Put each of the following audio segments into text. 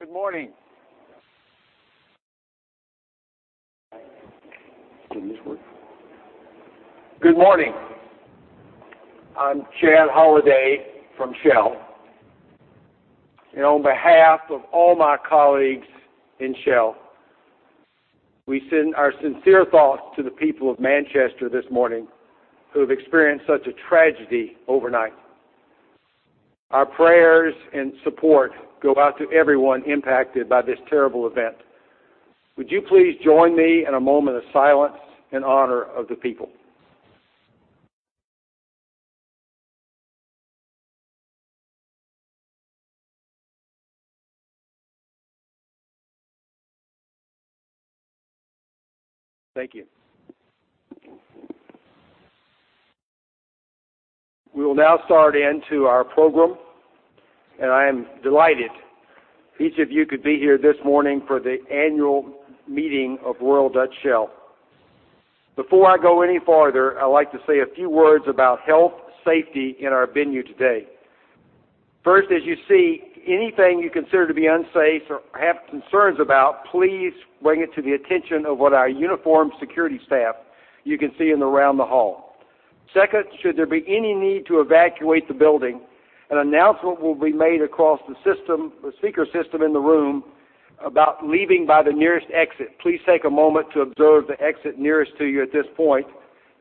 Good morning. Good morning. I'm Chad Holliday from Shell. On behalf of all my colleagues in Shell, we send our sincere thoughts to the people of Manchester this morning who have experienced such a tragedy overnight. Our prayers and support go out to everyone impacted by this terrible event. Would you please join me in a moment of silence in honor of the people? Thank you. We will now start into our program. I am delighted each of you could be here this morning for the annual meeting of Royal Dutch Shell. Before I go any farther, I'd like to say a few words about health safety in our venue today. First, as you see, anything you consider to be unsafe or have concerns about, please bring it to the attention of what our uniformed security staff you can see in around the hall. Second, should there be any need to evacuate the building, an announcement will be made across the speaker system in the room about leaving by the nearest exit. Please take a moment to observe the exit nearest to you at this point.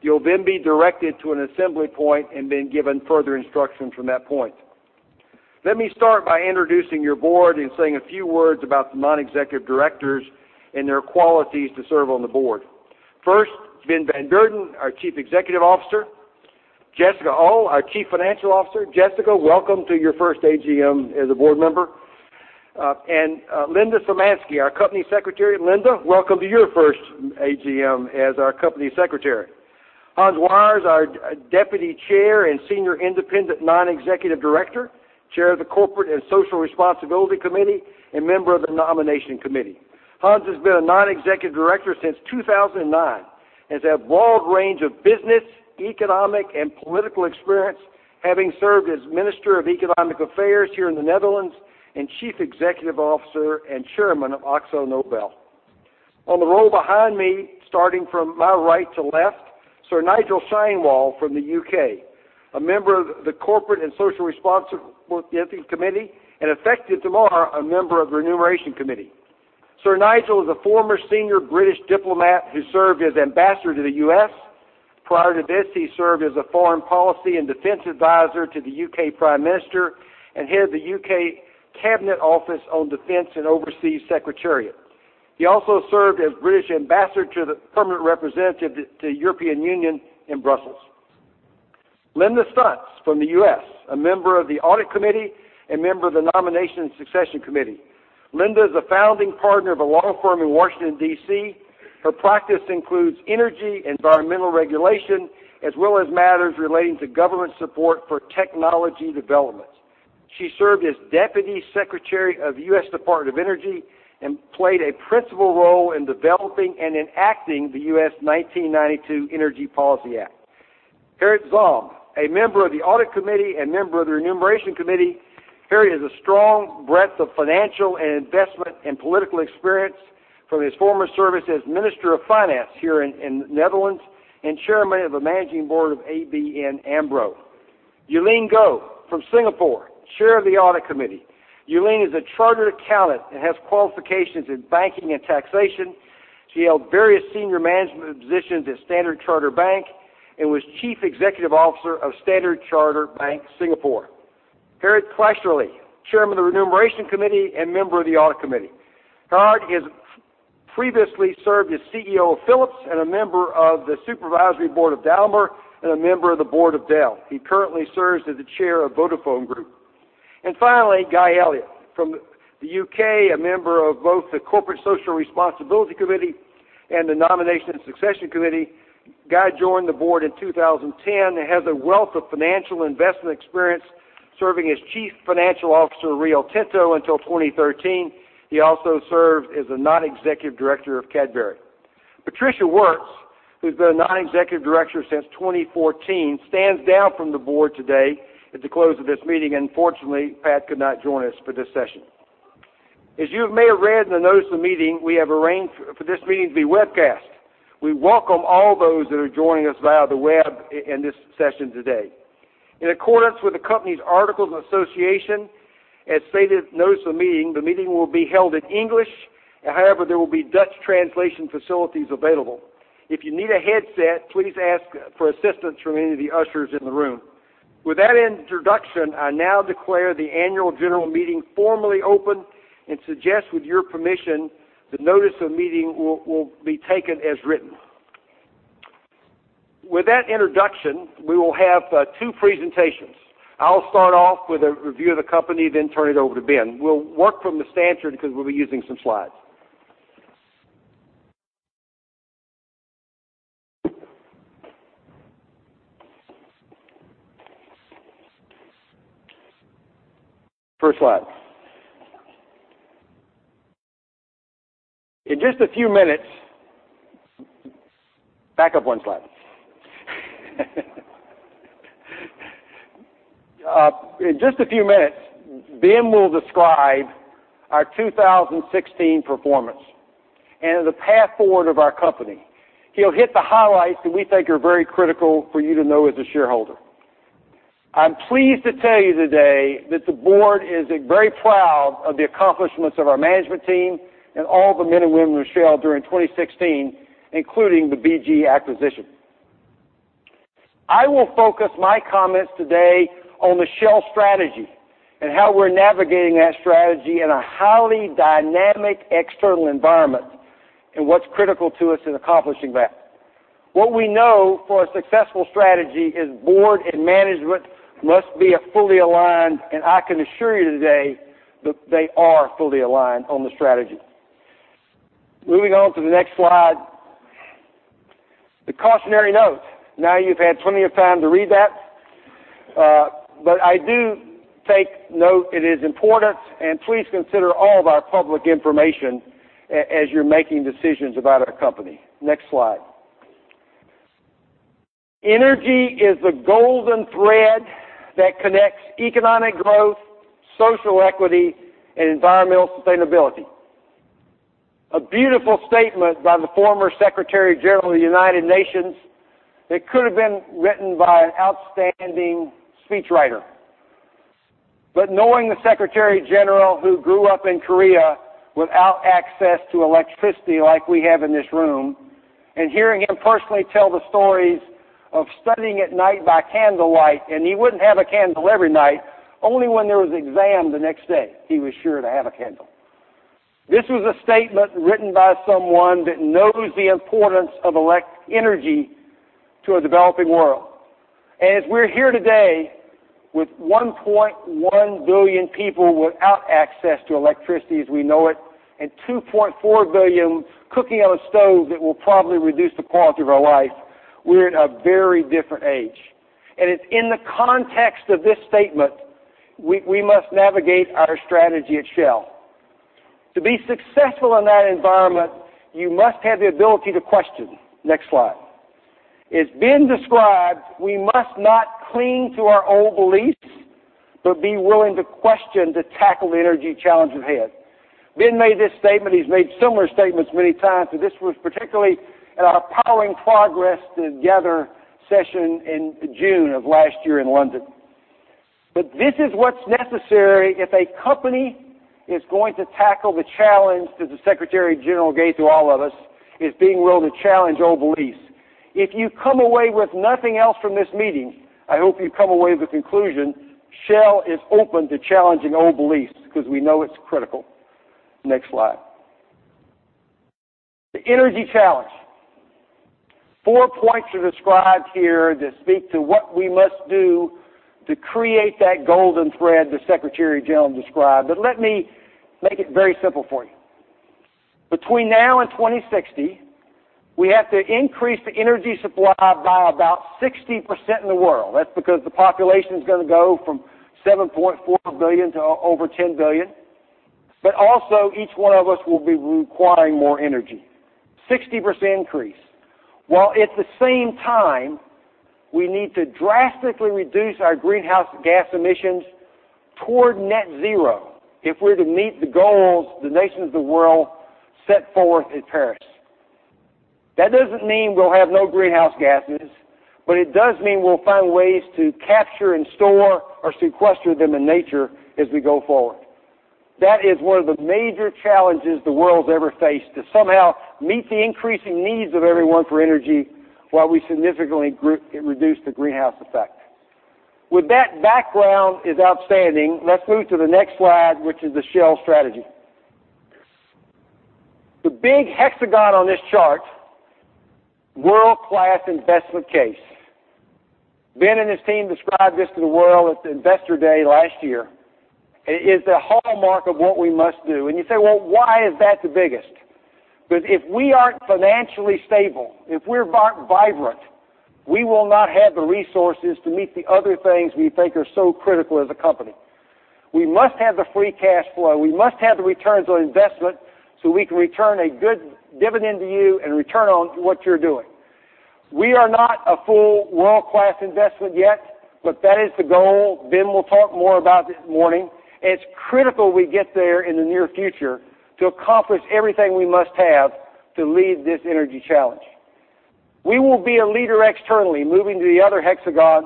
You'll then be directed to an assembly point and then given further instruction from that point. Let me start by introducing your board and saying a few words about the non-executive directors and their qualities to serve on the board. First, Ben van Beurden, our Chief Executive Officer. Jessica Uhl, our Chief Financial Officer. Jessica, welcome to your first AGM as a board member. Linda Szymanski, our Company Secretary. Linda, welcome to your first AGM as our Company Secretary. Hans Wijers, our Deputy Chair and Senior Independent Non-executive Director, Chair of the Corporate and Social Responsibility Committee, and Member of the Nomination Committee. Hans has been a Non-executive Director since 2009, has a broad range of business, economic, and political experience, having served as Minister of Economic Affairs here in the Netherlands and Chief Executive Officer and Chairman of AkzoNobel. On the row behind me, starting from my right to left, Sir Nigel Sheinwald from the U.K., a Member of the Corporate and Social Responsibility Committee, effective tomorrow, a Member of the Remuneration Committee. Sir Nigel is a former senior British diplomat who served as Ambassador to the U.S. Prior to this, he served as a Foreign Policy and Defense Advisor to the U.K. Prime Minister and Head of the U.K. Cabinet Office on Defense and Overseas Secretariat. He also served as British Ambassador to the Permanent Representative to the European Union in Brussels. Linda Stuntz from the U.S., a Member of the Audit Committee, Member of the Nomination and Succession Committee. Linda is a founding partner of a law firm in Washington, D.C. Her practice includes energy, environmental regulation, as well as matters relating to government support for technology development. She served as Deputy Secretary of the U.S. Department of Energy and played a principal role in developing and enacting the U.S. 1992 Energy Policy Act. Gerrit Zalm, a Member of the Audit Committee, Member of the Remuneration Committee. Gerrit has a strong breadth of financial and investment and political experience from his former service as Minister of Finance here in the Netherlands and Chairman of the Managing Board of ABN AMRO. Euleen Goh from Singapore, Chair of the Audit Committee. Euleen is a chartered accountant and has qualifications in banking and taxation. She held various senior management positions at Standard Chartered Bank and was chief executive officer of Standard Chartered Bank Singapore. Gerard Kleisterlee, chairman of the remuneration committee and member of the audit committee. Gerard has previously served as CEO of Philips and a member of the supervisory board of Daimler and a member of the board of Dell. He currently serves as the chair of Vodafone Group. Finally, Guy Elliott from the U.K., a member of both the corporate social responsibility committee and the nomination and succession committee. Guy joined the board in 2010 and has a wealth of financial investment experience serving as chief financial officer of Rio Tinto until 2013. He also served as a non-executive director of Cadbury. Patricia Woertz, who's been a non-executive director since 2014, stands down from the board today at the close of this meeting. Unfortunately, Pat could not join us for this session. As you may have read in the notice of the meeting, we have arranged for this meeting to be webcast. We welcome all those that are joining us via the web in this session today. In accordance with the company's articles of association, as stated in the notice of the meeting, the meeting will be held in English. However, there will be Dutch translation facilities available. If you need a headset, please ask for assistance from any of the ushers in the room. With that introduction, I now declare the annual general meeting formally open and suggest with your permission, the notice of meeting will be taken as written. With that introduction, we will have two presentations. I'll start off with a review of the company, then turn it over to Ben. We'll work from the standard because we'll be using some slides. First slide. Back up one slide. In just a few minutes, Ben will describe our 2016 performance and the path forward of our company. He'll hit the highlights that we think are very critical for you to know as a shareholder. I'm pleased to tell you today that the board is very proud of the accomplishments of our management team and all the men and women of Shell during 2016, including the BG acquisition. I will focus my comments today on the Shell strategy and how we're navigating that strategy in a highly dynamic external environment, and what's critical to us in accomplishing that. What we know for a successful strategy is board and management must be fully aligned, and I can assure you today that they are fully aligned on the strategy. Moving on to the next slide. The cautionary note. Now you've had plenty of time to read that. I do take note it is important, and please consider all of our public information as you're making decisions about our company. Next slide. Energy is the golden thread that connects economic growth, social equity, and environmental sustainability. A beautiful statement by the former Secretary General of the United Nations that could have been written by an outstanding speechwriter. Knowing the Secretary General who grew up in Korea without access to electricity like we have in this room, and hearing him personally tell the stories of studying at night by candlelight, and he wouldn't have a candle every night, only when there was an exam the next day he was sure to have a candle. This was a statement written by someone that knows the importance of energy to a developing world. As we're here today with 1.1 billion people without access to electricity as we know it, and 2.4 billion cooking on a stove that will probably reduce the quality of our life, we're in a very different age. It's in the context of this statement we must navigate our strategy at Shell. To be successful in that environment, you must have the ability to question. Next slide. As Ben described, we must not cling to our old beliefs, but be willing to question to tackle the energy challenge ahead. Ben made this statement, he's made similar statements many times, but this was particularly at our Powering Progress Together session in June of last year in London. This is what's necessary if a company is going to tackle the challenge that the Secretary-General gave to all of us, is being willing to challenge old beliefs. If you come away with nothing else from this meeting, I hope you come away with the conclusion Shell is open to challenging old beliefs because we know it's critical. Next slide. The energy challenge. Four points are described here that speak to what we must do to create that golden thread the Secretary-General described, but let me make it very simple for you. Between now and 2060, we have to increase the energy supply by about 60% in the world. That's because the population's going to go from 7.4 billion to over 10 billion. Also, each one of us will be requiring more energy. 60% increase. While at the same time, we need to drastically reduce our greenhouse gas emissions toward net zero if we're to meet the goals the nations of the world set forth at Paris. That doesn't mean we'll have no greenhouse gases, but it does mean we'll find ways to capture and store or sequester them in nature as we go forward. That is one of the major challenges the world's ever faced, to somehow meet the increasing needs of everyone for energy while we significantly reduce the greenhouse effect. With that background as outstanding, let's move to the next slide, which is the Shell strategy. The big hexagon on this chart, world-class investment case. Ben and his team described this to the world at the Investor Day last year. It is the hallmark of what we must do. You say, "Well, why is that the biggest?" Because if we aren't financially stable, if we're not vibrant, we will not have the resources to meet the other things we think are so critical as a company. We must have the free cash flow. We must have the returns on investment so we can return a good dividend to you and return on what you're doing. We are not a full world-class investment yet, but that is the goal. Ben will talk more about it this morning. It's critical we get there in the near future to accomplish everything we must have to lead this energy challenge. We will be a leader externally, moving to the other hexagon,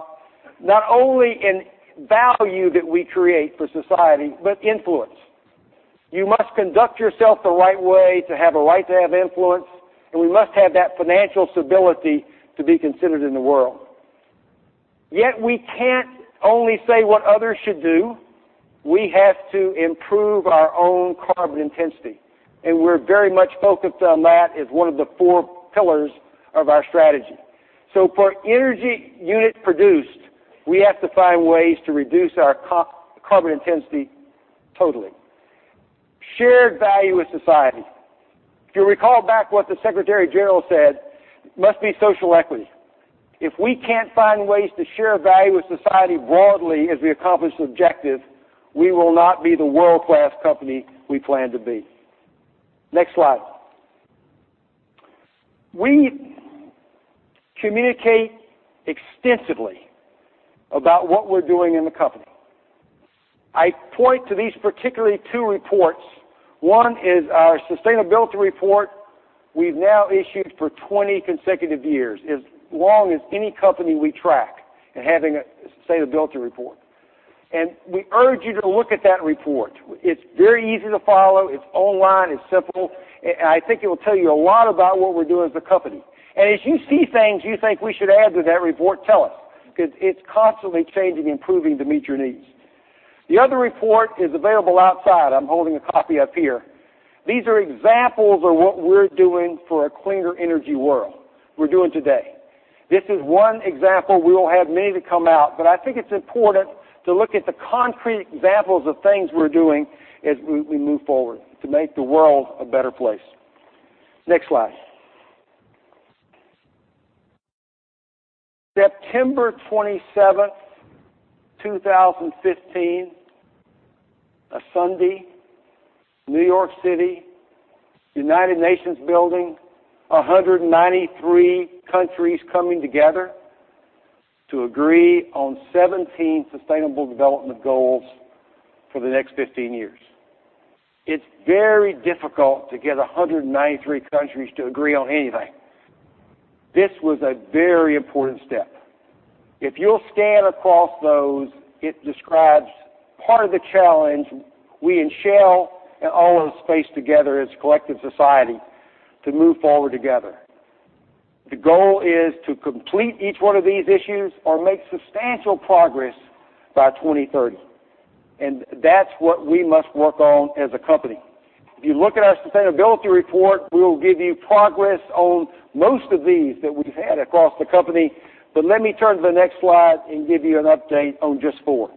not only in value that we create for society, but influence. You must conduct yourself the right way to have a right to have influence. We must have that financial stability to be considered in the world. We can't only say what others should do. We have to improve our own carbon intensity. We're very much focused on that as one of the four pillars of our strategy. For energy unit produced, we have to find ways to reduce our carbon intensity totally. Shared value with society. If you recall back what the Secretary-General said, must be social equity. If we can't find ways to share value with society broadly as we accomplish the objective, we will not be the world-class company we plan to be. Next slide. We communicate extensively about what we're doing in the company. I point to these particularly two reports. One is our sustainability report we've now issued for 20 consecutive years, as long as any company we track in having a sustainability report. We urge you to look at that report. It's very easy to follow. It's online, it's simple. I think it will tell you a lot about what we do as a company. As you see things you think we should add to that report, tell us, because it's constantly changing, improving to meet your needs. The other report is available outside. I'm holding a copy up here. These are examples of what we're doing for a cleaner energy world. We're doing today. This is one example. We will have many to come out, but I think it's important to look at the concrete examples of things we're doing as we move forward to make the world a better place. Next slide. September 27th, 2015, a Sunday, New York City, United Nations building, 193 countries coming together to agree on 17 sustainable development goals for the next 15 years. It's very difficult to get 193 countries to agree on anything. This was a very important step. If you'll scan across those, it describes part of the challenge we in Shell and all of us face together as a collective society to move forward together. The goal is to complete each one of these issues or make substantial progress by 2030. That's what we must work on as a company. If you look at our sustainability report, we will give you progress on most of these that we've had across the company. Let me turn to the next slide and give you an update on just four.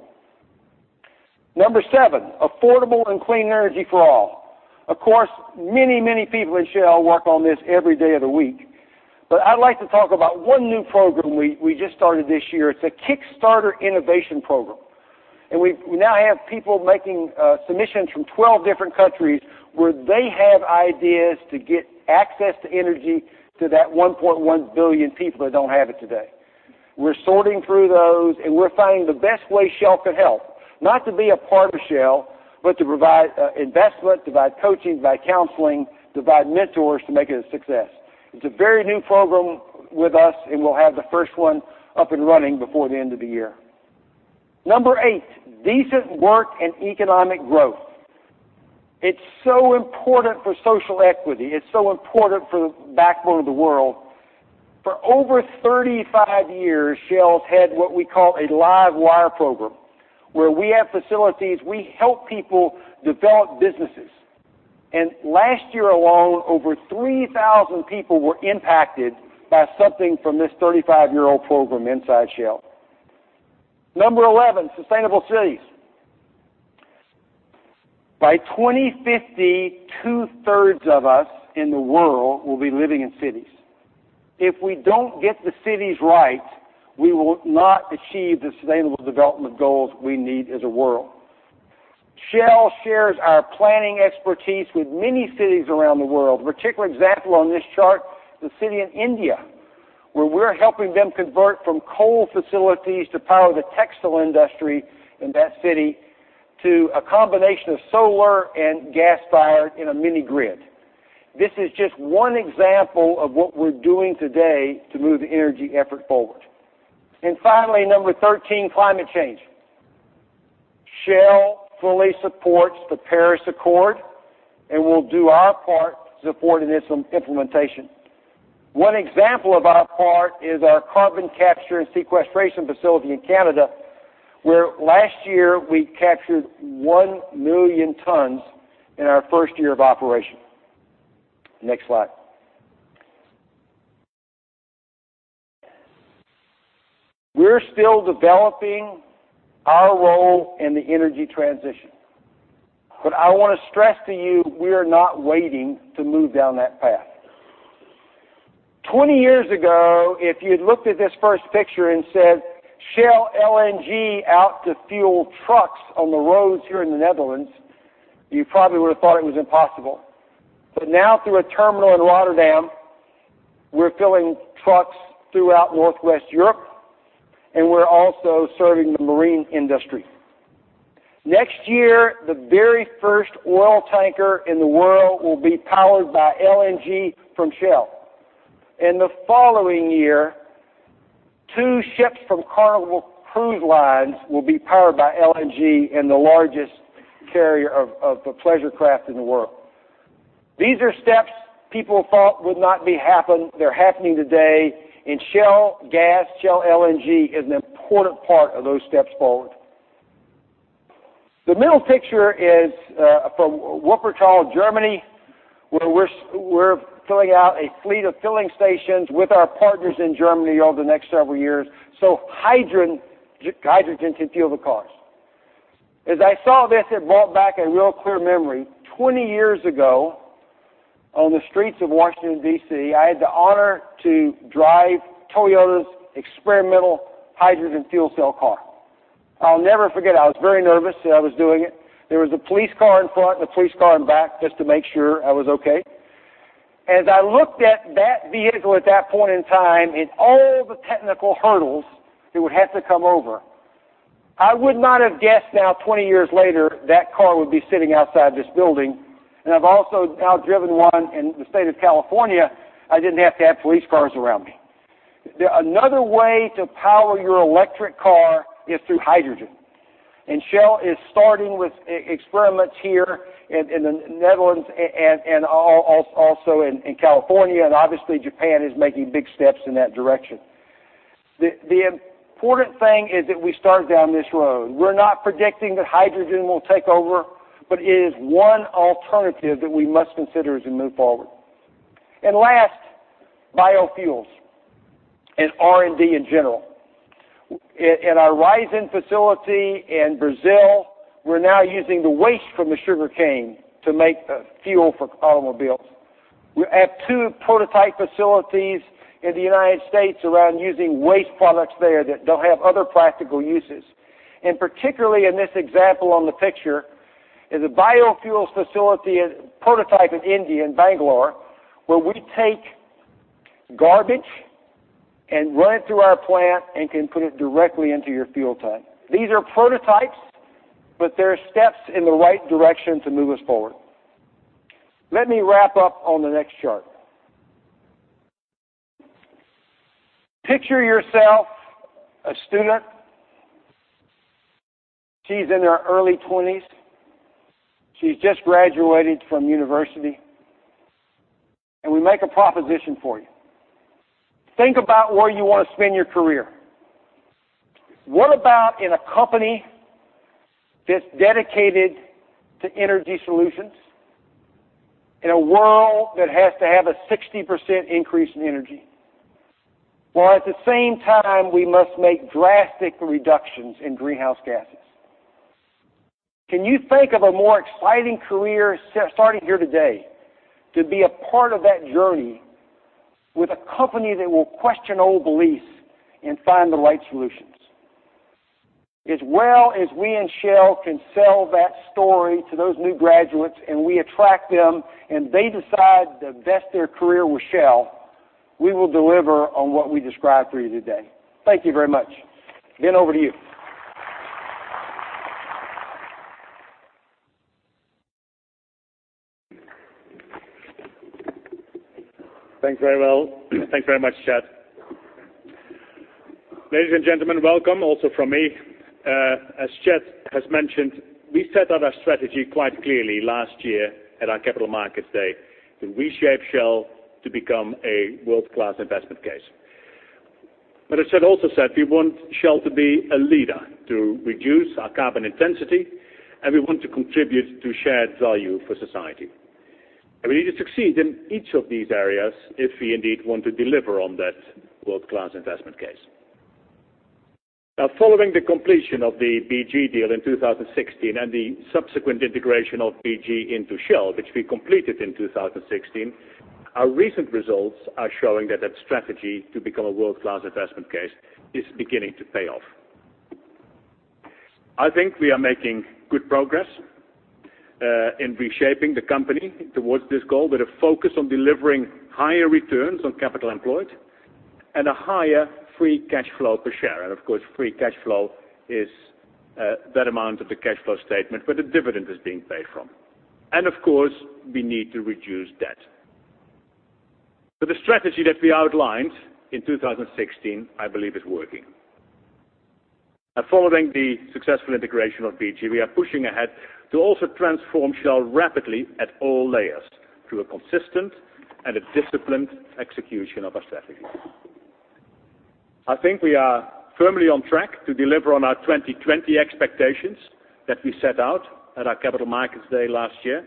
Number 7, affordable and clean energy for all. Of course, many, many people in Shell work on this every day of the week. I'd like to talk about one new program we just started this year. It's a Kickstarter innovation program. We now have people making submissions from 12 different countries where they have ideas to get access to energy to that 1.1 billion people that don't have it today. We're sorting through those. We're finding the best way Shell could help. Not to be a part of Shell, but to provide investment, provide coaching, provide counseling, provide mentors to make it a success. It's a very new program with us. We'll have the first one up and running before the end of the year. Number 8, decent work and economic growth. It's so important for social equity. It's so important for the backbone of the world. For over 35 years, Shell's had what we call a LiveWIRE program, where we have facilities, we help people develop businesses. Last year alone, over 3,000 people were impacted by something from this 35-year-old program inside Shell. Number 11, sustainable cities. By 2050, two-thirds of us in the world will be living in cities. If we don't get the cities right, we will not achieve the sustainable development goals we need as a world. Shell shares our planning expertise with many cities around the world. Particular example on this chart, the city in India, where we're helping them convert from coal facilities to power the textile industry in that city to a combination of solar and gas-fired in a mini grid. This is just one example of what we're doing today to move the energy effort forward. Finally, number 13, climate change. Shell fully supports the Paris Agreement, we'll do our part to support its implementation. One example of our part is our carbon capture and sequestration facility in Canada, where last year we captured 1 million tons in our first year of operation. Next slide. We're still developing our role in the energy transition, I want to stress to you we are not waiting to move down that path. 20 years ago, if you'd looked at this first picture and said, "Shell LNG out to fuel trucks on the roads here in the Netherlands," you probably would have thought it was impossible. Now, through a terminal in Rotterdam, we're filling trucks throughout Northwest Europe, and we're also serving the marine industry. Next year, the very first oil tanker in the world will be powered by LNG from Shell. In the following year, two ships from Carnival Cruise Line will be powered by LNG in the largest carrier of pleasure craft in the world. These are steps people thought would not be happen. They're happening today, Shell gas, Shell LNG is an important part of those steps forward. The middle picture is from Wuppertal, Germany, where we're filling out a fleet of filling stations with our partners in Germany over the next several years so hydrogen can fuel the cars. As I saw this, it brought back a real clear memory. 20 years ago, on the streets of Washington, D.C., I had the honor to drive Toyota's experimental hydrogen fuel cell car. I'll never forget. I was very nervous that I was doing it. There was a police car in front and a police car in back just to make sure I was okay. As I looked at that vehicle at that point in time and all the technical hurdles it would have to come over, I would not have guessed now, 20 years later, that car would be sitting outside this building. I've also now driven one in the state of California. I didn't have to have police cars around me. Another way to power your electric car is through hydrogen, Shell is starting with experiments here in the Netherlands and also in California, and obviously Japan is making big steps in that direction. The important thing is that we start down this road. We're not predicting that hydrogen will take over, it is one alternative that we must consider as we move forward. Last, biofuels and R&D in general. In our Raízen facility in Brazil, we're now using the waste from the sugarcane to make fuel for automobiles. We have two prototype facilities in the U.S. around using waste products there that don't have other practical uses. Particularly in this example on the picture is a biofuels facility prototype in India, in Bangalore, where we take garbage and run it through our plant and can put it directly into your fuel tank. These are prototypes, but they're steps in the right direction to move us forward. Let me wrap up on the next chart. Picture yourself a student. She's in her early 20s. She's just graduated from university. We make a proposition for you. Think about where you want to spend your career. What about in a company that's dedicated to energy solutions in a world that has to have a 60% increase in energy, while at the same time we must make drastic reductions in greenhouse gases? Can you think of a more exciting career starting here today to be a part of that journey with a company that will question old beliefs and find the right solutions? As well as we in Shell can sell that story to those new graduates, we attract them, they decide to vest their career with Shell, we will deliver on what we described for you today. Thank you very much. Ben, over to you. Thanks very much, Chad. Ladies and gentlemen, welcome also from me. As Chet has mentioned, we set out our strategy quite clearly last year at our Capital Markets Day to reshape Shell to become a world-class investment case. As Chet also said, we want Shell to be a leader to reduce our carbon intensity, we want to contribute to shared value for society. We need to succeed in each of these areas if we indeed want to deliver on that world-class investment case. Following the completion of the BG deal in 2016 and the subsequent integration of BG into Shell, which we completed in 2016, our recent results are showing that that strategy to become a world-class investment case is beginning to pay off. I think we are making good progress in reshaping the company towards this goal with a focus on delivering higher returns on capital employed and a higher free cash flow per share. Of course, free cash flow is that amount of the cash flow statement where the dividend is being paid from. Of course, we need to reduce debt. The strategy that we outlined in 2016, I believe, is working. Following the successful integration of BG, we are pushing ahead to also transform Shell rapidly at all layers through a consistent and a disciplined execution of our strategy. I think we are firmly on track to deliver on our 2020 expectations that we set out at our Capital Markets Day last year.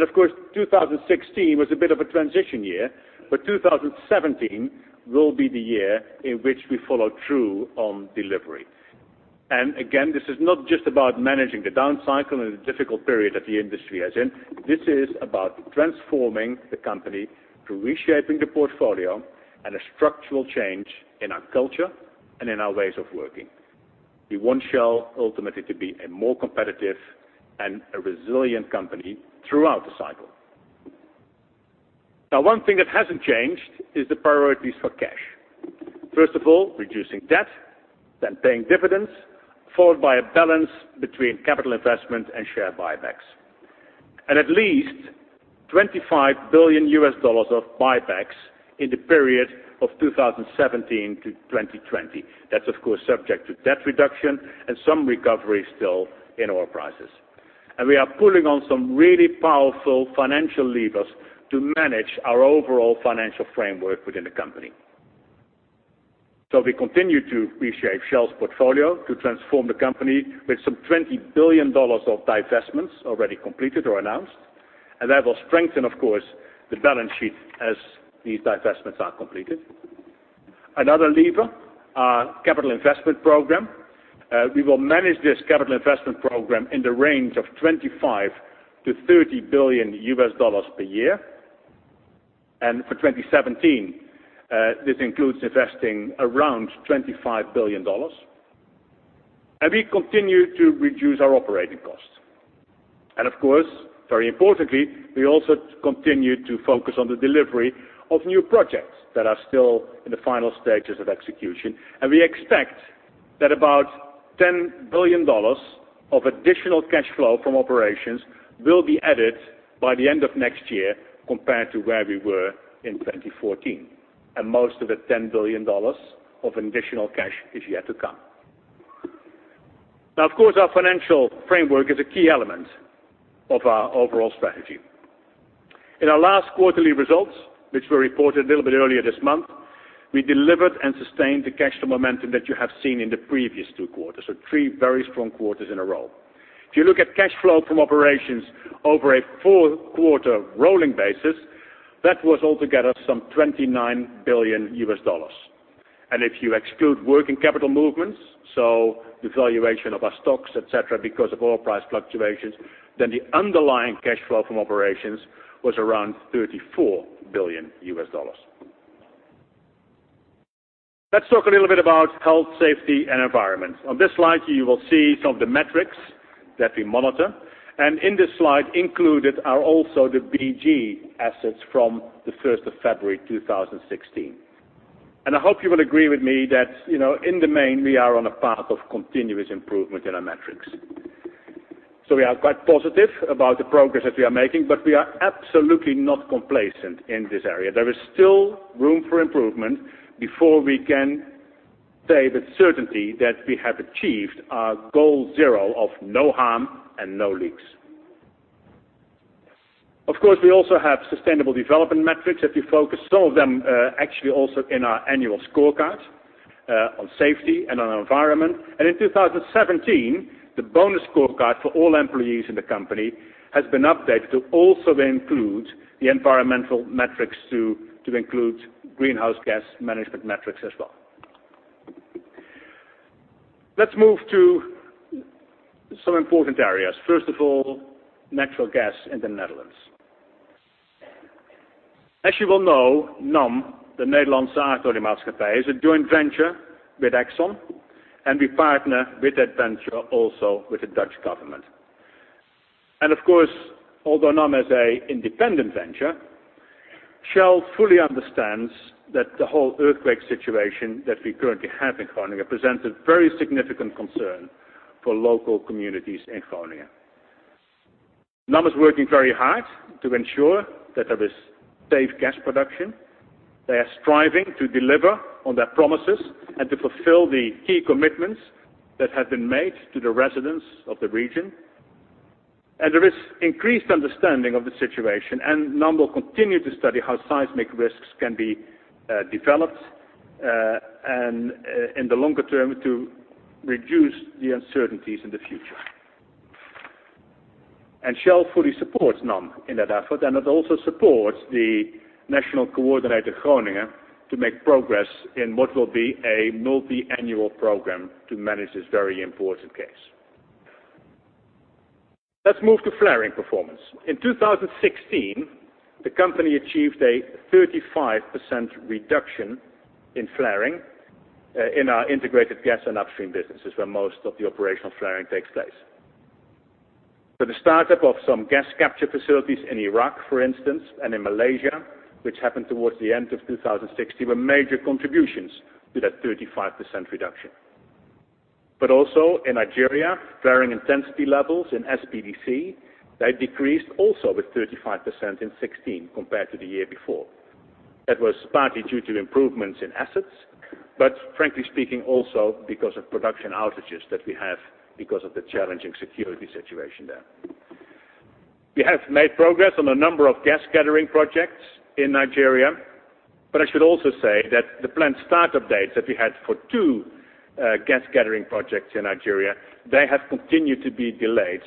Of course, 2016 was a bit of a transition year, but 2017 will be the year in which we follow through on delivery. Again, this is not just about managing the down cycle and the difficult period that the industry is in. This is about transforming the company through reshaping the portfolio and a structural change in our culture and in our ways of working. We want Shell ultimately to be a more competitive and a resilient company throughout the cycle. One thing that hasn't changed is the priorities for cash. First of all, reducing debt, then paying dividends, followed by a balance between capital investment and share buybacks. At least $25 billion of buybacks in the period of 2017-2020. That's of course subject to debt reduction and some recovery still in oil prices. We are pulling on some really powerful financial levers to manage our overall financial framework within the company. We continue to reshape Shell's portfolio to transform the company with some $20 billion of divestments already completed or announced. That will strengthen, of course, the balance sheet as these divestments are completed. Another lever, our capital investment program. We will manage this capital investment program in the range of $25 billion-$30 billion per year. For 2017, this includes investing around $25 billion. We continue to reduce our operating costs. Of course, very importantly, we also continue to focus on the delivery of new projects that are still in the final stages of execution. We expect that about $10 billion of additional cash flow from operations will be added by the end of next year compared to where we were in 2014. Most of the $10 billion of additional cash is yet to come. Of course, our financial framework is a key element of our overall strategy. In our last quarterly results, which were reported a little bit earlier this month, we delivered and sustained the cash flow momentum that you have seen in the previous two quarters, so three very strong quarters in a row. If you look at cash flow from operations over a four-quarter rolling basis, that was altogether some $29 billion. If you exclude working capital movements, so the valuation of our stocks, et cetera, because of oil price fluctuations, then the underlying cash flow from operations was around $34 billion. Let's talk a little bit about health, safety, and environment. On this slide, you will see some of the metrics that we monitor, and in this slide included are also the BG assets from the 1st of February 2016. I hope you will agree with me that in the main, we are on a path of continuous improvement in our metrics. We are quite positive about the progress that we are making, but we are absolutely not complacent in this area. There is still room for improvement before we can say with certainty that we have achieved our Goal Zero of no harm and no leaks. Of course, we also have sustainable development metrics that we focus some of them actually also in our annual scorecard, on safety and on environment. In 2017, the bonus scorecard for all employees in the company has been updated to also include the environmental metrics to include greenhouse gas management metrics as well. Let's move to some important areas. First of all, natural gas in the Netherlands. As you will know, NAM, the Nederlandse Aardolie Maatschappij, is a joint venture with Exxon, and we partner with that venture also with the Dutch government. And of course, although NAM is an independent venture, Shell fully understands that the whole earthquake situation that we currently have in Groningen presents a very significant concern for local communities in Groningen. NAM is working very hard to ensure that there is safe gas production. They are striving to deliver on their promises and to fulfill the key commitments that have been made to the residents of the region. And there is increased understanding of the situation, and NAM will continue to study how seismic risks can be developed, and in the longer term, to reduce the uncertainties in the future. Shell fully supports NAM in that effort, and it also supports the National Coordinator Groningen to make progress in what will be a multi-annual program to manage this very important case. Let's move to flaring performance. In 2016, the company achieved a 35% reduction in flaring in our integrated gas and upstream businesses, where most of the operational flaring takes place. So the startup of some gas capture facilities in Iraq, for instance, and in Malaysia, which happened towards the end of 2016, were major contributions to that 35% reduction. Also in Nigeria, flaring intensity levels in SPDC, they decreased also with 35% in '16 compared to the year before. That was partly due to improvements in assets, but frankly speaking, also because of production outages that we have because of the challenging security situation there. We have made progress on a number of gas gathering projects in Nigeria, but I should also say that the planned start-up dates that we had for two gas gathering projects in Nigeria, they have continued to be delayed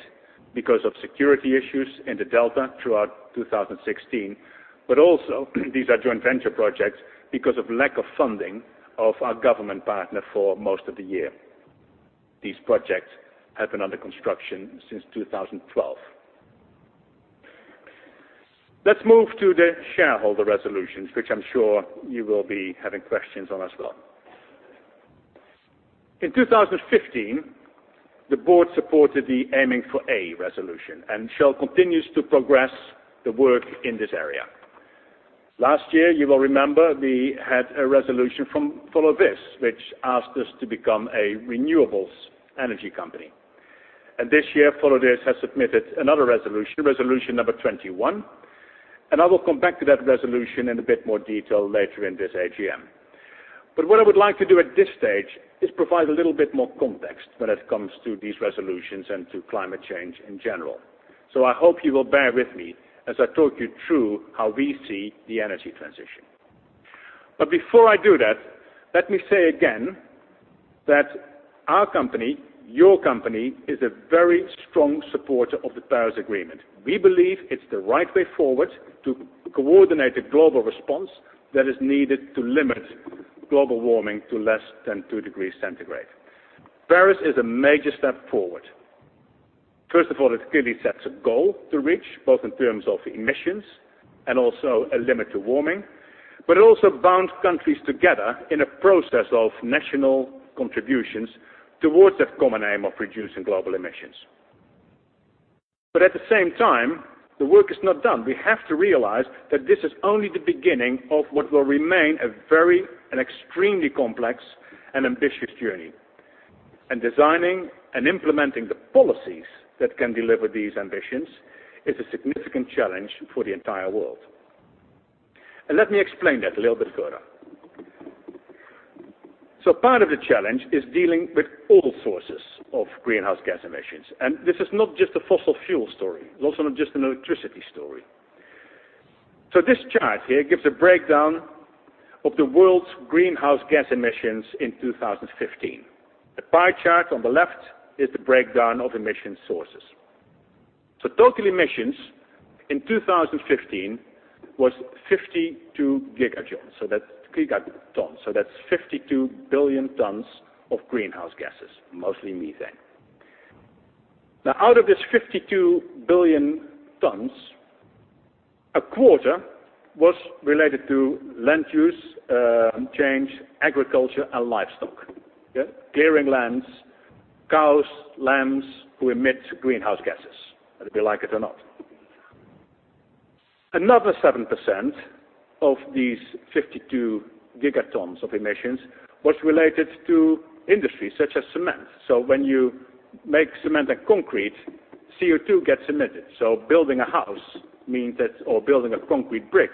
because of security issues in the Delta throughout 2016. Also, these are joint venture projects because of lack of funding of our government partner for most of the year. These projects have been under construction since 2012. Let's move to the shareholder resolutions, which I'm sure you will be having questions on as well. In 2015, the board supported the Aiming for A resolution. Shell continues to progress the work in this area. Last year, you will remember we had a resolution from Follow This, which asked us to become a renewables energy company. This year, Follow This has submitted another resolution number 21, and I will come back to that resolution in a bit more detail later in this AGM. What I would like to do at this stage is provide a little bit more context when it comes to these resolutions and to climate change in general. I hope you will bear with me as I talk you through how we see the energy transition. Before I do that, let me say again That our company, your company, is a very strong supporter of the Paris Agreement. We believe it's the right way forward to coordinate a global response that is needed to limit global warming to less than two degrees centigrade. Paris is a major step forward. First of all, it clearly sets a goal to reach, both in terms of emissions and also a limit to warming, but it also bounds countries together in a process of national contributions towards that common aim of reducing global emissions. At the same time, the work is not done. We have to realize that this is only the beginning of what will remain a very and extremely complex and ambitious journey. Designing and implementing the policies that can deliver these ambitions is a significant challenge for the entire world. Let me explain that a little bit further. Part of the challenge is dealing with all sources of greenhouse gas emissions. This is not just a fossil fuel story. It's also not just an electricity story. This chart here gives a breakdown of the world's greenhouse gas emissions in 2015. The pie chart on the left is the breakdown of emission sources. Total emissions in 2015 was 52 gigatons, that's 52 billion tons of greenhouse gases, mostly methane. Out of this 52 billion tons, a quarter was related to land use change, agriculture, and livestock. Okay? Clearing lands, cows, lambs, who emit greenhouse gases, whether we like it or not. Another 7% of these 52 gigatons of emissions was related to industry such as cement. When you make cement and concrete, CO2 gets emitted. Building a house means that, or building a concrete bridge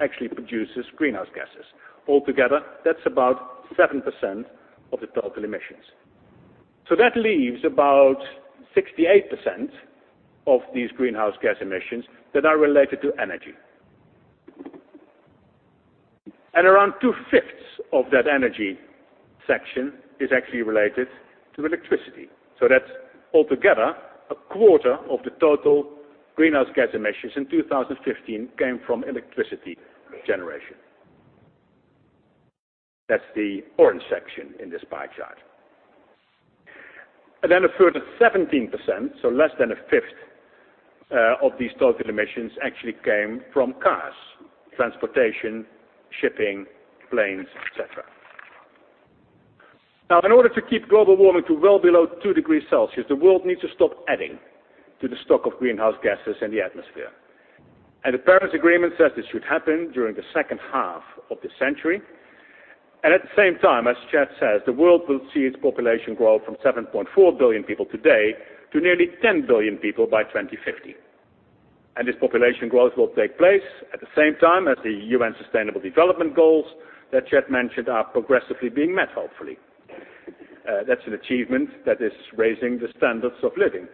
actually produces greenhouse gases. Altogether, that's about 7% of the total emissions. That leaves about 68% of these greenhouse gas emissions that are related to energy. Around two-fifths of that energy section is actually related to electricity. That's altogether a quarter of the total greenhouse gas emissions in 2015 came from electricity generation. That's the orange section in this pie chart. Then a further 17%, less than a fifth of these total emissions actually came from cars, transportation, shipping, planes, et cetera. In order to keep global warming to well below two degrees Celsius, the world needs to stop adding to the stock of greenhouse gases in the atmosphere. The Paris Agreement says this should happen during the second half of the century. At the same time, as Chet says, the world will see its population grow from 7.4 billion people today to nearly 10 billion people by 2050. This population growth will take place at the same time as the UN Sustainable Development Goals that Chet mentioned are progressively being met, hopefully. That's an achievement that is raising the standards of living.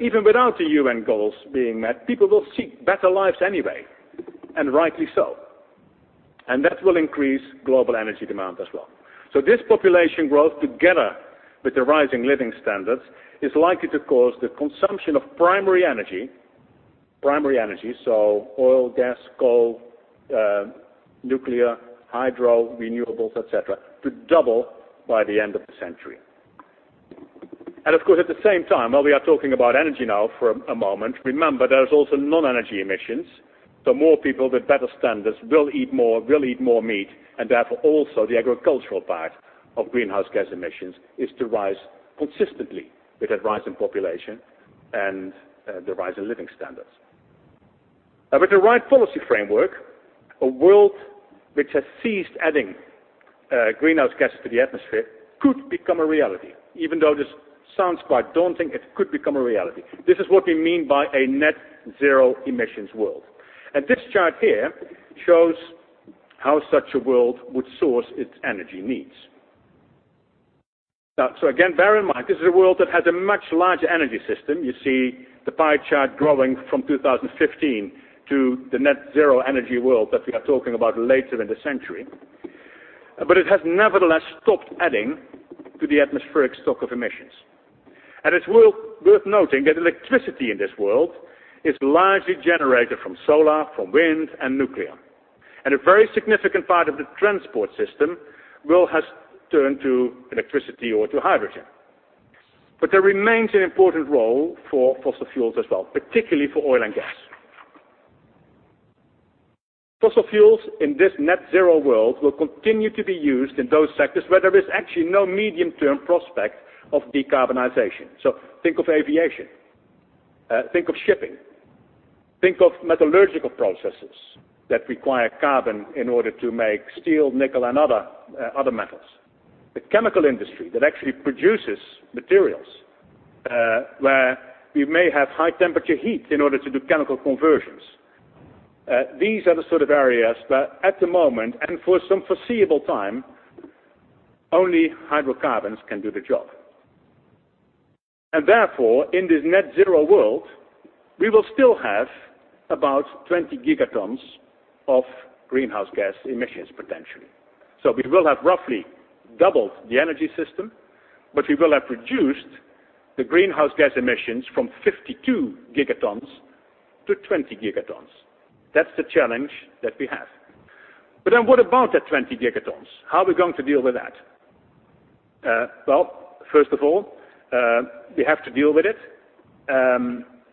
Even without the UN goals being met, people will seek better lives anyway, and rightly so. That will increase global energy demand as well. This population growth, together with the rising living standards, is likely to cause the consumption of primary energy, oil, gas, coal, nuclear, hydro, renewables, et cetera, to double by the end of the century. Of course, at the same time, while we are talking about energy now for a moment, remember there is also non-energy emissions. More people with better standards will eat more, will eat more meat, and therefore, also the agricultural part of greenhouse gas emissions is to rise consistently with that rise in population and the rise in living standards. With the right policy framework, a world which has ceased adding greenhouse gases to the atmosphere could become a reality. Even though this sounds quite daunting, it could become a reality. This is what we mean by a net zero emissions world. This chart here shows how such a world would source its energy needs. Again, bear in mind, this is a world that has a much larger energy system. You see the pie chart growing from 2015 to the net zero energy world that we are talking about later in the century. It has nevertheless stopped adding to the atmospheric stock of emissions. It is worth noting that electricity in this world is largely generated from solar, from wind, and nuclear. A very significant part of the transport system will have turned to electricity or to hydrogen. There remains an important role for fossil fuels as well, particularly for oil and gas. Fossil fuels in this net zero world will continue to be used in those sectors where there is actually no medium-term prospect of decarbonization. Think of aviation, think of shipping, think of metallurgical processes that require carbon in order to make steel, nickel, and other metals. The chemical industry that actually produces materials, where we may have high temperature heat in order to do chemical conversions. These are the sort of areas that at the moment, and for some foreseeable time, only hydrocarbons can do the job. Therefore, in this net zero world, we will still have about 20 gigatons of greenhouse gas emissions potentially. We will have roughly doubled the energy system, but we will have reduced the greenhouse gas emissions from 52 gigatons to 20 gigatons. That's the challenge that we have. What about that 20 gigatons? How are we going to deal with that? First of all, we have to deal with it.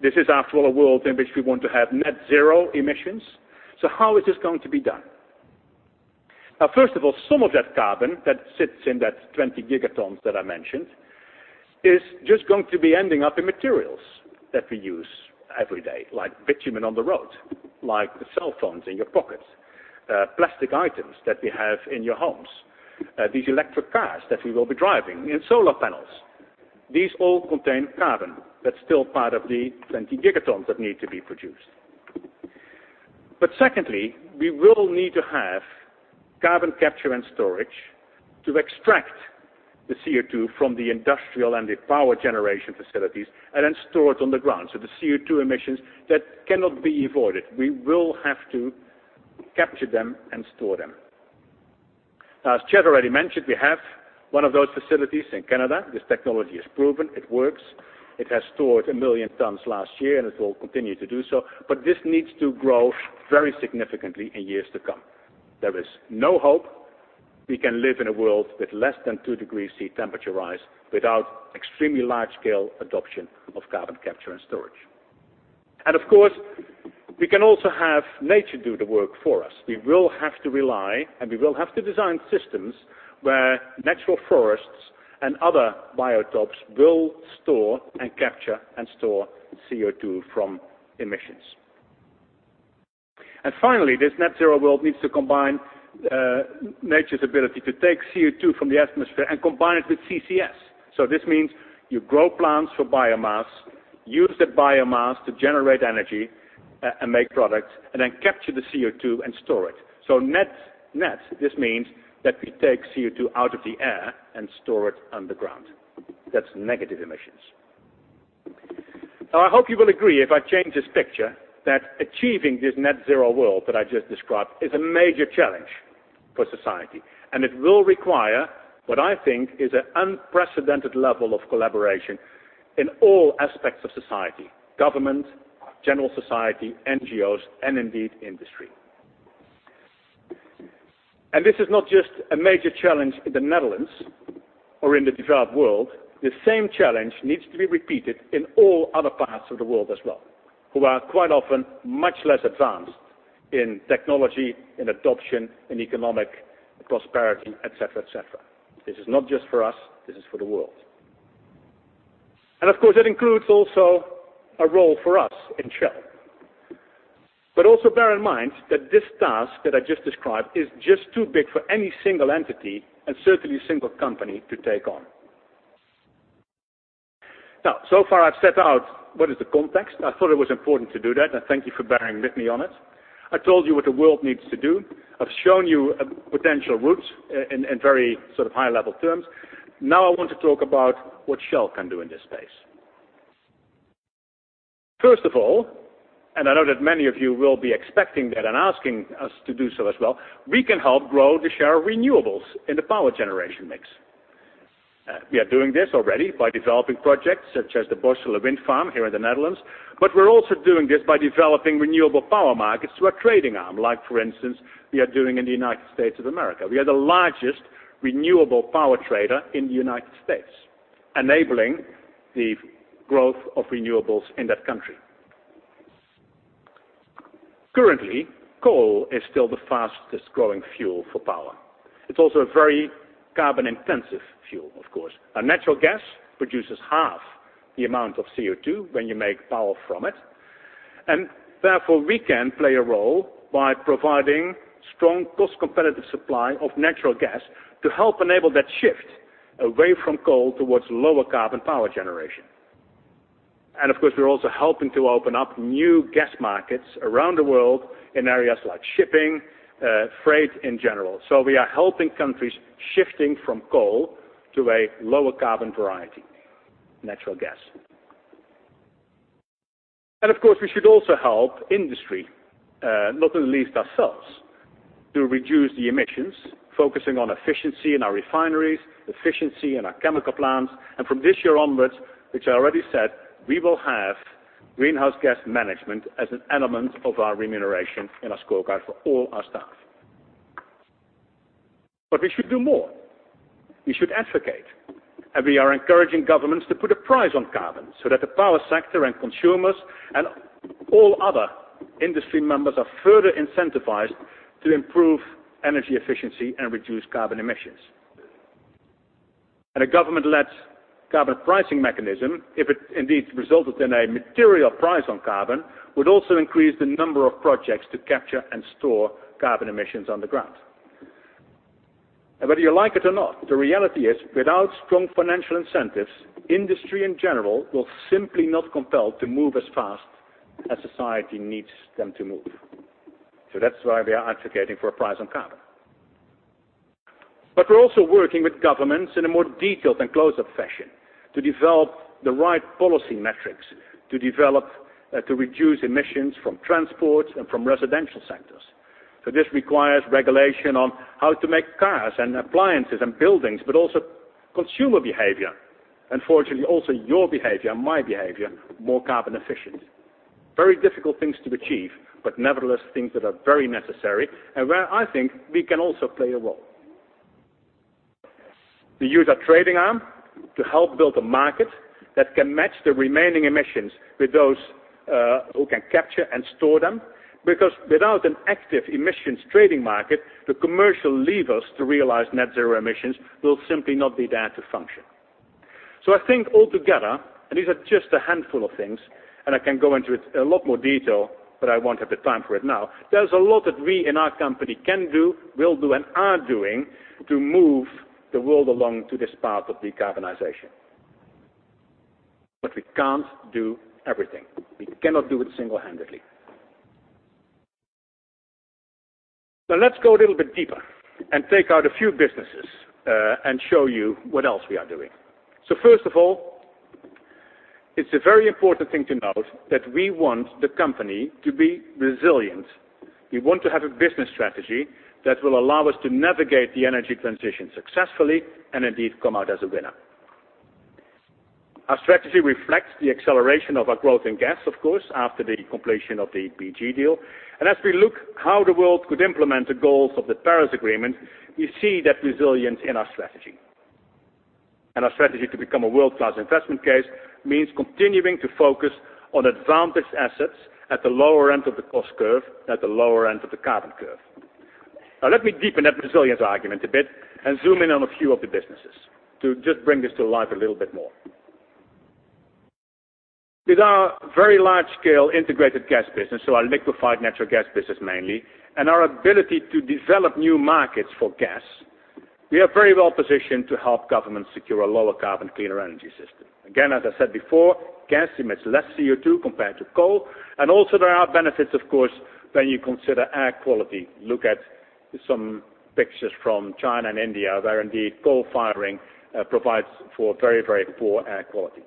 This is, after all, a world in which we want to have net zero emissions. How is this going to be done? First of all, some of that carbon that sits in that 20 gigatons that I mentioned is just going to be ending up in materials that we use every day, like bitumen on the road, like the cell phones in your pocket, plastic items that we have in your homes, these electric cars that we will be driving, and solar panels. These all contain carbon. That's still part of the 20 gigatons that need to be produced. Secondly, we will need to have carbon capture and storage to extract the CO2 from the industrial and the power generation facilities and then store it underground. The CO2 emissions that cannot be avoided, we will have to capture them and store them. As Chad already mentioned, we have one of those facilities in Canada. This technology is proven. It works. It has stored 1 million tons last year, and it will continue to do so, but this needs to grow very significantly in years to come. There is no hope we can live in a world with less than two degrees C temperature rise without extremely large-scale adoption of carbon capture and storage. Of course, we can also have nature do the work for us. We will have to rely, and we will have to design systems where natural forests and other biotopes will store and capture and store CO2 from emissions. Finally, this net zero world needs to combine nature's ability to take CO2 from the atmosphere and combine it with CCS. This means you grow plants for biomass, use that biomass to generate energy and make products, and then capture the CO2 and store it. Net, this means that we take CO2 out of the air and store it underground. That's negative emissions. I hope you will agree if I change this picture that achieving this net zero world that I just described is a major challenge for society, it will require what I think is an unprecedented level of collaboration in all aspects of society, government, general society, NGOs, and indeed industry. This is not just a major challenge in the Netherlands or in the developed world. The same challenge needs to be repeated in all other parts of the world as well, who are quite often much less advanced in technology, in adoption, in economic prosperity, et cetera. This is not just for us. This is for the world. Of course, that includes also a role for us in Shell. Also bear in mind that this task that I just described is just too big for any single entity and certainly a single company to take on. So far I've set out what is the context. I thought it was important to do that. I thank you for bearing with me on it. I told you what the world needs to do. I've shown you a potential route in very sort of high-level terms. I want to talk about what Shell can do in this space. First of all, I know that many of you will be expecting that and asking us to do so as well, we can help grow the share of renewables in the power generation mix. We are doing this already by developing projects such as the Borssele Wind Farm here in the Netherlands. We're also doing this by developing renewable power markets through our trading arm. Like for instance, we are doing in the U.S. We are the largest renewable power trader in the U.S., enabling the growth of renewables in that country. Currently, coal is still the fastest-growing fuel for power. It's also a very carbon-intensive fuel, of course. Natural gas produces half the amount of CO2 when you make power from it, therefore we can play a role by providing strong cost-competitive supply of natural gas to help enable that shift away from coal towards lower carbon power generation. Of course, we're also helping to open up new gas markets around the world in areas like shipping, freight in general. We are helping countries shifting from coal to a lower carbon variety, natural gas. Of course, we should also help industry, not least ourselves, to reduce the emissions, focusing on efficiency in our refineries, efficiency in our chemical plants. From this year onwards, which I already said, we will have greenhouse gas management as an element of our remuneration and our scorecard for all our staff. We should do more. We should advocate. We are encouraging governments to put a price on carbon so that the power sector and consumers and all other industry members are further incentivized to improve energy efficiency and reduce carbon emissions. A government-led carbon pricing mechanism, if it indeed resulted in a material price on carbon, would also increase the number of projects to capture and store carbon emissions underground. Whether you like it or not, the reality is without strong financial incentives, industry in general will simply not compelled to move as fast as society needs them to move. That's why we are advocating for a price on carbon. We're also working with governments in a more detailed and close-up fashion to develop the right policy metrics to reduce emissions from transport and from residential sectors. This requires regulation on how to make cars and appliances and buildings, but also consumer behavior. Unfortunately, also your behavior, my behavior, more carbon efficient. Very difficult things to achieve, but nevertheless, things that are very necessary and where I think we can also play a role. To use our trading arm to help build a market that can match the remaining emissions with those who can capture and store them. Without an active emissions trading market, the commercial levers to realize net zero emissions will simply not be there to function. I think altogether, and these are just a handful of things, and I can go into a lot more detail, but I won't have the time for it now. There's a lot that we in our company can do, will do, and are doing to move the world along to this path of decarbonization. We can't do everything. We cannot do it single-handedly. Let's go a little bit deeper and take out a few businesses and show you what else we are doing. First of all, it's a very important thing to note that we want the company to be resilient. We want to have a business strategy that will allow us to navigate the energy transition successfully and indeed come out as a winner. Our strategy reflects the acceleration of our growth in gas, of course, after the completion of the BG deal. As we look how the world could implement the goals of the Paris Agreement, we see that resilience in our strategy. Our strategy to become a world-class investment case means continuing to focus on advantaged assets at the lower end of the cost curve, at the lower end of the carbon curve. Let me deepen that resilience argument a bit and zoom in on a few of the businesses to just bring this to life a little bit more. With our very large-scale integrated gas business, so our liquified natural gas business mainly, and our ability to develop new markets for gas, we are very well positioned to help governments secure a lower carbon, cleaner energy system. Again, as I said before, gas emits less CO2 compared to coal, and also there are benefits, of course, when you consider air quality. Look at some pictures from China and India where indeed coal firing provides for very, very poor air quality.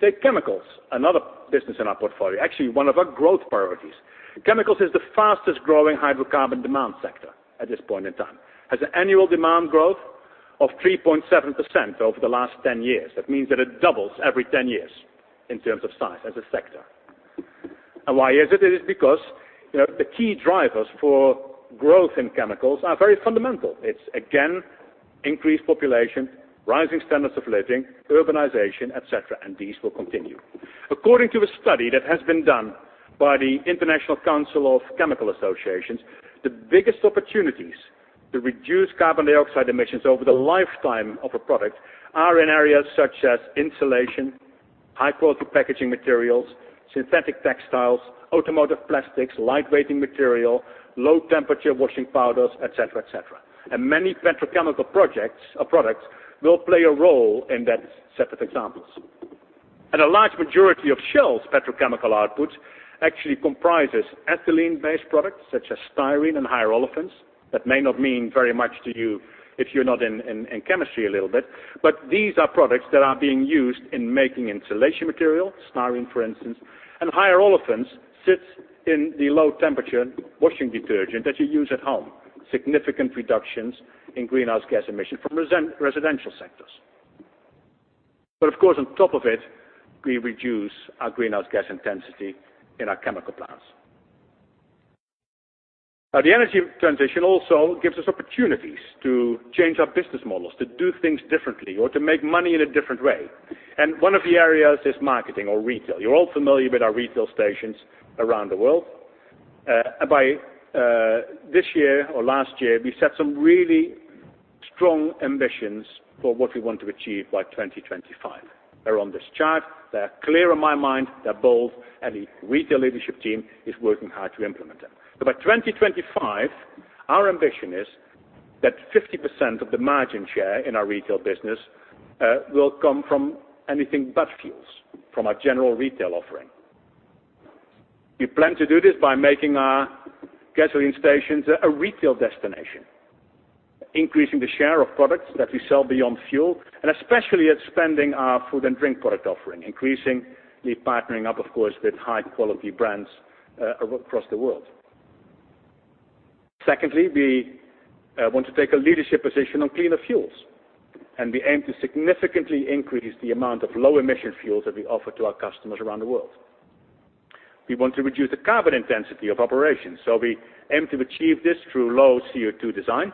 Take chemicals, another business in our portfolio, actually one of our growth priorities. Chemicals is the fastest growing hydrocarbon demand sector at this point in time. Has an annual demand growth of 3.7% over the last 10 years. That means that it doubles every 10 years in terms of size as a sector. Why is it? It is because the key drivers for growth in chemicals are very fundamental. It's again increased population, rising standards of living, urbanization, et cetera, and these will continue. According to a study that has been done by the International Council of Chemical Associations, the biggest opportunities to reduce carbon dioxide emissions over the lifetime of a product are in areas such as insulation, high-quality packaging materials, synthetic textiles, automotive plastics, light-weighting material, low-temperature washing powders, et cetera. Many petrochemical products will play a role in that set of examples. A large majority of Shell's petrochemical output actually comprises ethylene-based products such as styrene and higher olefins. That may not mean very much to you if you're not in chemistry a little bit, but these are products that are being used in making insulation material, styrene, for instance, and higher olefins sits in the low-temperature washing detergent that you use at home. Significant reductions in greenhouse gas emission from residential sectors. Of course, on top of it, we reduce our greenhouse gas intensity in our chemical plants. Now the energy transition also gives us opportunities to change our business models, to do things differently or to make money in a different way. One of the areas is marketing or retail. You're all familiar with our retail stations around the world. By this year or last year, we set some really strong ambitions for what we want to achieve by 2025. They're on this chart. They're clear in my mind. They're bold, the retail leadership team is working hard to implement them. By 2025, our ambition is that 50% of the margin share in our retail business will come from anything but fuels, from our general retail offering. We plan to do this by making our gasoline stations a retail destination, increasing the share of products that we sell beyond fuel, especially expanding our food and drink product offering, increasingly partnering up, of course, with high-quality brands across the world. Secondly, we want to take a leadership position on cleaner fuels, we aim to significantly increase the amount of low-emission fuels that we offer to our customers around the world. We want to reduce the carbon intensity of operations, we aim to achieve this through low CO2 design,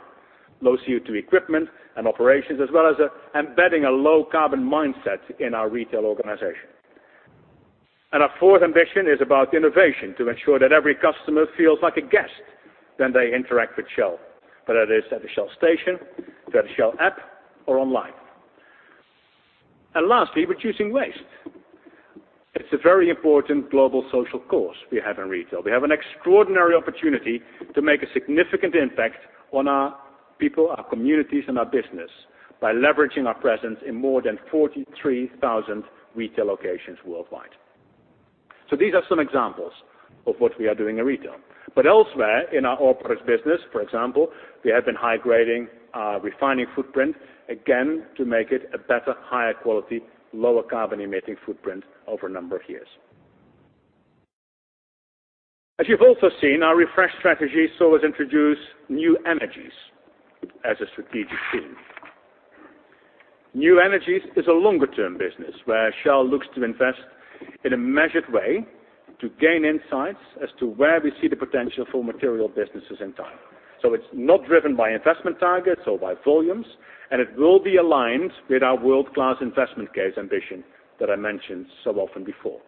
low CO2 equipment and operations, as well as embedding a low carbon mindset in our retail organization. Our fourth ambition is about innovation to ensure that every customer feels like a guest when they interact with Shell, whether it is at a Shell station, the Shell app, or online. Lastly, reducing waste. It's a very important global social cause we have in retail. We have an extraordinary opportunity to make a significant impact on our people, our communities, and our business by leveraging our presence in more than 43,000 retail locations worldwide These are some examples of what we are doing in retail. Elsewhere in our oil products business, for example, we have been high-grading our refining footprint, again, to make it a better, higher quality, lower carbon emitting footprint over a number of years. As you've also seen, our refreshed strategy saw us introduce New Energies as a strategic theme. New Energies is a longer-term business where Shell looks to invest in a measured way to gain insights as to where we see the potential for material businesses in time. It's not driven by investment targets or by volumes, and it will be aligned with our world-class investment case ambition that I mentioned so often before.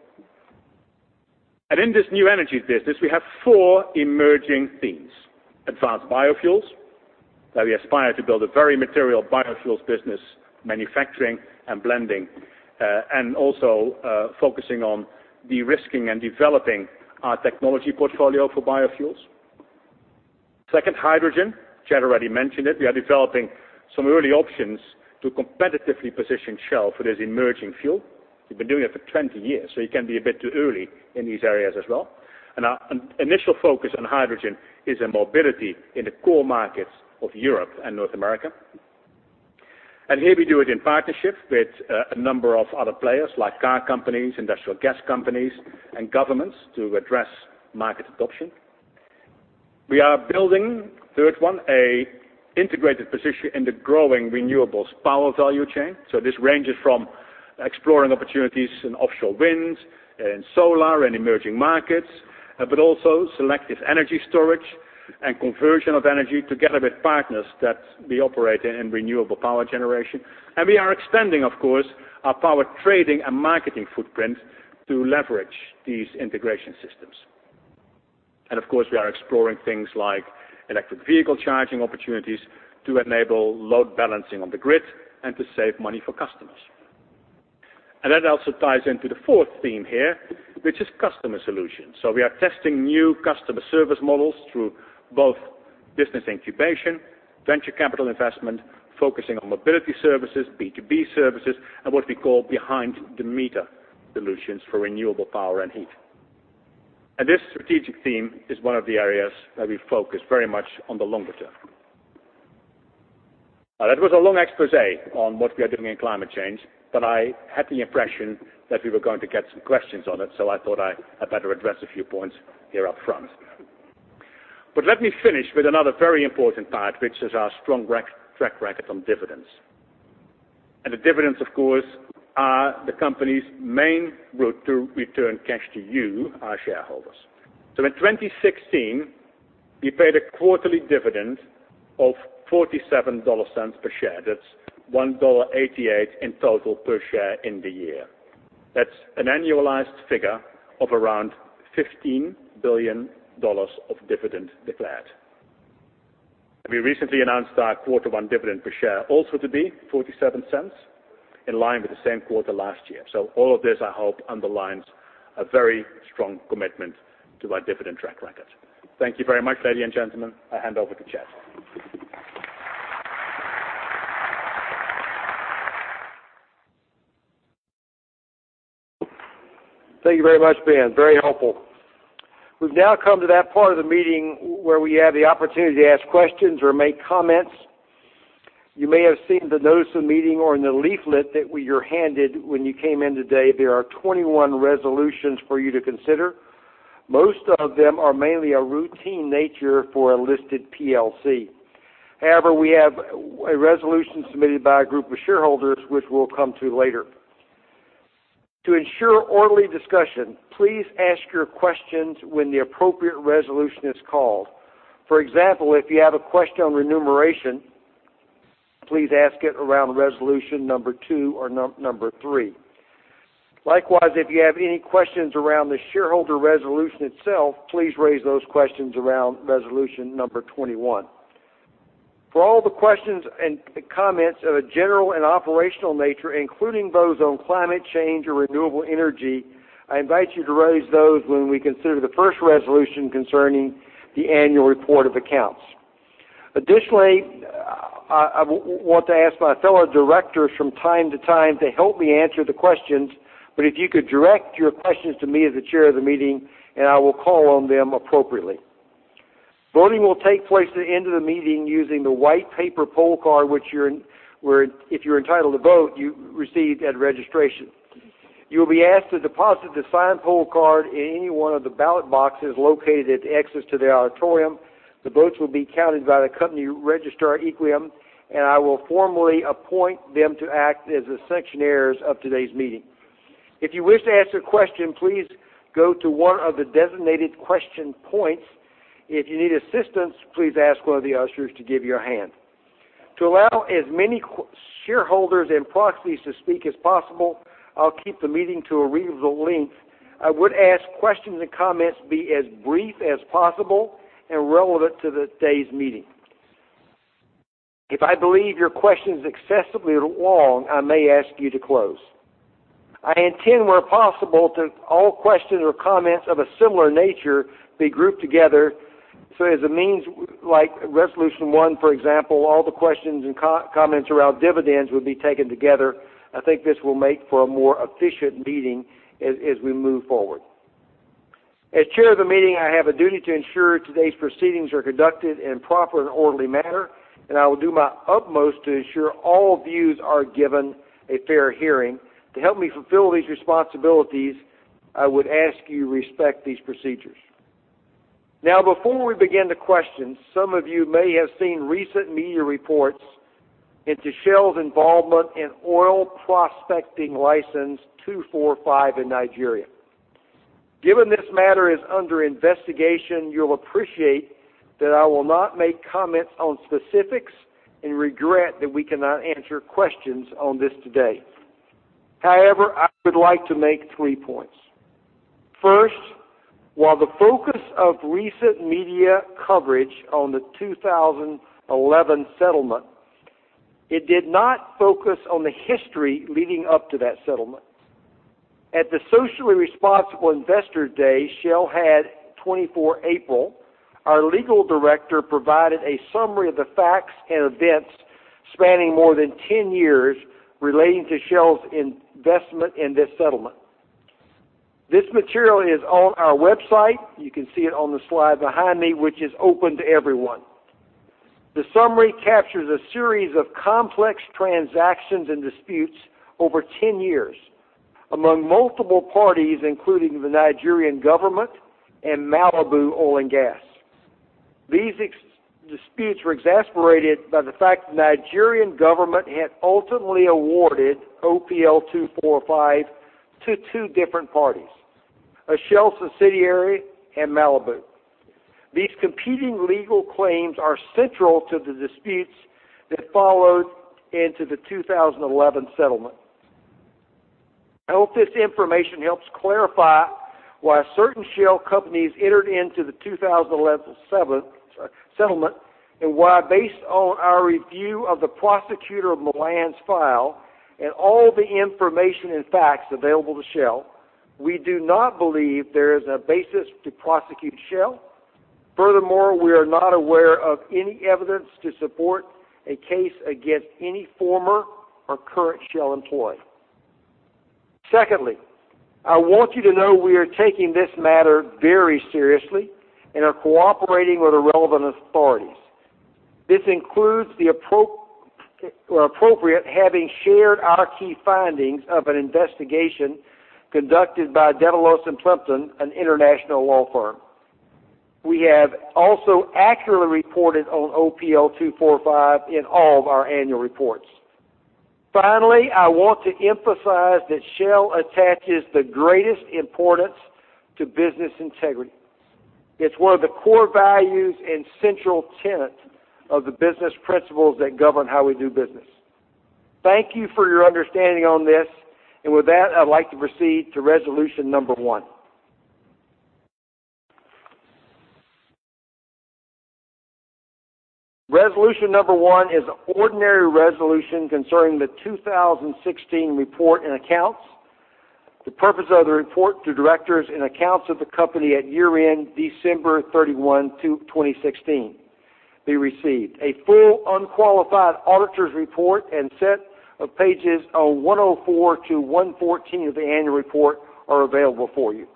In this New Energies business, we have four emerging themes. Advanced biofuels, where we aspire to build a very material biofuels business manufacturing and blending, and also focusing on de-risking and developing our technology portfolio for biofuels. Second, hydrogen. Chad already mentioned it. We are developing some early options to competitively position Shell for this emerging fuel. We've been doing it for 20 years, so you can be a bit too early in these areas as well. Our initial focus on hydrogen is in mobility in the core markets of Europe and North America. Here we do it in partnership with a number of other players, like car companies, industrial gas companies, and governments to address market adoption. We are building, third one, an integrated position in the growing renewables power value chain. This ranges from exploring opportunities in offshore wind, in solar, in emerging markets, but also selective energy storage and conversion of energy together with partners that we operate in renewable power generation. We are extending, of course, our power trading and marketing footprint to leverage these integration systems. Of course, we are exploring things like electric vehicle charging opportunities to enable load balancing on the grid and to save money for customers. That also ties into the fourth theme here, which is customer solutions. We are testing new customer service models through both business incubation, venture capital investment, focusing on mobility services, B2B services, and what we call behind the meter solutions for renewable power and heat. This strategic theme is one of the areas where we focus very much on the longer term. That was a long expose on what we are doing in climate change, I had the impression that we were going to get some questions on it, I thought I better address a few points here up front. Let me finish with another very important part, which is our strong track record on dividends. The dividends, of course, are the company's main route to return cash to you, our shareholders. In 2016, we paid a quarterly dividend of $0.47 per share. That's $1.88 in total per share in the year. That's an annualized figure of around $15 billion of dividend declared. We recently announced our quarter one dividend per share also to be $0.47, in line with the same quarter last year. All of this, I hope, underlines a very strong commitment to our dividend track record. Thank you very much, ladies and gentlemen. I hand over to Chad. Thank you very much, Ben. Very helpful. We've now come to that part of the meeting where we have the opportunity to ask questions or make comments. You may have seen the notice of meeting or in the leaflet that you're handed when you came in today, there are 21 resolutions for you to consider. Most of them are mainly a routine nature for a listed PLC. However, we have a resolution submitted by a group of shareholders, which we'll come to later. To ensure orderly discussion, please ask your questions when the appropriate resolution is called. For example, if you have a question on remuneration, please ask it around resolution number two or number three. Likewise, if you have any questions around the shareholder resolution itself, please raise those questions around resolution number 21. For all the questions and comments of a general and operational nature, including those on climate change or renewable energy, I invite you to raise those when we consider the first resolution concerning the annual report of accounts. Additionally, I want to ask my fellow directors from time to time to help me answer the questions, but if you could direct your questions to me as the chair of the meeting, and I will call on them appropriately. Voting will take place at the end of the meeting using the white paper poll card, which if you're entitled to vote, you received at registration. You'll be asked to deposit the signed poll card in any one of the ballot boxes located at the exits to the auditorium. The votes will be counted by the company registrar, Equiniti, and I will formally appoint them to act as the scrutineers of today's meeting. If you wish to ask a question, please go to one of the designated question points. If you need assistance, please ask one of the ushers to give you a hand. To allow as many shareholders and proxies to speak as possible, I'll keep the meeting to a reasonable length. I would ask questions and comments be as brief as possible and relevant to the day's meeting. If I believe your question is excessively long, I may ask you to close. I intend, where possible, to all questions or comments of a similar nature be grouped together. As a means like resolution one, for example, all the questions and comments around dividends will be taken together. I think this will make for a more efficient meeting as we move forward. As chair of the meeting, I have a duty to ensure today's proceedings are conducted in a proper and orderly manner, and I will do my utmost to ensure all views are given a fair hearing. To help me fulfill these responsibilities, I would ask you to respect these procedures. Now, before we begin the questions, some of you may have seen recent media reports into Shell's involvement in Oil Prospecting License 245 in Nigeria. Given this matter is under investigation, you'll appreciate that I will not make comments on specifics and regret that we cannot answer questions on this today. However, I would like to make three points. First, while the focus of recent media coverage on the 2011 settlement, it did not focus on the history leading up to that settlement. At the socially responsible Investor Day Shell had 24 April, our legal director provided a summary of the facts and events spanning more than 10 years relating to Shell's investment in this settlement. This material is on our website. You can see it on the slide behind me, which is open to everyone. The summary captures a series of complex transactions and disputes over 10 years among multiple parties, including the Nigerian government and Malabu Oil and Gas. These disputes were exasperated by the fact the Nigerian government had ultimately awarded OPL 245 to two different parties, a Shell subsidiary and Malabu. These competing legal claims are central to the disputes that followed into the 2011 settlement. I hope this information helps clarify why certain Shell companies entered into the 2011 settlement, and why, based on our review of the prosecutor of Milan's file and all the information and facts available to Shell, we do not believe there is a basis to prosecute Shell. Furthermore, we are not aware of any evidence to support a case against any former or current Shell employee. Secondly, I want you to know we are taking this matter very seriously and are cooperating with the relevant authorities. This includes where appropriate, having shared our key findings of an investigation conducted by Debevoise & Plimpton, an international law firm. We have also accurately reported on OPL 245 in all of our annual reports. Finally, I want to emphasize that Shell attaches the greatest importance to business integrity. It's one of the core values and central tenets of the business principles that govern how we do business. Thank you for your understanding on this. With that, I'd like to proceed to Resolution number 1. Resolution number 1 is ordinary resolution concerning the 2016 report and accounts. The purpose of the report to directors and accounts of the company at year-end December 31, 2016. Be received. A full, unqualified auditor's report and set of pages 104 to 114 of the annual report are available for you.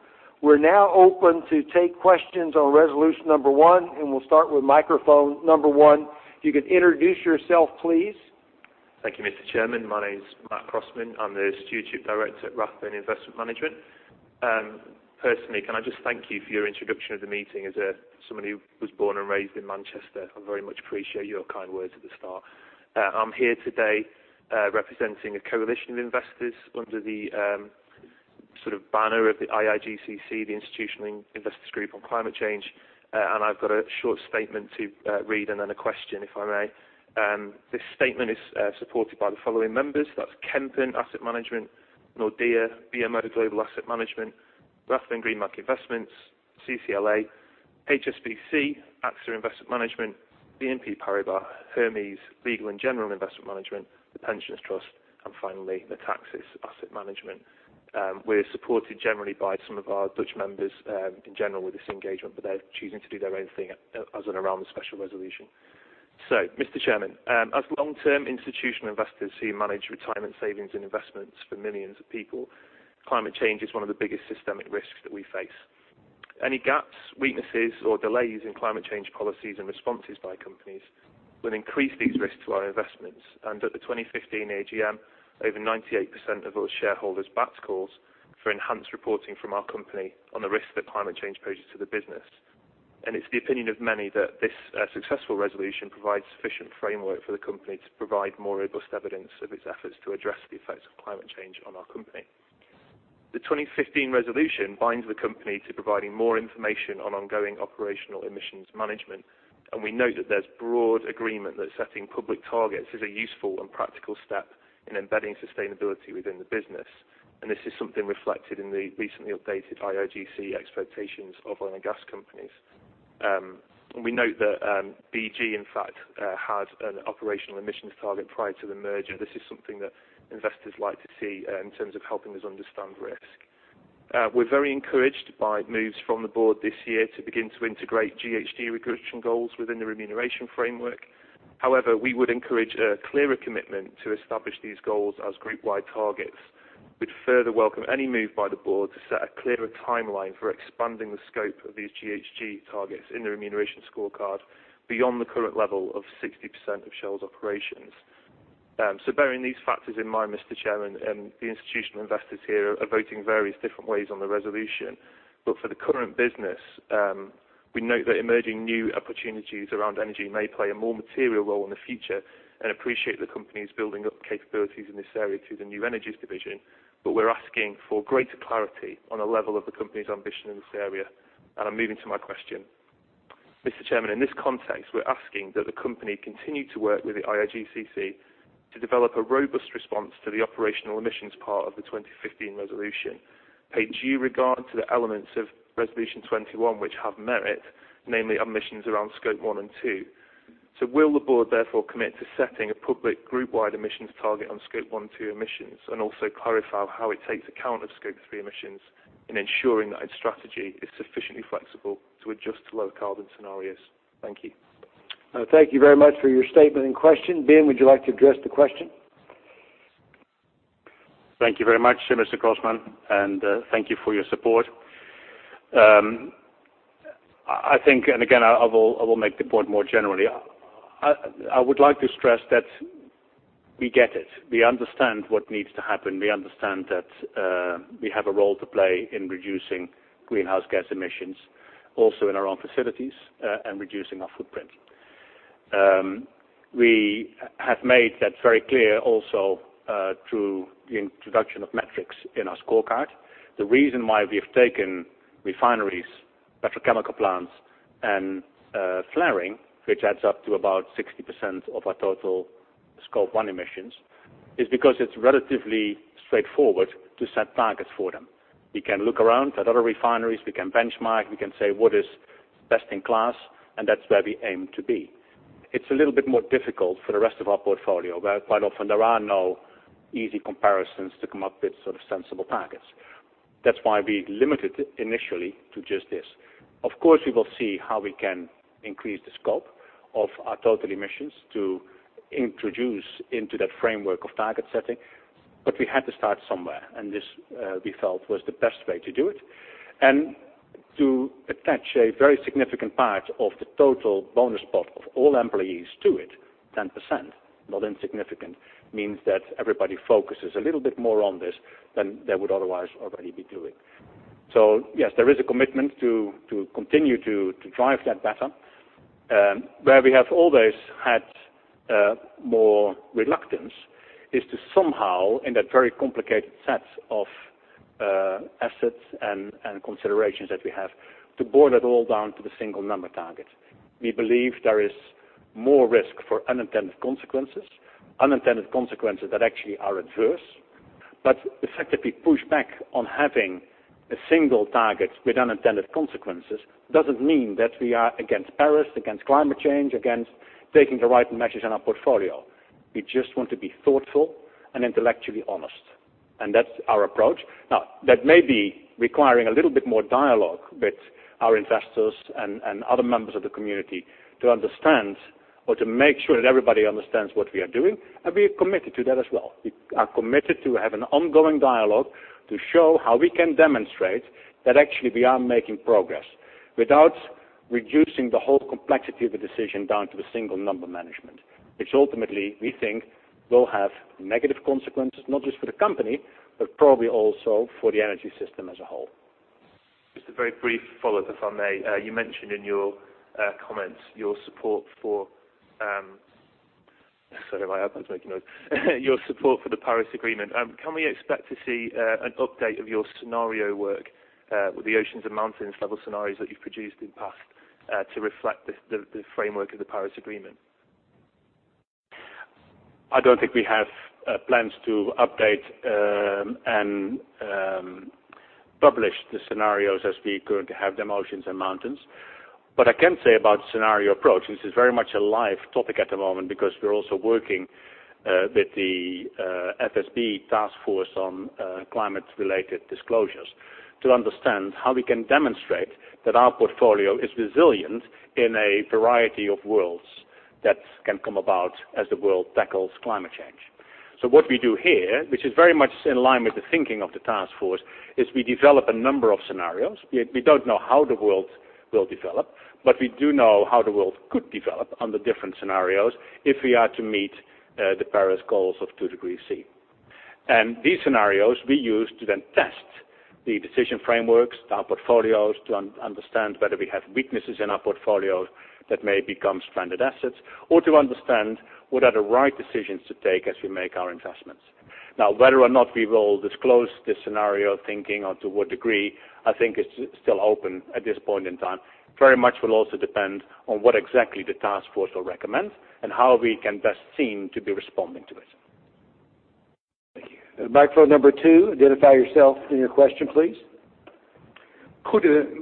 We're now open to take questions on Resolution number 1, and we'll start with microphone number 1. If you could introduce yourself, please. Thank you, Mr. Chairman. My name's Matt Crossman. I'm the stewardship director at Rathbone Investment Management. Personally, can I just thank you for your introduction of the meeting. As someone who was born and raised in Manchester, I very much appreciate your kind words at the start. I'm here today representing a coalition of investors under the banner of the IIGCC, the Institutional Investors Group on Climate Change, and I've got a short statement to read and then a question, if I may. This statement is supported by the following members. That's Kempen Asset Management, Nordea, BMO Global Asset Management, Rathbone Greenbank Investments, CCLA, HSBC, AXA Investment Management, BNP Paribas, Hermes, Legal & General Investment Management, The Pensions Trust, and finally, Metaxis Asset Management. We're supported generally by some of our Dutch members in general with this engagement, but they're choosing to do their own thing as and around the special resolution. Mr. Chairman, as long-term institutional investors who manage retirement savings and investments for millions of people, climate change is one of the biggest systemic risks that we face. Any gaps, weaknesses, or delays in climate change policies and responses by companies will increase these risks to our investments. At the 2015 AGM, over 98% of those shareholders backed calls for enhanced reporting from our company on the risks that climate change poses to the business. It's the opinion of many that this successful resolution provides sufficient framework for the company to provide more robust evidence of its efforts to address the effects of climate change on our company. The 2015 resolution binds the company to providing more information on ongoing operational emissions management, we note that there's broad agreement that setting public targets is a useful and practical step in embedding sustainability within the business. This is something reflected in the recently updated IIGCC expectations of oil and gas companies. We note that BG, in fact, had an operational emissions target prior to the merger. This is something that investors like to see in terms of helping us understand risk. We're very encouraged by moves from the board this year to begin to integrate GHG reduction goals within the remuneration framework. However, we would encourage a clearer commitment to establish these goals as group-wide targets. We'd further welcome any move by the board to set a clearer timeline for expanding the scope of these GHG targets in the remuneration scorecard beyond the current level of 60% of Shell's operations. Bearing these factors in mind, Mr. Chairman, the institutional investors here are voting various different ways on the resolution. For the current business, we note that emerging new opportunities around energy may play a more material role in the future and appreciate the companies building up capabilities in this area through the New Energies division, we're asking for greater clarity on the level of the company's ambition in this area. I'm moving to my question. Mr. Chairman, in this context, we're asking that the company continue to work with the IIGCC to develop a robust response to the operational emissions part of the 2015 resolution, pay due regard to the elements of Resolution 21 which have merit, namely emissions around Scope 1 and 2. Will the board therefore commit to setting a public group-wide emissions target on Scope 1, 2 emissions, and also clarify how it takes account of Scope 3 emissions in ensuring that its strategy is sufficiently flexible to adjust to low carbon scenarios? Thank you. Thank you very much for your statement and question. Ben, would you like to address the question? Thank you very much, Mr. Crossman, and thank you for your support. Again, I will make the point more generally. I would like to stress that we get it. We understand what needs to happen. We understand that we have a role to play in reducing greenhouse gas emissions also in our own facilities and reducing our footprint. We have made that very clear also through the introduction of metrics in our scorecard. The reason why we have taken refineries, petrochemical plants and flaring, which adds up to about 60% of our total Scope 1 emissions, is because it is relatively straightforward to set targets for them. We can look around at other refineries, we can benchmark, we can say what is best in class, and that is where we aim to be. It is a little bit more difficult for the rest of our portfolio, where quite often there are no easy comparisons to come up with sensible targets. That is why we limited initially to just this. Of course, we will see how we can increase the scope of our total emissions to introduce into that framework of target setting, but we had to start somewhere, and this, we felt, was the best way to do it. And to attach a very significant part of the total bonus pot of all employees to it, 10%, not insignificant, means that everybody focuses a little bit more on this than they would otherwise already be doing. Yes, there is a commitment to continue to drive that better. Where we have always had more reluctance is to somehow, in that very complicated set of assets and considerations that we have, to boil it all down to the single number target. We believe there is more risk for unintended consequences, unintended consequences that actually are adverse. The fact that we push back on having a single target with unintended consequences doesn't mean that we are against Paris, against climate change, against taking the right measures in our portfolio. We just want to be thoughtful and intellectually honest, and that is our approach. That may be requiring a little bit more dialogue with our investors and other members of the community to understand or to make sure that everybody understands what we are doing, and we are committed to that as well. We are committed to have an ongoing dialogue to show how we can demonstrate that actually we are making progress without reducing the whole complexity of the decision down to a single number management, which ultimately we think will have negative consequences, not just for the company, but probably also for the energy system as a whole. Just a very brief follow-up, if I may. You mentioned in your comments your support for the Paris Agreement. Can we expect to see an update of your scenario work with the Oceans and Mountains level scenarios that you've produced in the past to reflect the framework of the Paris Agreement? I don't think we have plans to update and publish the scenarios as we currently have them, Oceans and Mountains. I can say about scenario approach, this is very much a live topic at the moment because we're also working with the FSB Task Force on climate-related disclosures to understand how we can demonstrate that our portfolio is resilient in a variety of worlds that can come about as the world tackles climate change. What we do here, which is very much in line with the thinking of the Task Force, is we develop a number of scenarios. We don't know how the world will develop, but we do know how the world could develop under different scenarios if we are to meet the Paris goals of 2 degrees C. These scenarios we use to then test the decision frameworks, our portfolios, to understand whether we have weaknesses in our portfolios that may become stranded assets or to understand what are the right decisions to take as we make our investments. Whether or not we will disclose this scenario thinking or to what degree, I think is still open at this point in time. Very much will also depend on what exactly the Task Force will recommend and how we can best seem to be responding to it. Thank you. Microphone number two, identify yourself and your question, please. Good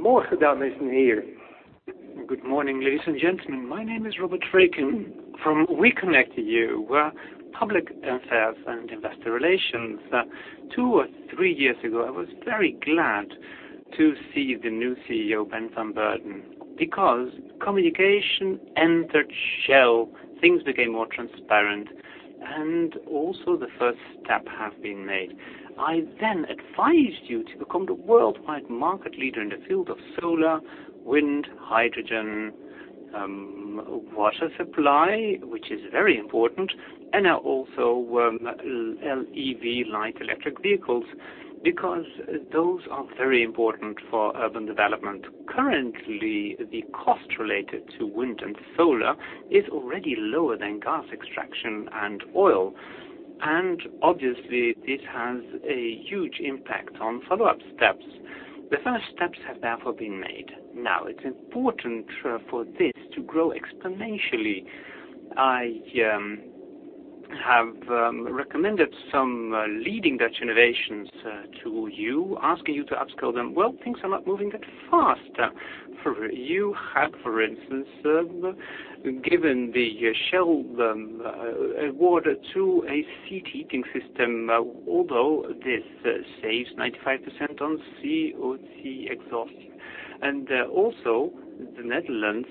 morning, ladies and gentlemen. My name is Robert Vreeken from WeConnectU. We're public affairs and investor relations. Two or three years ago, I was very glad to see the new CEO, Ben van Beurden, because communication entered Shell, things became more transparent, and also the first step have been made. I then advised you to become the worldwide market leader in the field of solar, wind, hydrogen, water supply, which is very important, and now also LEV, light electric vehicles, because those are very important for urban development. Currently, the cost related to wind and solar is already lower than gas extraction and oil, and obviously, this has a huge impact on follow-up steps. The first steps have therefore been made. It's important for this to grow exponentially. I have recommended some leading Dutch innovations to you, asking you to upskill them. Well, things are not moving that fast. You have, for instance, given the Shell award to a seat heating system, although this saves 95% on CO2 exhaust. Also, the Netherlands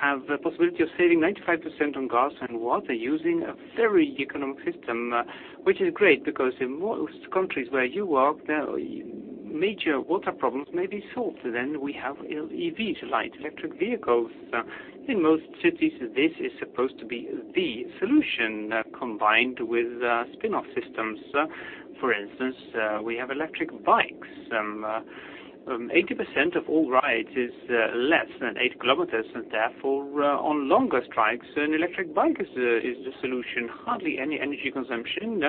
have the possibility of saving 95% on gas and water using a very economic system, which is great because in most countries where you work, major water problems may be solved. We have LEVs, light electric vehicles. In most cities, this is supposed to be the solution, combined with spin-off systems. For instance, we have electric bikes. 80% of all rides is less than eight kilometers, and therefore on longer strikes, an electric bike is the solution. Hardly any energy consumption.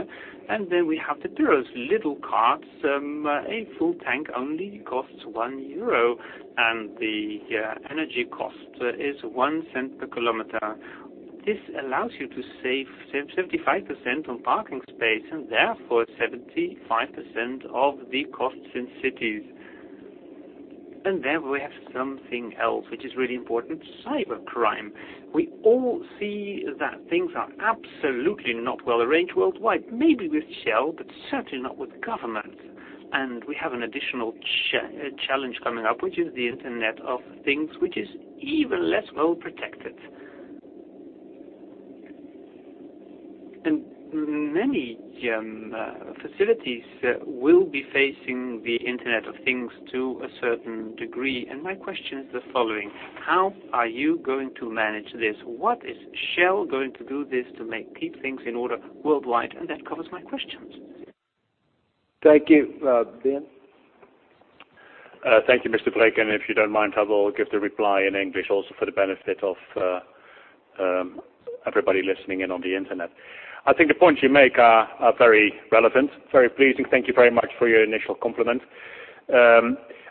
Then we have, [inaudible] little cars. A full tank only costs one euro, and the energy cost is 0.01 per kilometer. This allows you to save 75% on parking space, and therefore 75% of the costs in cities. Then we have something else which is really important, cybercrime. We all see that things are absolutely not well arranged worldwide, maybe with Shell, but certainly not with government. We have an additional challenge coming up, which is the Internet of Things, which is even less well protected. Many facilities will be facing the Internet of Things to a certain degree. My question is the following: How are you going to manage this? What is Shell going to do to keep things in order worldwide? That covers my questions. Thank you. Ben? Thank you, Mr. Vreeken. If you don't mind, I will give the reply in English also for the benefit of everybody listening in on the internet. I think the points you make are very relevant, very pleasing. Thank you very much for your initial compliment.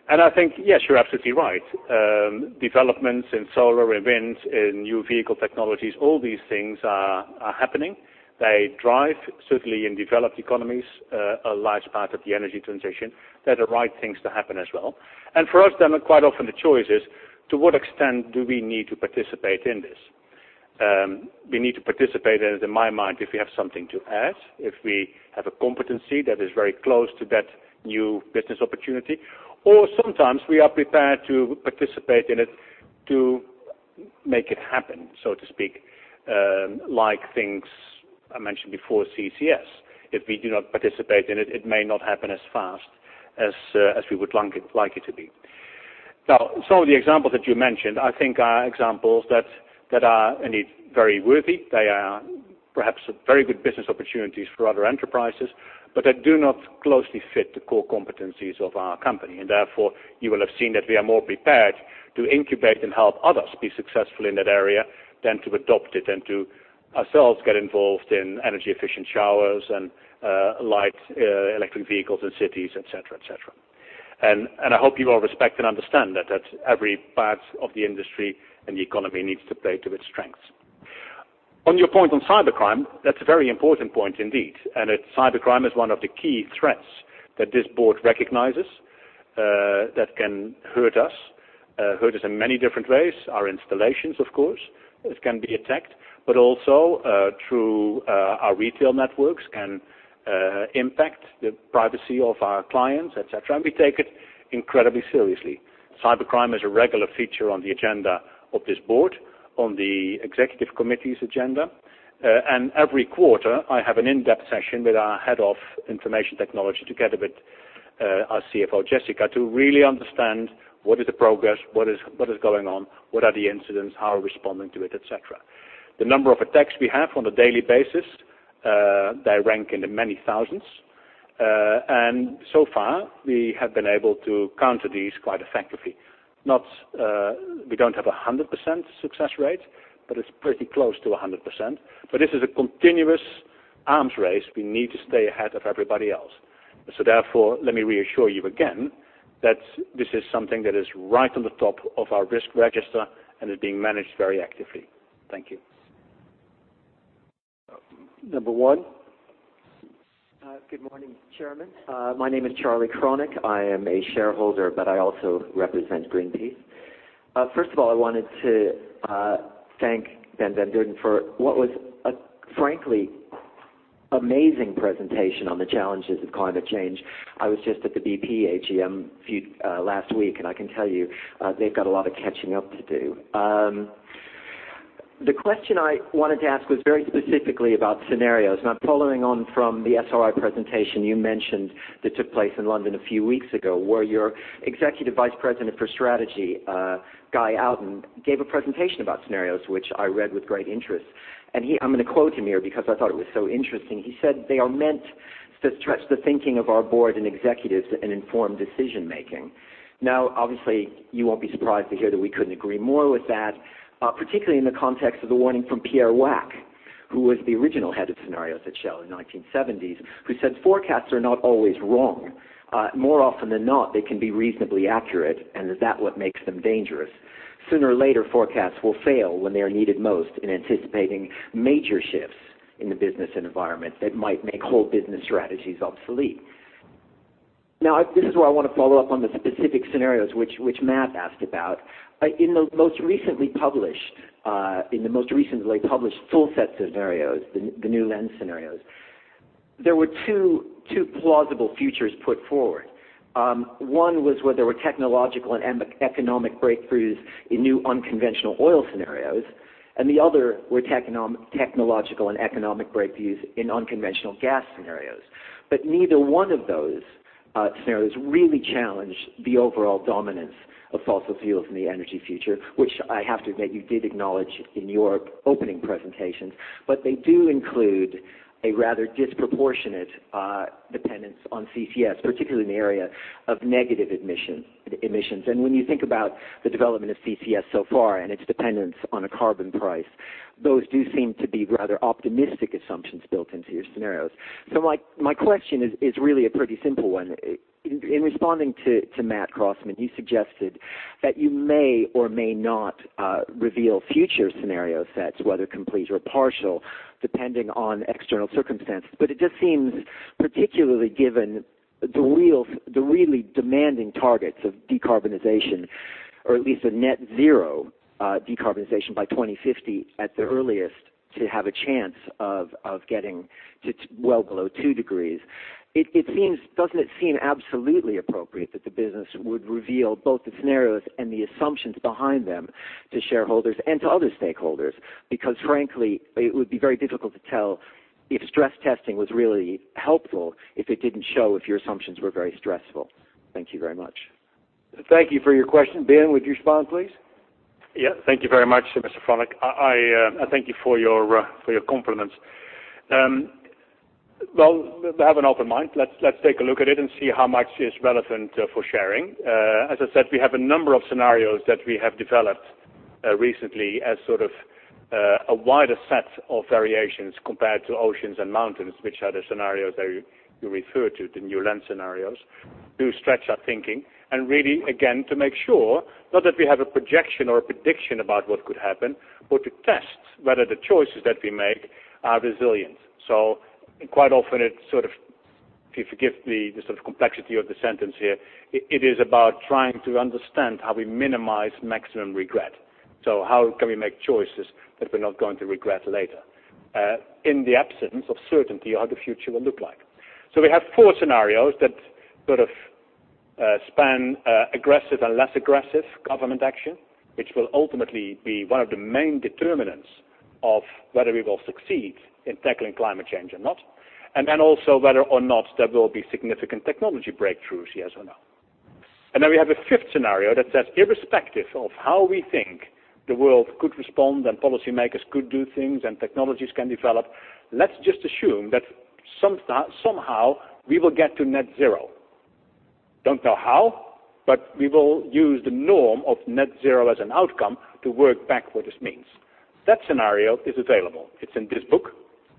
I think, yes, you're absolutely right. Developments in solar and wind, in new vehicle technologies, all these things are happening. They drive, certainly in developed economies, a large part of the energy transition. They're the right things to happen as well. For us, then quite often the choice is to what extent do we need to participate in this? We need to participate in it, in my mind, if we have something to add, if we have a competency that is very close to that new business opportunity, or sometimes we are prepared to participate in it to make it happen, so to speak, like things I mentioned before, CCS. If we do not participate in it may not happen as fast as we would like it to be. Some of the examples that you mentioned, I think are examples that are indeed very worthy. They are perhaps very good business opportunities for other enterprises, but they do not closely fit the core competencies of our company. Therefore, you will have seen that we are more prepared to incubate and help others be successful in that area than to adopt it and to ourselves get involved in energy efficient showers and light electric vehicles in cities, et cetera. I hope you will respect and understand that every part of the industry and the economy needs to play to its strengths. On your point on cybercrime, that's a very important point indeed. Cybercrime is one of the key threats that this board recognizes that can hurt us, hurt us in many different ways. Our installations, of course, can be attacked, but also through our retail networks can impact the privacy of our clients, et cetera. We take it incredibly seriously. Cybercrime is a regular feature on the agenda of this board, on the executive committee's agenda. Every quarter, I have an in-depth session with our head of information technology together with our CFO, Jessica, to really understand what is the progress, what is going on, what are the incidents, how are we responding to it, et cetera. The number of attacks we have on a daily basis, they rank in the many thousands. So far, we have been able to counter these quite effectively. We don't have 100% success rate, but it's pretty close to 100%. This is a continuous arms race. We need to stay ahead of everybody else. Therefore, let me reassure you again that this is something that is right on the top of our risk register and is being managed very actively. Thank you. Number 1. Good morning, Chairman. My name is Charlie Kronick. I am a shareholder, but I also represent Greenpeace. First of all, I wanted to thank Ben van Beurden for what was a frankly amazing presentation on the challenges of climate change. I was just at the BP AGM last week, I can tell you, they've got a lot of catching up to do. The question I wanted to ask was very specifically about scenarios, I'm following on from the SRI presentation you mentioned that took place in London a few weeks ago, where your Executive Vice President for Strategy, Guy Outen, gave a presentation about scenarios, which I read with great interest. I'm going to quote him here because I thought it was so interesting. He said, "They are meant to stretch the thinking of our board and executives and inform decision-making." Obviously, you won't be surprised to hear that we couldn't agree more with that, particularly in the context of the warning from Pierre Wack, who was the original head of scenarios at Shell in 1970s, who said, "Forecasts are not always wrong. More often than not, they can be reasonably accurate, and that what makes them dangerous. Sooner or later, forecasts will fail when they are needed most in anticipating major shifts in the business environment that might make whole business strategies obsolete." This is where I want to follow up on the specific scenarios which Matt asked about. In the most recently published full set scenarios, the New Lens Scenarios, there were two plausible futures put forward. One was where there were technological and economic breakthroughs in new unconventional oil scenarios, and the other were technological and economic breakthroughs in unconventional gas scenarios. Neither one of those scenarios really challenged the overall dominance of fossil fuels in the energy future, which I have to admit, you did acknowledge in your opening presentations, but they do include a rather disproportionate dependence on CCS, particularly in the area of negative emissions. When you think about the development of CCS so far and its dependence on a carbon price, those do seem to be rather optimistic assumptions built into your scenarios. My question is really a pretty simple one. In responding to Matt Crossman, you suggested that you may or may not reveal future scenario sets, whether complete or partial, depending on external circumstances. It just seems, particularly given the really demanding targets of decarbonization, or at least a net zero decarbonization by 2050 at the earliest to have a chance of getting to well below two degrees. Doesn't it seem absolutely appropriate that the business would reveal both the scenarios and the assumptions behind them to shareholders and to other stakeholders? Frankly, it would be very difficult to tell if stress testing was really helpful if it didn't show if your assumptions were very stressful. Thank you very much. Thank you for your question. Ben, would you respond, please? Thank you very much, Mr. Kronick. I thank you for your compliments. Well, we have an open mind. Let's take a look at it and see how much is relevant for sharing. As I said, we have a number of scenarios that we have developed recently as sort of a wider set of variations compared to Oceans and Mountains, which are the scenarios that you refer to, the New Lens Scenarios, to stretch our thinking and really, again, to make sure not that we have a projection or a prediction about what could happen, but to test whether the choices that we make are resilient. Quite often it sort of, if you forgive the sort of complexity of the sentence here, it is about trying to understand how we minimize maximum regret. How can we make choices that we're not going to regret later, in the absence of certainty how the future will look like? We have four scenarios that sort of span aggressive and less aggressive government action, which will ultimately be one of the main determinants of whether we will succeed in tackling climate change or not, also whether or not there will be significant technology breakthroughs, yes or no. We have a fifth scenario that says, irrespective of how we think the world could respond and policymakers could do things and technologies can develop, let's just assume that somehow we will get to net zero. Don't know how, but we will use the norm of net zero as an outcome to work back what this means. That scenario is available. It's in this book.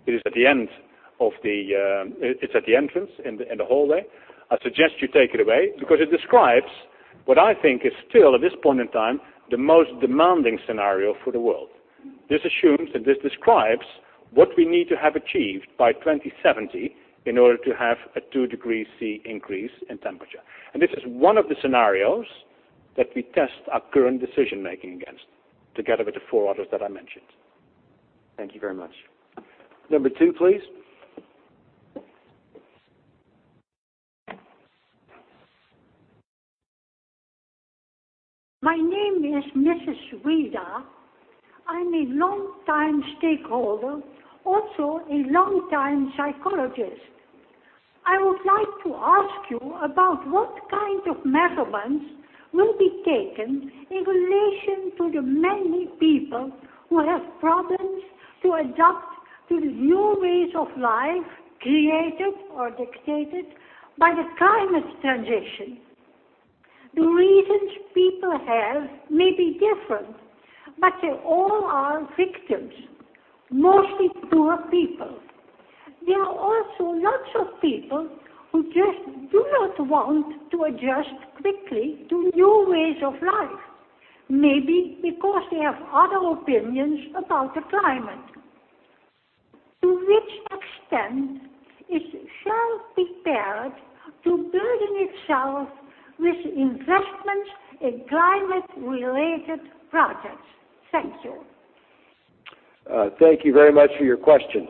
It is at the entrance in the hallway. I suggest you take it away because it describes what I think is still, at this point in time, the most demanding scenario for the world. This assumes and this describes what we need to have achieved by 2070 in order to have a two degree C increase in temperature. This is one of the scenarios that we test our current decision-making against, together with the four others that I mentioned. Thank you very much. Number two, please. My name is Mrs. Wida. I am a longtime stakeholder, also a longtime psychologist. I would like to ask you about what kind of measurements will be taken in relation to the many people who have problems to adapt to the new ways of life created or dictated by the climate transition. The reasons people have may be different, but they all are victims, mostly poor people. There are also lots of people who just do not want to adjust quickly to new ways of life. Maybe because they have other opinions about the climate. To which extent is Shell prepared to burden itself with investments in climate-related projects? Thank you. Thank you very much for your question.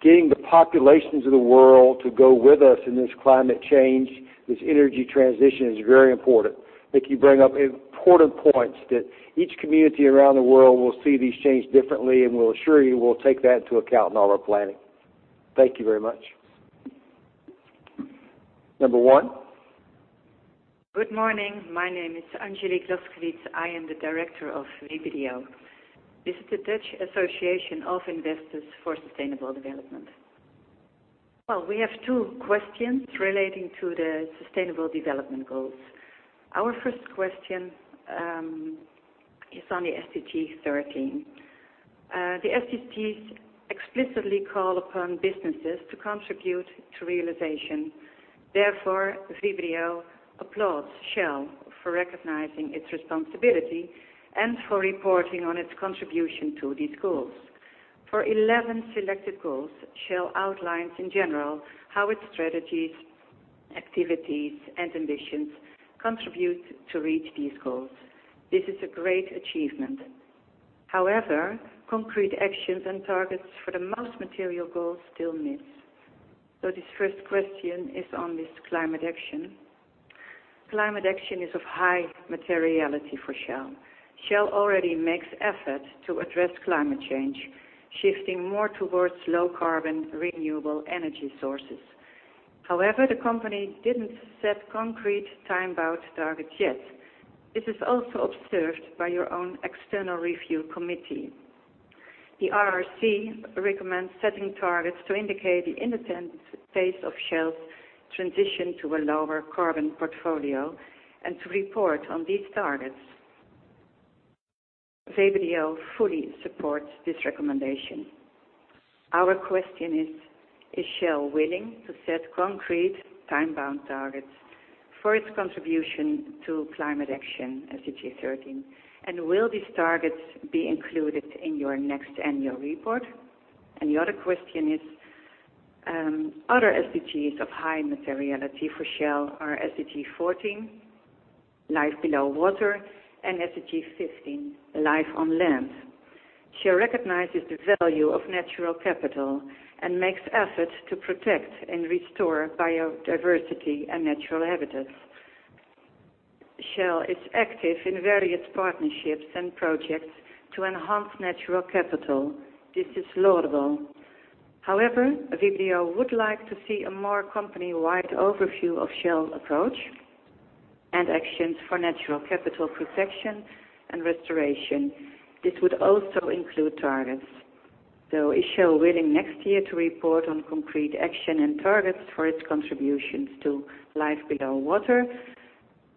Getting the populations of the world to go with us in this climate change, this energy transition, is very important. I think you bring up important points that each community around the world will see these changes differently, and we'll assure you we'll take that into account in all our planning. Thank you very much. Number one. Good morning. My name is Angélique Laskewitz. I am the director of VBDO. This is the Dutch Association of Investors for Sustainable Development. We have two questions relating to the sustainable development goals. Our first question is on the SDG 13. The SDGs explicitly call upon businesses to contribute to realization. VBDO applauds Shell for recognizing its responsibility and for reporting on its contribution to these goals. For 11 selected goals, Shell outlines in general how its strategies, activities, and ambitions contribute to reach these goals. This is a great achievement. Concrete actions and targets for the most material goals still miss. This first question is on this climate action. Climate action is of high materiality for Shell. Shell already makes effort to address climate change, shifting more towards low-carbon, renewable energy sources. The company didn't set concrete time-bound targets yet. This is also observed by your own external review committee. The RRC recommends setting targets to indicate the intent pace of Shell's transition to a lower carbon portfolio and to report on these targets. VBDO fully supports this recommendation. Our question is Shell willing to set concrete time-bound targets for its contribution to climate action, SDG 13, and will these targets be included in your next annual report? The other question is, other SDGs of high materiality for Shell are SDG 14, life below water, and SDG 15, life on land. Shell recognizes the value of natural capital and makes efforts to protect and restore biodiversity and natural habitats. Shell is active in various partnerships and projects to enhance natural capital. This is laudable. VBDO would like to see a more company-wide overview of Shell approach and actions for natural capital protection and restoration. This would also include targets. Is Shell willing next year to report on concrete action and targets for its contributions to Life Below Water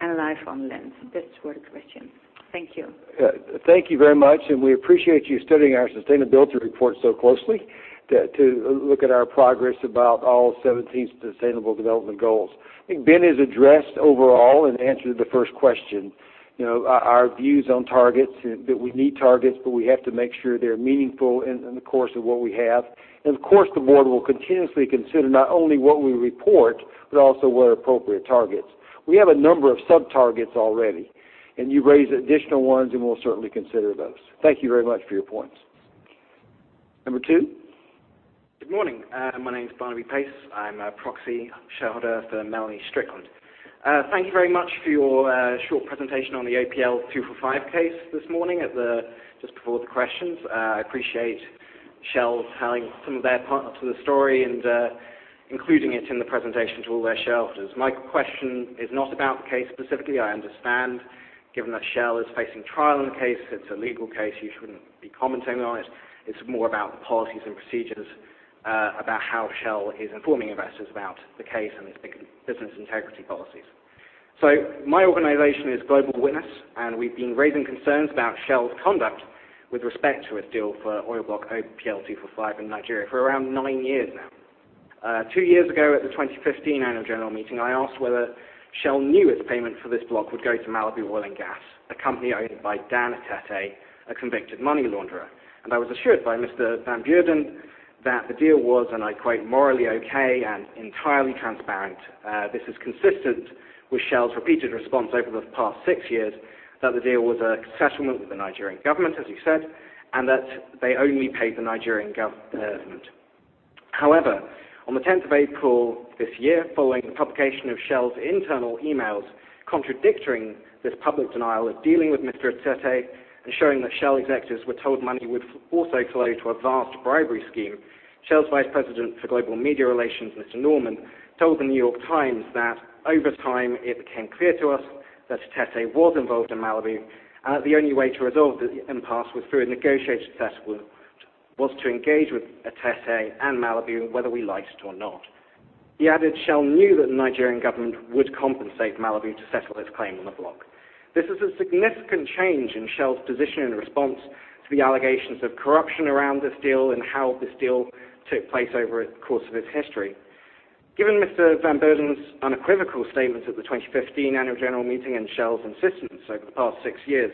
and Life on Land? That's for the question. Thank you. Thank you very much. We appreciate you studying our sustainability report so closely to look at our progress about all 17 Sustainable Development Goals. I think Ben has addressed overall and answered the first question. Our views on targets, that we need targets, but we have to make sure they're meaningful in the course of what we have. Of course, the board will continuously consider not only what we report, but also what are appropriate targets. We have a number of sub-targets already, and you raise additional ones, and we'll certainly consider those. Thank you very much for your points. Number two. Good morning. My name is Barnaby Pace. I'm a proxy shareholder for Melanie Strickland. Thank you very much for your short presentation on the OPL 245 case this morning just before the questions. I appreciate Shell telling some of their part to the story and including it in the presentation to all their shareholders. My question is not about the case specifically. I understand given that Shell is facing trial in the case, it's a legal case, you shouldn't be commenting on it. It's more about the policies and procedures about how Shell is informing investors about the case and its business integrity policies. My organization is Global Witness, and we've been raising concerns about Shell's conduct with respect to a deal for oil block OPL 245 in Nigeria for around nine years now. Two years ago at the 2015 Annual General Meeting, I asked whether Shell knew its payment for this block would go to Malabu Oil and Gas, a company owned by Dan Etete, a convicted money launderer. I was assured by Mr. Van Beurden that the deal was, and I quote, "Morally okay and entirely transparent." This is consistent with Shell's repeated response over the past six years that the deal was a settlement with the Nigerian Government, as you said, and that they only paid the Nigerian Government. On the 10th of April this year, following the publication of Shell's internal emails contradicting this public denial of dealing with Dan Etete and showing that Shell executives were told money would also flow to a vast bribery scheme, Shell's Vice President for Global Media Relations, Andy Norman, told The New York Times that over time it became clear to us that Dan Etete was involved in Malabu, and that the only way to resolve the impasse was through a negotiated settlement, was to engage with Dan Etete and Malabu, whether we liked or not. He added Shell knew that the Nigerian government would compensate Malabu to settle its claim on the block. This is a significant change in Shell's position in response to the allegations of corruption around this deal and how this deal took place over the course of its history. Given Ben van Beurden's unequivocal statement at the 2015 annual general meeting and Shell's insistence over the past 6 years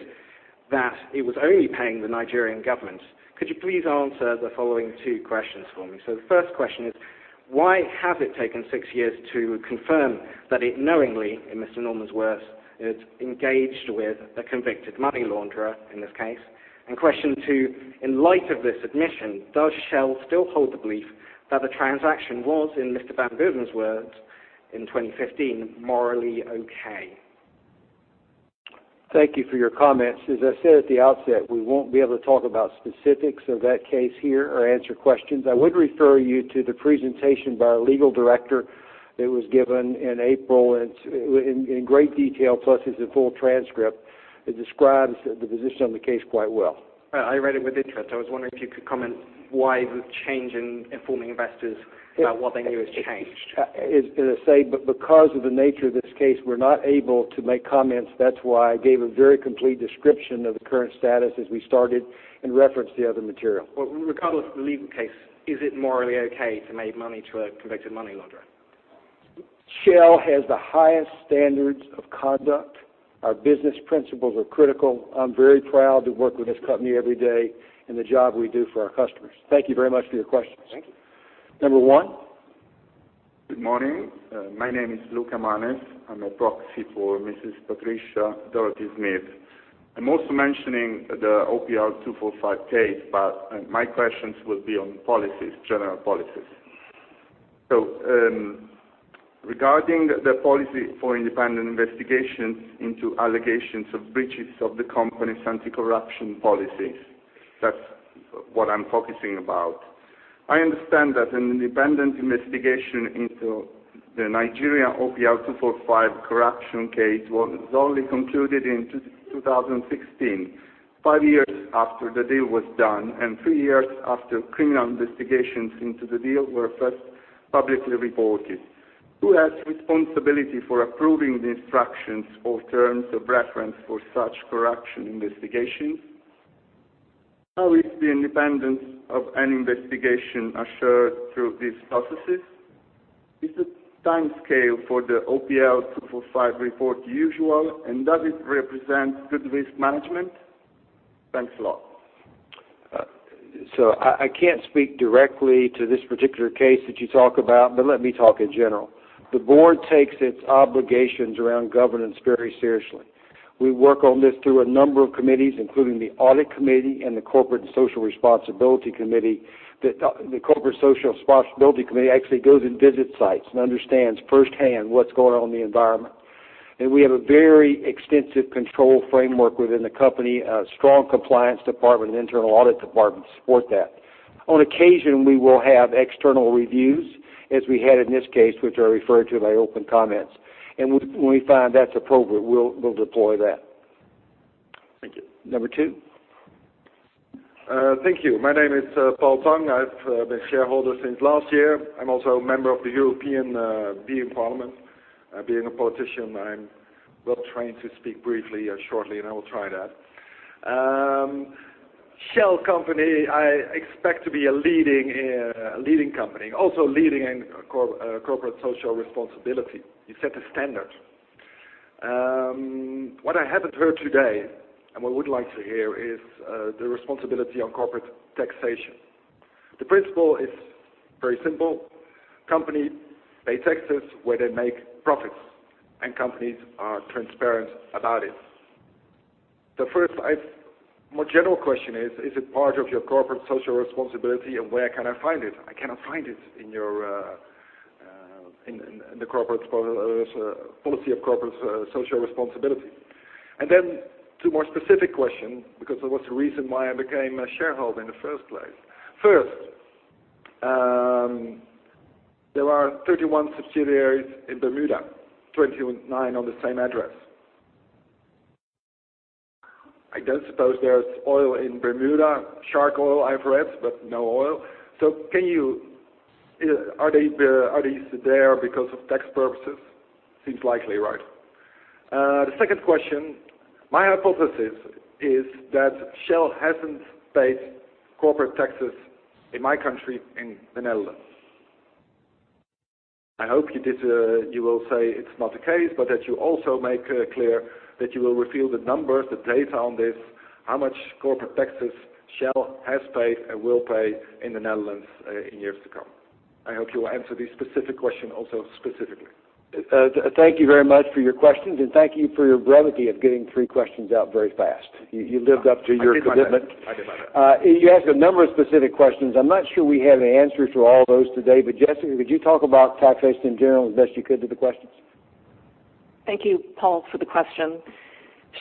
that it was only paying the Nigerian government, could you please answer the following two questions for me? The first question is, why has it taken 6 years to confirm that it knowingly, in Andy Norman's words, it engaged with a convicted money launderer in this case? Question two, in light of this admission, does Shell still hold the belief that the transaction was, in Ben van Beurden's words in 2015, morally okay? Thank you for your comments. As I said at the outset, we won't be able to talk about specifics of that case here or answer questions. I would refer you to the presentation by our Legal Director that was given in April, and in great detail, plus there's a full transcript. It describes the position on the case quite well. I read it with interest. I was wondering if you could comment why the change in informing investors about what they knew has changed. As I say, because of the nature of this case, we're not able to make comments. That's why I gave a very complete description of the current status as we started and referenced the other material. Well, regardless of the legal case, is it morally okay to make money through a convicted money launderer? Shell has the highest standards of conduct. Our business principles are critical. I'm very proud to work with this company every day and the job we do for our customers. Thank you very much for your questions. Thank you. Number one. Good morning. My name is Luke Amanas. I'm a proxy for Mrs. Patricia Dorothy Smith. I'm also mentioning the OPL 245 case, but my questions will be on general policies. Regarding the policy for independent investigations into allegations of breaches of the company's anti-corruption policies, that's what I'm focusing about. I understand that an independent investigation into the Nigerian OPL 245 corruption case was only concluded in 2016, five years after the deal was done and three years after criminal investigations into the deal were first publicly reported. Who has responsibility for approving the instructions or terms of reference for such corruption investigations? How is the independence of an investigation assured through these processes? Is the timescale for the OPL 245 report usual, and does it represent good risk management? Thanks a lot. I can't speak directly to this particular case that you talk about, but let me talk in general. The Board takes its obligations around governance very seriously. We work on this through a number of committees, including the Audit Committee and the Corporate and Social Responsibility Committee. The Corporate Social Responsibility Committee actually goes and visits sites and understands firsthand what's going on in the environment. We have a very extensive control framework within the company, a strong compliance department and internal audit department to support that. On occasion, we will have external reviews, as we had in this case, which are referred to by open comments. When we find that's appropriate, we'll deploy that. Thank you. Number two. Thank you. My name is Paul Tang. I've been a shareholder since last year. I'm also a Member of the European Parliament. Being a politician, I'm well trained to speak briefly, shortly, and I will try that. Shell company, I expect to be a leading company, also leading in corporate social responsibility. You set the standard. What I haven't heard today and what I would like to hear is the responsibility on corporate taxation. The principle is very simple. Companies pay taxes where they make profits, and companies are transparent about it. The first more general question is it part of your corporate social responsibility, and where can I find it? I cannot find it in the policy of corporate social responsibility. Then two more specific questions because there was a reason why I became a shareholder in the first place. First, there are 31 subsidiaries in Bermuda, 29 on the same address. I don't suppose there's oil in Bermuda. Shark oil I've read, but no oil. Are these there because of tax purposes? Seems likely, right? The second question, my hypothesis is that Shell hasn't paid corporate taxes in my country, in the Netherlands. I hope you will say it's not the case, but that you also make clear that you will reveal the numbers, the data on this, how much corporate taxes Shell has paid and will pay in the Netherlands in years to come. I hope you will answer this specific question also specifically. Thank you very much for your questions. Thank you for your brevity of getting three questions out very fast. You lived up to your commitment. I did my best. You asked a number of specific questions. I'm not sure we have the answers to all those today. Jessica, could you talk about taxation in general as best you could to the questions? Thank you, Paul, for the question.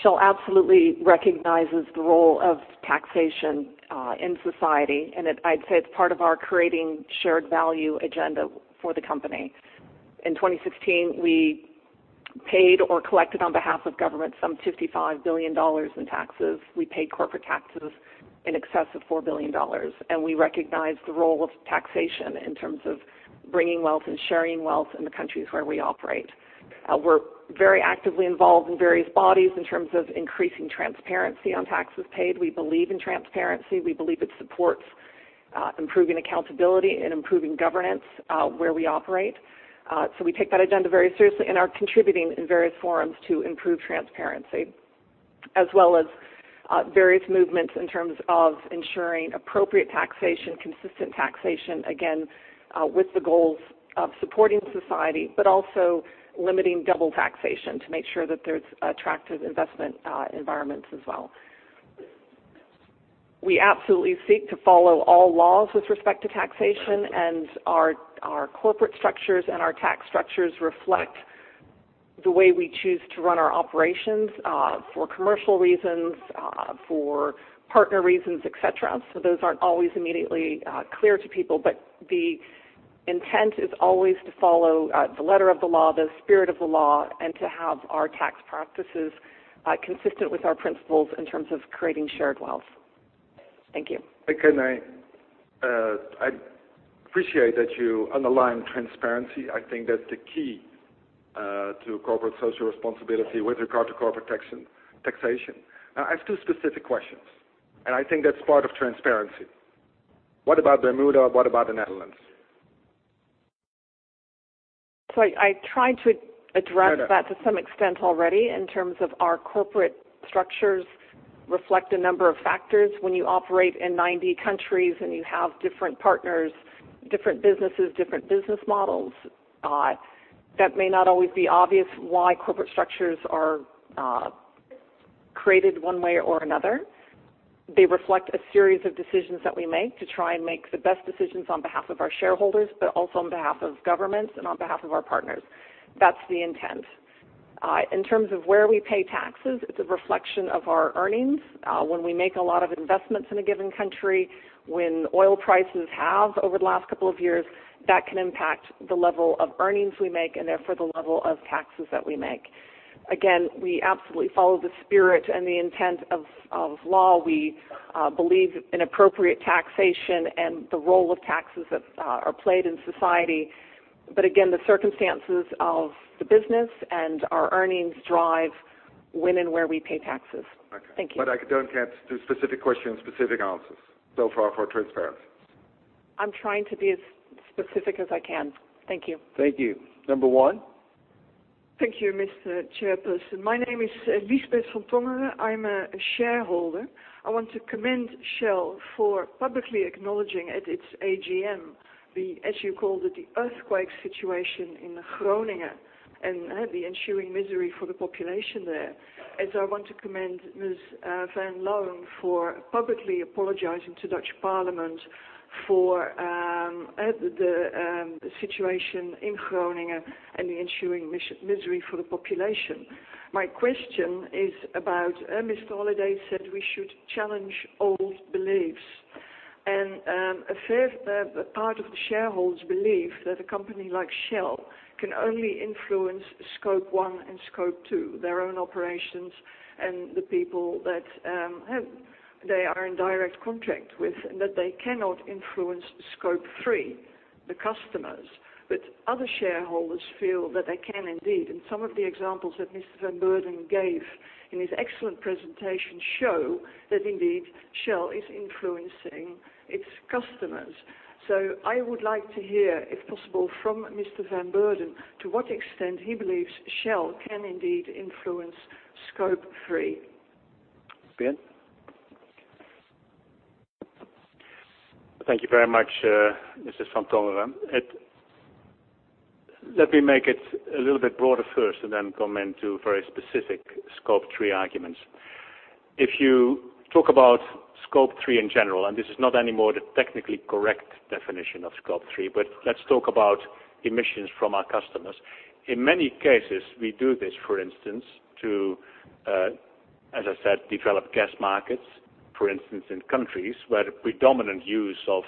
Shell absolutely recognizes the role of taxation in society, I'd say it's part of our creating shared value agenda for the company. In 2016, we paid or collected on behalf of government some $55 billion in taxes. We paid corporate taxes in excess of $4 billion. We recognize the role of taxation in terms of bringing wealth and sharing wealth in the countries where we operate. We're very actively involved in various bodies in terms of increasing transparency on taxes paid. We believe in transparency. We believe it supports improving accountability and improving governance where we operate. We take that agenda very seriously and are contributing in various forums to improve transparency, as well as various movements in terms of ensuring appropriate taxation, consistent taxation, again, with the goals of supporting society, also limiting double taxation to make sure that there's attractive investment environments as well. We absolutely seek to follow all laws with respect to taxation. Our corporate structures and our tax structures reflect the way we choose to run our operations for commercial reasons, for partner reasons, et cetera. Those aren't always immediately clear to people, the intent is always to follow the letter of the law, the spirit of the law, and to have our tax practices consistent with our principles in terms of creating shared wealth. Thank you. Can I? I appreciate that you underline transparency. I think that's the key to corporate social responsibility with regard to corporate taxation. I have two specific questions, and I think that's part of transparency. What about Bermuda? What about the Netherlands? I tried to address that to some extent already in terms of our corporate structures reflect a number of factors. When you operate in 90 countries and you have different partners, different businesses, different business models, that may not always be obvious why corporate structures are created one way or another. They reflect a series of decisions that we make to try and make the best decisions on behalf of our shareholders, but also on behalf of governments and on behalf of our partners. That's the intent. In terms of where we pay taxes, it's a reflection of our earnings. When we make a lot of investments in a given country, when oil prices halve over the last couple of years, that can impact the level of earnings we make and therefore the level of taxes that we make. Again, we absolutely follow the spirit and the intent of law. We believe in appropriate taxation and the role of taxes that are played in society. Again, the circumstances of the business and our earnings drive when and where we pay taxes. Thank you. Okay. I don't get to specific questions, specific answers. Far for transparency. I'm trying to be as specific as I can. Thank you. Thank you. Number one. Thank you, Mr. Chairperson. My name is Liesbeth van Tongeren. I'm a shareholder. I want to commend Shell for publicly acknowledging at its AGM the, as you called it, the earthquake situation in Groningen and the ensuing misery for the population there. I want to commend Ms. Van Loon for publicly apologizing to Dutch Parliament for the situation in Groningen and the ensuing misery for the population. My question is about, Mr. Holliday said we should challenge old beliefs. A fair part of the shareholders believe that a company like Shell can only influence Scope 1 and Scope 2, their own operations and the people that they are in direct contact with, and that they cannot influence Scope 3, the customers. Other shareholders feel that they can indeed, and some of the examples that Mr. Van Beurden gave in his excellent presentation show that indeed Shell is influencing its customers. I would like to hear, if possible, from Mr. Van Beurden to what extent he believes Shell can indeed influence Scope 3. Ben? Thank you very much, Mrs. Van Tongeren. Let me make it a little bit broader first and then come into very specific Scope 3 arguments. If you talk about Scope 3 in general, this is not any more the technically correct definition of Scope 3, let's talk about emissions from our customers. In many cases, we do this, for instance, to, as I said, develop gas markets, for instance, in countries where the predominant use of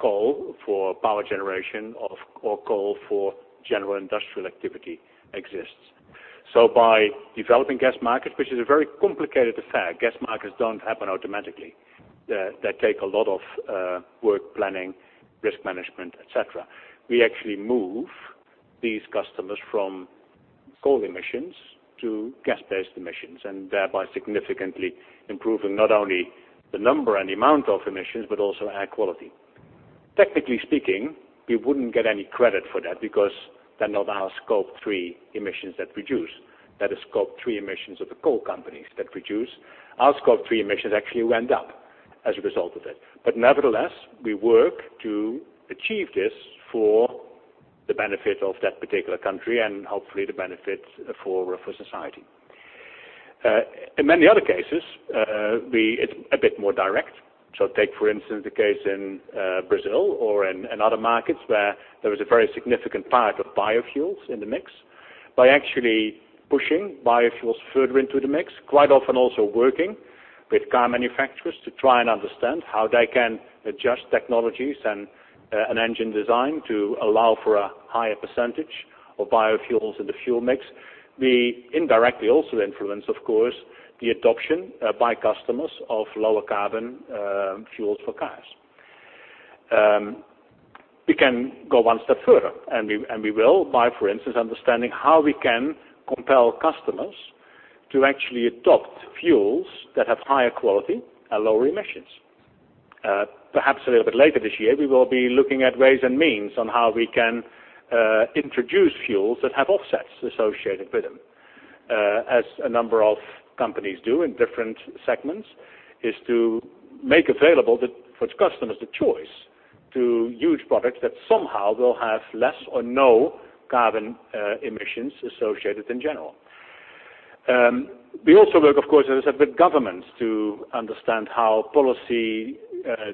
coal for power generation or coal for general industrial activity exists. By developing gas markets, which is a very complicated affair, gas markets don't happen automatically. They take a lot of work planning, risk management, et cetera. We actually move these customers from coal emissions to gas-based emissions, thereby significantly improving not only the number and the amount of emissions, but also air quality. Technically speaking, we wouldn't get any credit for that because they're not our Scope 3 emissions that reduce. That is Scope 3 emissions of the coal companies that reduce. Our Scope 3 emissions actually went up as a result of it. Nevertheless, we work to achieve this for the benefit of that particular country and hopefully the benefit for society. In many other cases, it's a bit more direct. Take, for instance, the case in Brazil or in other markets where there is a very significant part of biofuels in the mix. By actually pushing biofuels further into the mix, quite often also working with car manufacturers to try and understand how they can adjust technologies and an engine design to allow for a higher percentage of biofuels in the fuel mix. We indirectly also influence, of course, the adoption by customers of lower carbon fuels for cars. We can go one step further, we will by, for instance, understanding how we can compel customers to actually adopt fuels that have higher quality and lower emissions. Perhaps a little bit later this year, we will be looking at ways and means on how we can introduce fuels that have offsets associated with them. As a number of companies do in different segments, is to make available for the customers the choice to use products that somehow will have less or no carbon emissions associated in general. We also work, of course, as I said, with governments to understand how policy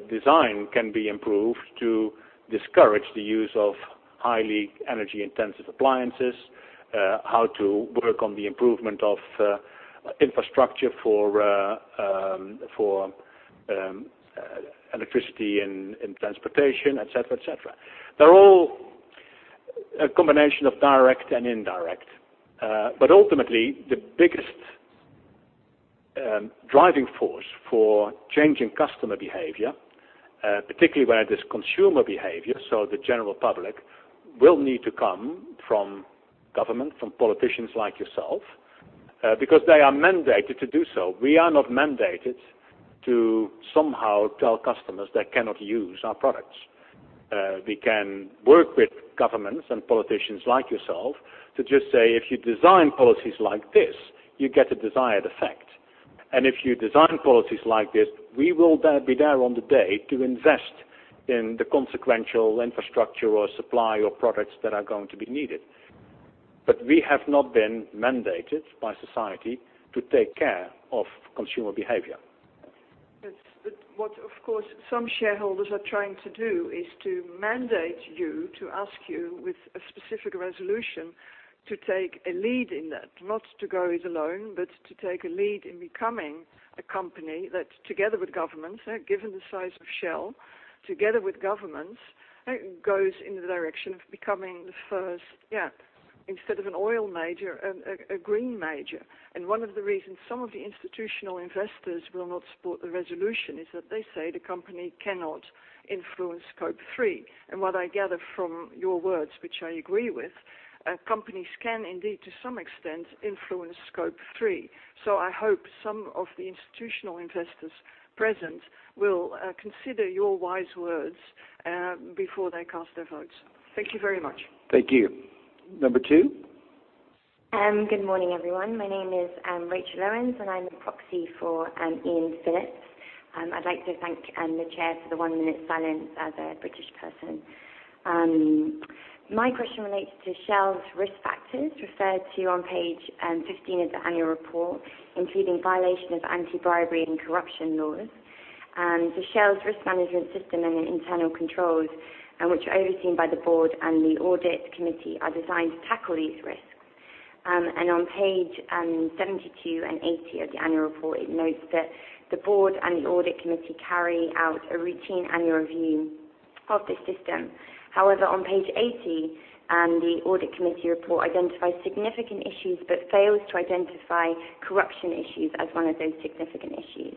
design can be improved to discourage the use of highly energy-intensive appliances, how to work on the improvement of infrastructure for electricity and transportation, et cetera. They're all a combination of direct and indirect. Ultimately, the biggest driving force for changing customer behavior, particularly where there's consumer behavior, so the general public, will need to come from government, from politicians like yourself because they are mandated to do so. We are not mandated to somehow tell customers they cannot use our products. We can work with governments and politicians like yourself to just say, "If you design policies like this, you get the desired effect. If you design policies like this, we will be there on the day to invest in the consequential infrastructure or supply of products that are going to be needed." We have not been mandated by society to take care of consumer behavior. Yes. What, of course, some shareholders are trying to do is to mandate you, to ask you with a specific resolution to take a lead in that. Not to go it alone, but to take a lead in becoming a company that together with governments, given the size of Shell, together with governments, goes in the direction of becoming the first, instead of an oil major, a green major. One of the reasons some of the institutional investors will not support the resolution is that they say the company cannot influence Scope 3. What I gather from your words, which I agree with, companies can indeed, to some extent, influence Scope 3. I hope some of the institutional investors present will consider your wise words before they cast their votes. Thank you very much. Thank you. Number two. Good morning, everyone. My name is Rachel Owens, and I'm a proxy for Ian Phillips. I'd like to thank the chair for the one-minute silence as a British person. My question relates to Shell's risk factors referred to on page 15 of the annual report, including violation of anti-bribery and corruption laws. Shell's risk management system and the internal controls, which are overseen by the board and the audit committee, are designed to tackle these risks. On page 72 and 80 of the annual report, it notes that the board and the audit committee carry out a routine annual review of this system. However, on page 80, the audit committee report identifies significant issues but fails to identify corruption issues as one of those significant issues.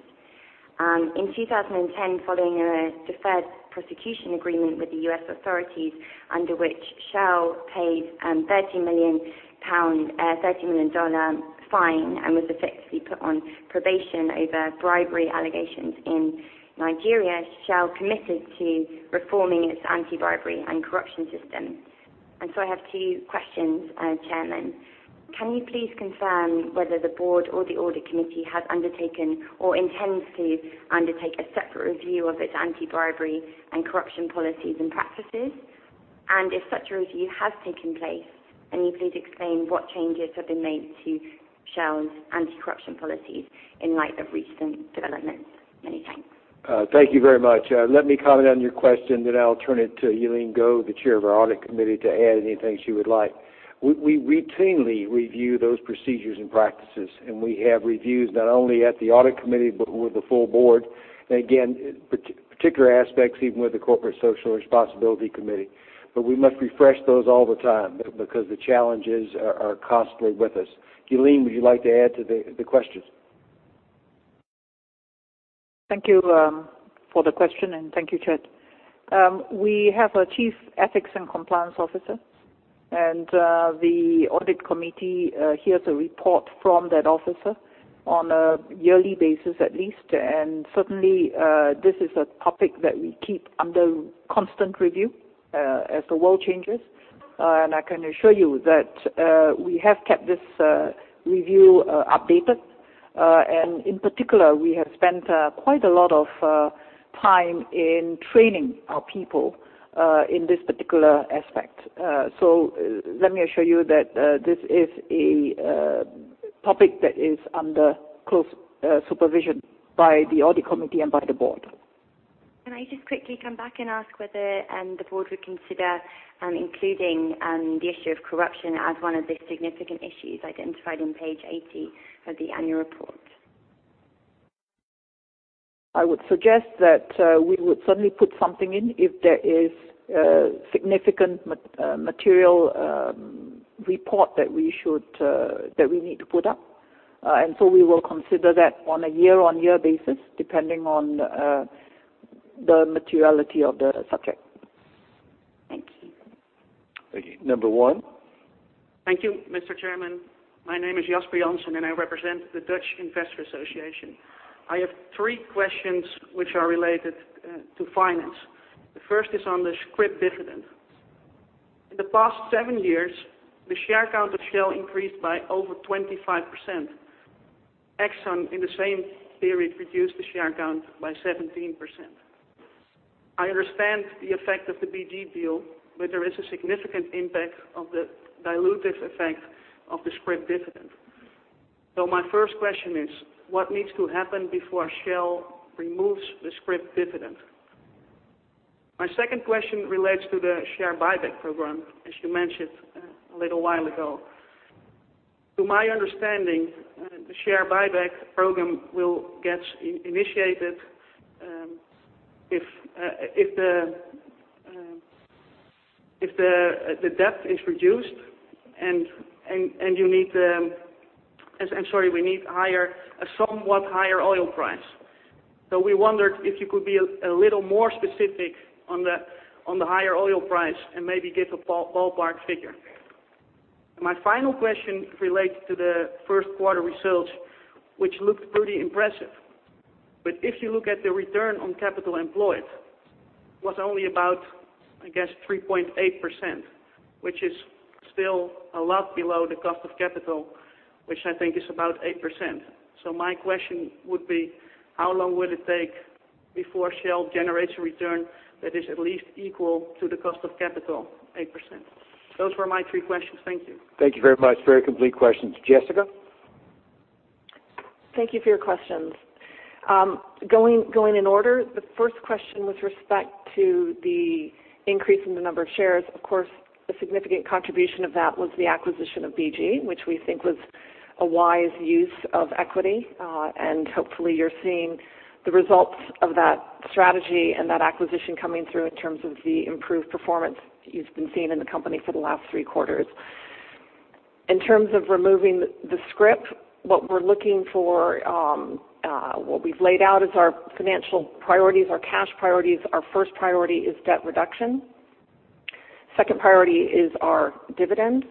In 2010, following a deferred prosecution agreement with the U.S. authorities, under which Shell paid a $30 million fine and was effectively put on probation over bribery allegations in Nigeria, Shell committed to reforming its anti-bribery and corruption system. I have two questions, Chairman. Can you please confirm whether the board or the audit committee has undertaken or intends to undertake a separate review of its anti-bribery and corruption policies and practices? If such a review has taken place, can you please explain what changes have been made to Shell's anti-corruption policies in light of recent developments? Many thanks. Thank you very much. Let me comment on your question, then I'll turn it to Euleen Goh, the Chair of our Audit Committee, to add anything she would like. We routinely review those procedures and practices, and we have reviews not only at the Audit Committee but with the full board. Again, particular aspects, even with the Corporate Social Responsibility Committee. We must refresh those all the time because the challenges are constantly with us. Euleen, would you like to add to the questions? Thank you for the question, thank you, Chad. We have a Chief Ethics and Compliance Officer, and the Audit Committee hears a report from that officer on a yearly basis at least. Certainly, this is a topic that we keep under constant review as the world changes. I can assure you that we have kept this review updated. In particular, we have spent quite a lot of time in training our people in this particular aspect. Let me assure you that this is a topic that is under close supervision by the Audit Committee and by the board. Can I just quickly come back and ask whether the Board would consider including the issue of corruption as one of the significant issues identified on page 80 of the annual report? I would suggest that we would certainly put something in if there is a significant material report that we need to put up We will consider that on a year-on-year basis, depending on the materiality of the subject. Thank you. Number 1. Thank you, Mr. Chairman. My name is Jasper Janssen, and I represent the Dutch Investors' Association. I have three questions which are related to finance. The first is on the scrip dividend. In the past seven years, the share count of Shell increased by over 25%. Exxon, in the same period, reduced the share count by 17%. I understand the effect of the BG deal, but there is a significant impact of the dilutive effect of the scrip dividend. My first question is, what needs to happen before Shell removes the scrip dividend? My second question relates to the share buyback program, as you mentioned a little while ago. To my understanding, the share buyback program will get initiated if the debt is reduced and you need the I'm sorry, we need a somewhat higher oil price. We wondered if you could be a little more specific on the higher oil price and maybe give a ballpark figure. My final question relates to the first quarter results, which looked pretty impressive. If you look at the return on capital employed, was only about, I guess, 3.8%, which is still a lot below the cost of capital, which I think is about 8%. My question would be, how long would it take before Shell generates a return that is at least equal to the cost of capital, 8%? Those were my three questions. Thank you. Thank you very much. Very complete questions. Jessica? Thank you for your questions. Going in order, the first question with respect to the increase in the number of shares, of course, a significant contribution of that was the acquisition of BG, which we think was a wise use of equity. Hopefully you're seeing the results of that strategy and that acquisition coming through in terms of the improved performance you've been seeing in the company for the last three quarters. In terms of removing the scrip, what we're looking for, what we've laid out is our financial priorities, our cash priorities. Our first priority is debt reduction. Second priority is our dividend.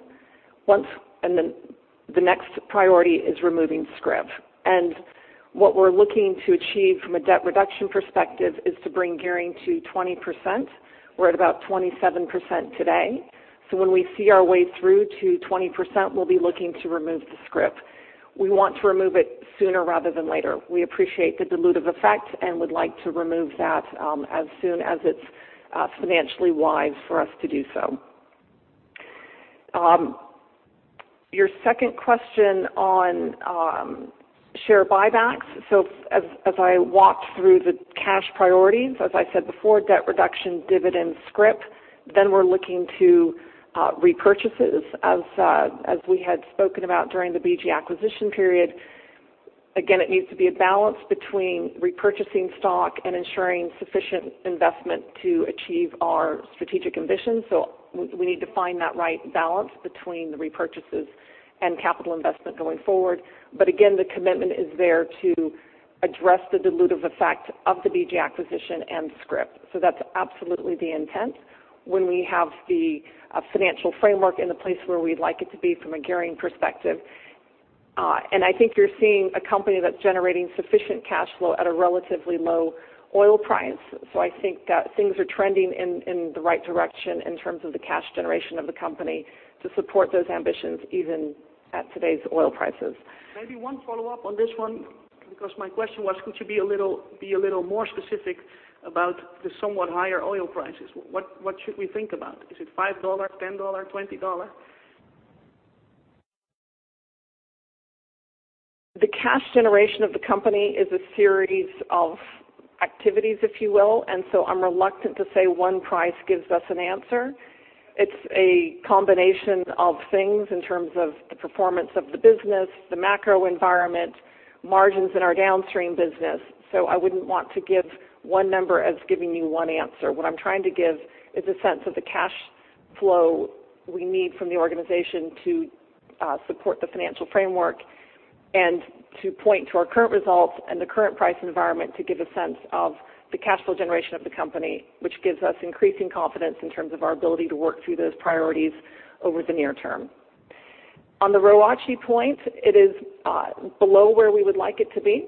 The next priority is removing scrip. What we're looking to achieve from a debt reduction perspective is to bring gearing to 20%. We're at about 27% today. When we see our way through to 20%, we'll be looking to remove the scrip. We want to remove it sooner rather than later. We appreciate the dilutive effect and would like to remove that as soon as it's financially wise for us to do so. Your second question on share buybacks. As I walked through the cash priorities, as I said before, debt reduction, dividend, scrip, we're looking to repurchases as we had spoken about during the BG acquisition period. Again, it needs to be a balance between repurchasing stock and ensuring sufficient investment to achieve our strategic ambitions. We need to find that right balance between the repurchases and capital investment going forward. Again, the commitment is there to address the dilutive effect of the BG acquisition and scrip. That's absolutely the intent when we have the financial framework in the place where we'd like it to be from a gearing perspective. I think you're seeing a company that's generating sufficient cash flow at a relatively low oil price. I think things are trending in the right direction in terms of the cash generation of the company to support those ambitions, even at today's oil prices. Maybe one follow-up on this one, because my question was, could you be a little more specific about the somewhat higher oil prices? What should we think about? Is it $5, $10, $20? The cash generation of the company is a series of activities, if you will, I'm reluctant to say one price gives us an answer. It's a combination of things in terms of the performance of the business, the macro environment, margins in our downstream business. I wouldn't want to give one number as giving you one answer. What I'm trying to give is a sense of the cash flow we need from the organization to support the financial framework and to point to our current results and the current price environment to give a sense of the cash flow generation of the company, which gives us increasing confidence in terms of our ability to work through those priorities over the near term. On the ROACE point, it is below where we would like it to be.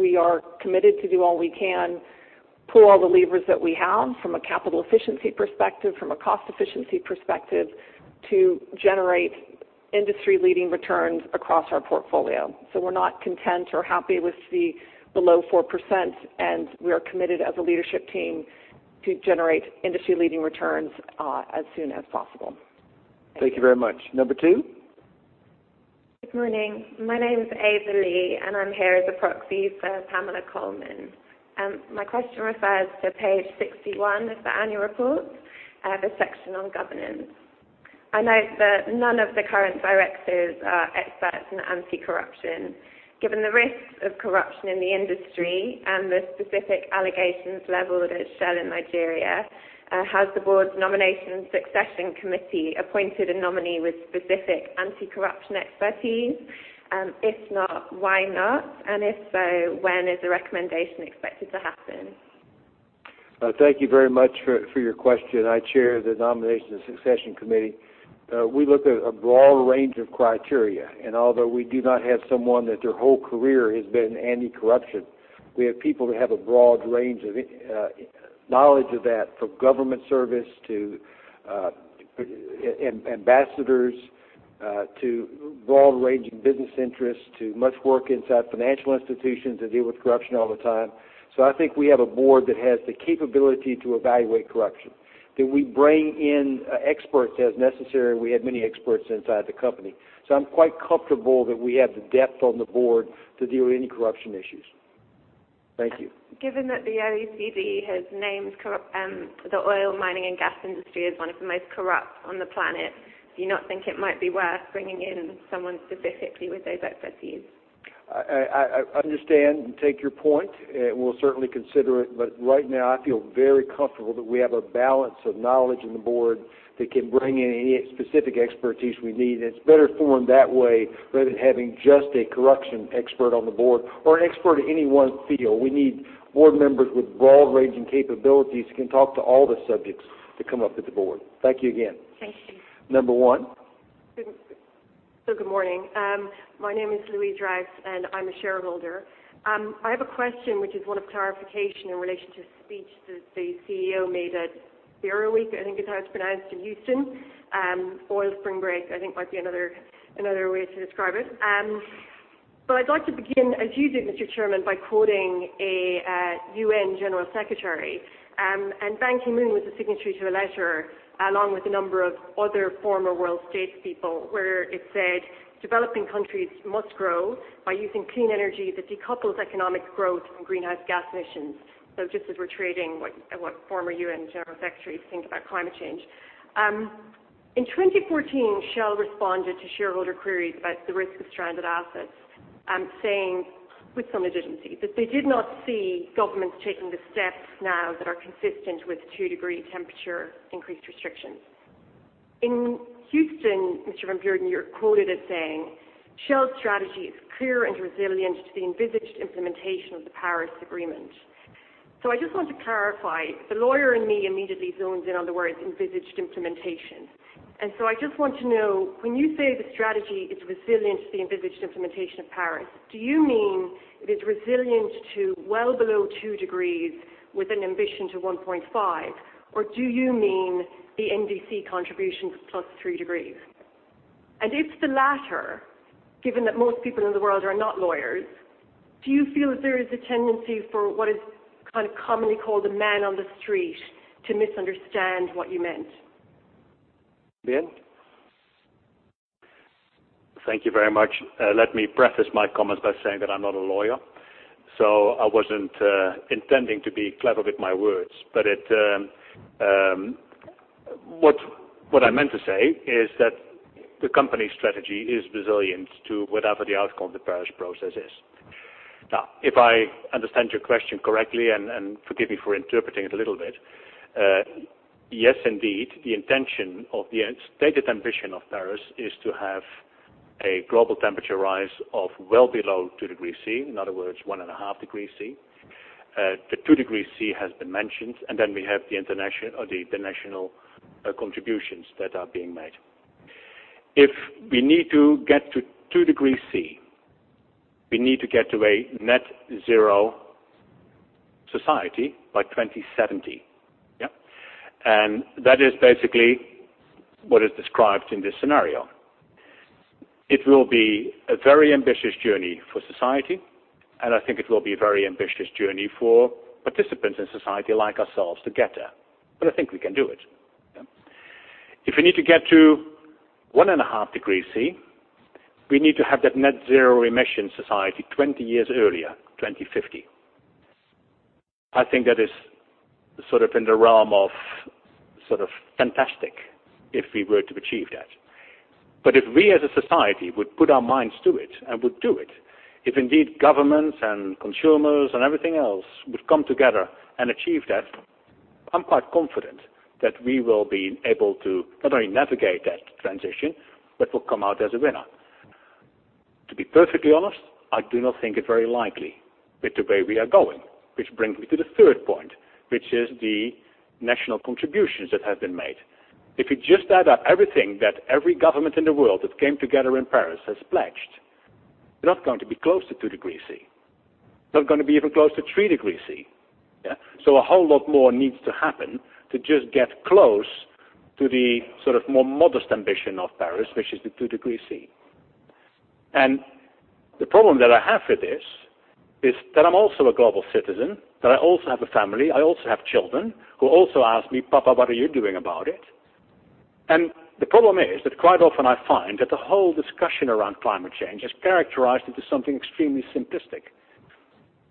We are committed to do all we can, pull all the levers that we have from a capital efficiency perspective, from a cost efficiency perspective to generate industry-leading returns across our portfolio. We're not content or happy with the below 4%, we are committed as a leadership team to generate industry-leading returns as soon as possible. Thank you very much. Number two? Good morning. My name is Ava Lee, I'm here as a proxy for Pamela Coleman. My question refers to page 61 of the annual report, the section on governance. I note that none of the current directors are experts in anti-corruption. Given the risks of corruption in the industry and the specific allegations leveled at Shell in Nigeria, has the board's Nomination and Succession Committee appointed a nominee with specific anti-corruption expertise? If not, why not? If so, when is the recommendation expected to happen? Thank you very much for your question. I chair the Nomination and Succession Committee. We look at a broad range of criteria. Although we do not have someone that their whole career has been anti-corruption, we have people that have a broad range of knowledge of that, from government service to ambassadors, to broad range in business interests, to much work inside financial institutions that deal with corruption all the time. I think we have a board that has the capability to evaluate corruption, that we bring in experts as necessary. We have many experts inside the company. I'm quite comfortable that we have the depth on the board to deal with any corruption issues. Thank you. Given that the OECD has named the oil mining and gas industry as one of the most corrupt on the planet, do you not think it might be worth bringing in someone specifically with those expertise? I understand and take your point. We'll certainly consider it, right now I feel very comfortable that we have a balance of knowledge in the board that can bring in any specific expertise we need. It's better formed that way rather than having just a corruption expert on the board or an expert in any one field. We need board members with broad-ranging capabilities who can talk to all the subjects that come up with the board. Thank you again. Thank you. Number 1. Good morning. My name is Louise Rouse, and I'm a shareholder. I have a question which is one of clarification in relation to the speech that the CEO made at CERAWeek, I think is how it's pronounced, in Houston. Oil Spring break, I think might be another way to describe it. I'd like to begin, as you did, Mr. Chairman, by quoting a UN General Secretary. Ban Ki-moon was a signatory to a letter, along with a number of other former world statespeople, where it said, "Developing countries must grow by using clean energy that decouples economic growth from greenhouse gas emissions." Just as we're trading what former UN general secretaries think about climate change. In 2014, Shell responded to shareholder queries about the risk of stranded assets, saying, with some legitimacy, that they did not see governments taking the steps now that are consistent with 2 degrees temperature increase restrictions. In Houston, Mr. van Beurden, you are quoted as saying, "Shell's strategy is clear and resilient to the envisaged implementation of the Paris Agreement." I just want to clarify. The lawyer in me immediately zones in on the words envisaged implementation. I just want to know, when you say the strategy is resilient to the envisaged implementation of Paris, do you mean it is resilient to well below 2 degrees with an ambition to 1.5, or do you mean the NDC contributions plus 3 degrees? If the latter, given that most people in the world are not lawyers, do you feel that there is a tendency for what is commonly called a man on the street to misunderstand what you meant? Ben? Thank you very much. Let me preface my comments by saying that I am not a lawyer, I was not intending to be clever with my words. What I meant to say is that the company strategy is resilient to whatever the outcome of the Paris process is. Now, if I understand your question correctly, forgive me for interpreting it a little bit, yes, indeed, the intention of the stated ambition of Paris is to have a global temperature rise of well below 2 degrees C, in other words, 1.5 degrees C. The 2 degrees C has been mentioned, then we have the international contributions that are being made. If we need to get to 2 degrees C, we need to get to a net zero society by 2070. Yep. That is basically what is described in this scenario. It will be a very ambitious journey for society, I think it will be a very ambitious journey for participants in society like ourselves to get there. I think we can do it. If we need to get to 1.5 degrees C, we need to have that net zero emission society 20 years earlier, 2050. I think that is in the realm of fantastic if we were to achieve that. If we as a society would put our minds to it and would do it, if indeed governments and consumers and everything else would come together and achieve that, I am quite confident that we will be able to not only navigate that transition, but will come out as a winner. To be perfectly honest, I do not think it very likely with the way we are going, which brings me to the third point, which is the national contributions that have been made. If you just add up everything that every government in the world that came together in Paris has pledged, we're not going to be close to two degrees Celsius. Not going to be even close to three degrees Celsius. A whole lot more needs to happen to just get close to the more modest ambition of Paris, which is the two degrees Celsius. The problem that I have with this is that I'm also a global citizen, that I also have a family. I also have children who also ask me, "Papa, what are you doing about it?" The problem is that quite often I find that the whole discussion around climate change is characterized into something extremely simplistic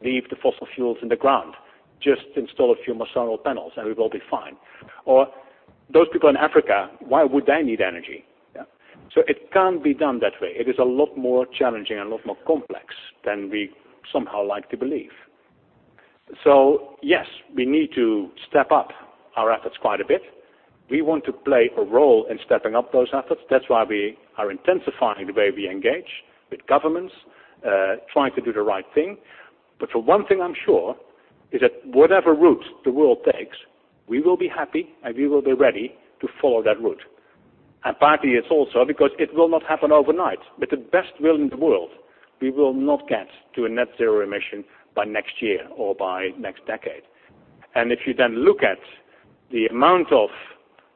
Leave the fossil fuels in the ground. Just install a few more solar panels and we will be fine. Those people in Africa, why would they need energy? It can't be done that way. It is a lot more challenging and a lot more complex than we somehow like to believe. Yes, we need to step up our efforts quite a bit. We want to play a role in stepping up those efforts. That's why we are intensifying the way we engage with governments, trying to do the right thing. For one thing I'm sure is that whatever route the world takes, we will be happy and we will be ready to follow that route. Partly it's also because it will not happen overnight. With the best will in the world, we will not get to a net zero emission by next year or by next decade. If you then look at the amount of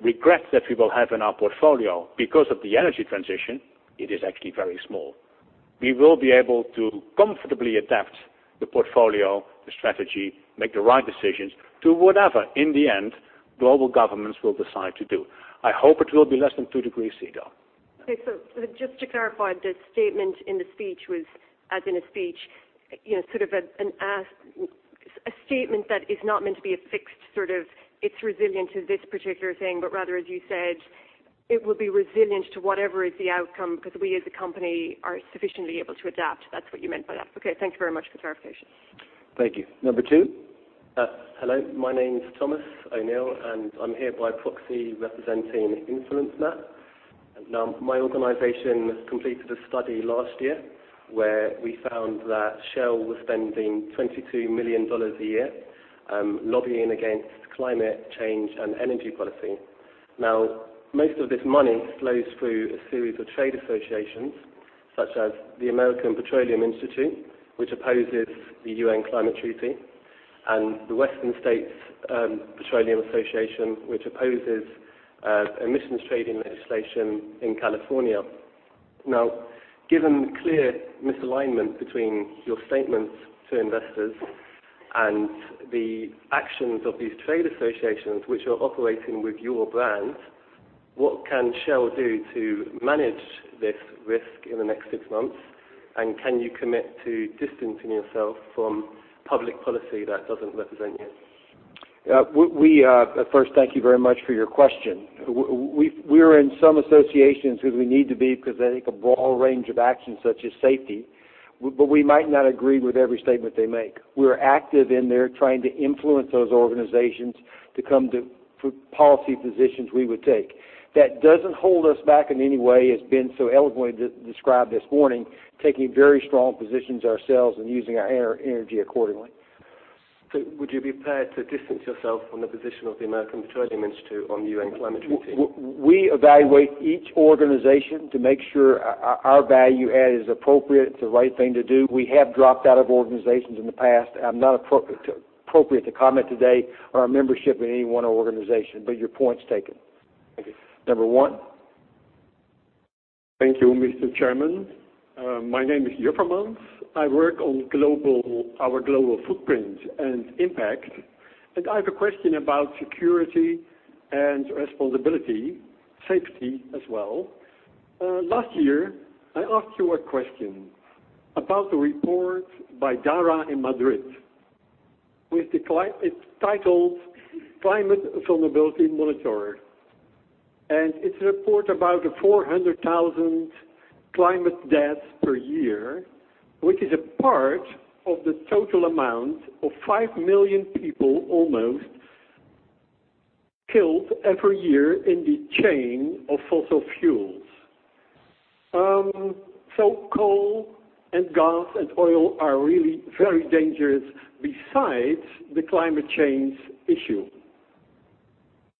regret that we will have in our portfolio because of the energy transition, it is actually very small. We will be able to comfortably adapt the portfolio, the strategy, make the right decisions to whatever, in the end, global governments will decide to do. I hope it will be less than two degrees Celsius, though. Okay. Just to clarify, the statement in the speech was as in a speech, sort of a statement that is not meant to be a fixed sort of, it's resilient to this particular thing, but rather, as you said, it will be resilient to whatever is the outcome because we as a company are sufficiently able to adapt. That's what you meant by that? Okay. Thank you very much for the clarification. Thank you. Number 2. Hello, my name's Thomas O'Neill, and I'm here by proxy representing InfluenceMap. Now, my organization completed a study last year where we found that Shell was spending $22 million a year lobbying against climate change and energy policy. Now, most of this money flows through a series of trade associations, such as the American Petroleum Institute, which opposes the UN Climate Treaty, and the Western States Petroleum Association, which opposes emissions trade legislation in California. Now, given the clear misalignment between your statements to investors and the actions of these trade associations, which are operating with your brand, what can Shell do to manage this risk in the next six months? Can you commit to distancing yourself from public policy that doesn't represent you? First, thank you very much for your question. We're in some associations because we need to be, because they take a broad range of actions, such as safety. We might not agree with every statement they make. We're active in there trying to influence those organizations to come to policy positions we would take. That doesn't hold us back in any way. It's been so eloquently described this morning, taking very strong positions ourselves and using our energy accordingly. Would you be prepared to distance yourself from the position of the American Petroleum Institute on the UN Climate Treaty? We evaluate each organization to make sure our value add is appropriate, it's the right thing to do. We have dropped out of organizations in the past. Not appropriate to comment today on our membership in any one organization, but your point's taken. Thank you. Number one. Thank you, Mr. Chairman. My name is Jopperman. I work on our global footprint and impact, and I have a question about security and responsibility, safety as well. Last year, I asked you a question about the report by DARA in Madrid. It's titled Climate Vulnerability Monitor, and it's a report about the 400,000 climate deaths per year, which is a part of the total amount of 5 million people almost killed every year in the chain of fossil fuels. Coal and gas and oil are really very dangerous besides the climate change issue.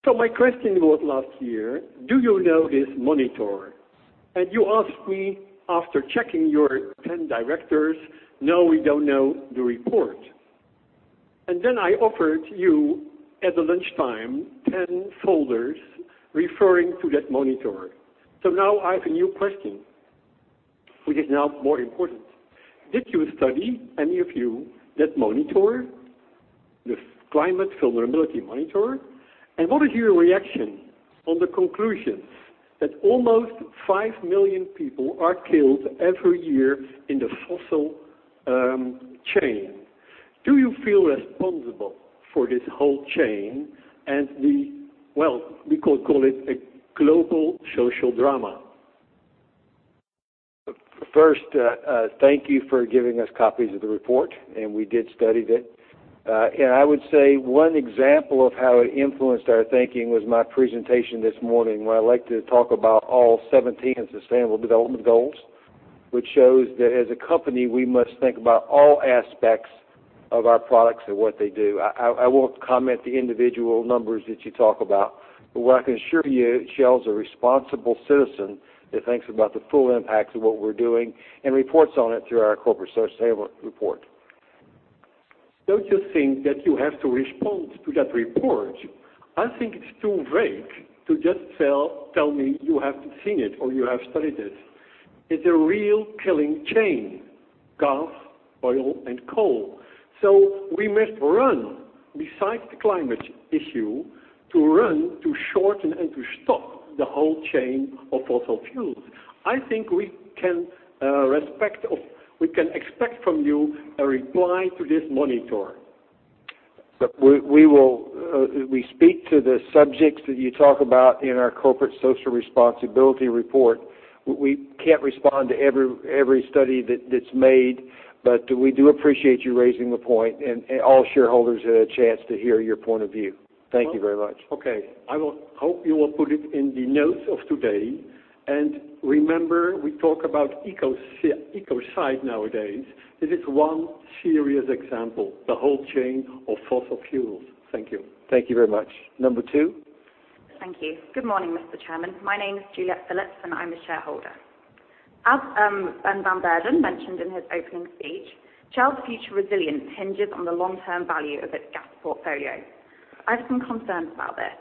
My question was last year, do you know this monitor? You asked me, after checking your 10 directors, "No, we don't know the report." I offered you at the lunchtime, 10 folders referring to that monitor. Now I have a new question, which is now more important. Did you study, any of you, that monitor, the Climate Vulnerability Monitor? What is your reaction on the conclusions that almost 5 million people are killed every year in the fossil chain? Do you feel responsible for this whole chain and the, well, we could call it a global social drama? First, thank you for giving us copies of the report, we did study it. I would say one example of how it influenced our thinking was my presentation this morning, where I like to talk about all 17 Sustainable Development Goals, which shows that as a company, we must think about all aspects of our products and what they do. I won't comment the individual numbers that you talk about, but what I can assure you, Shell's a responsible citizen that thinks about the full impacts of what we're doing and reports on it through our corporate sustainability report. Don't you think that you have to respond to that report? I think it's too vague to just tell me you have seen it or you have studied it. It's a real killing chain, gas, oil, and coal. We must run besides the climate issue to run to shorten and to stop the whole chain of fossil fuels. I think we can expect from you a reply to this Climate Vulnerability Monitor. We speak to the subjects that you talk about in our corporate social responsibility report. We can't respond to every study that's made. We do appreciate you raising the point. All shareholders had a chance to hear your point of view. Thank you very much. Okay. I will hope you will put it in the notes of today. Remember, we talk about ecocide nowadays. This is one serious example, the whole chain of fossil fuels. Thank you. Thank you very much. Number two. Thank you. Good morning, Mr. Chairman. My name is Juliet Phillips, I'm a shareholder. As Ben van Beurden mentioned in his opening speech, Shell's future resilience hinges on the long-term value of its gas portfolio. I have some concerns about this.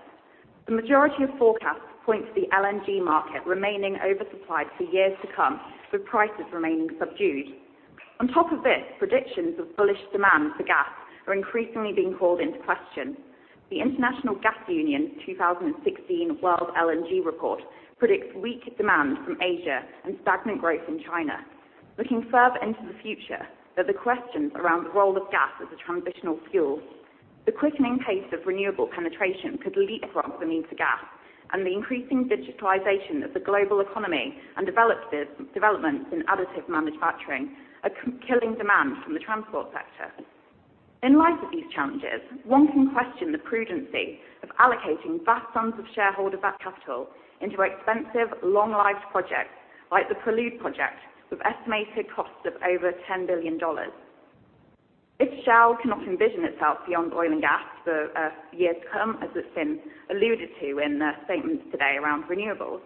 The majority of forecasts point to the LNG market remaining oversupplied for years to come, with prices remaining subdued. On top of this, predictions of bullish demand for gas are increasingly being called into question. The International Gas Union's 2016 World LNG Report predicts weak demand from Asia and stagnant growth in China. Looking further into the future, there's a question around the role of gas as a transitional fuel. The quickening pace of renewable penetration could leapfrog the need for gas, the increasing digitalization of the global economy and developments in additive manufacturing are killing demand from the transport sector. In light of these challenges, one can question the prudency of allocating vast sums of shareholder capital into expensive, long-lived projects like the Prelude project, with estimated costs of over $10 billion. If Shell cannot envision itself beyond oil and gas for years to come, as has been alluded to in the statements today around renewables,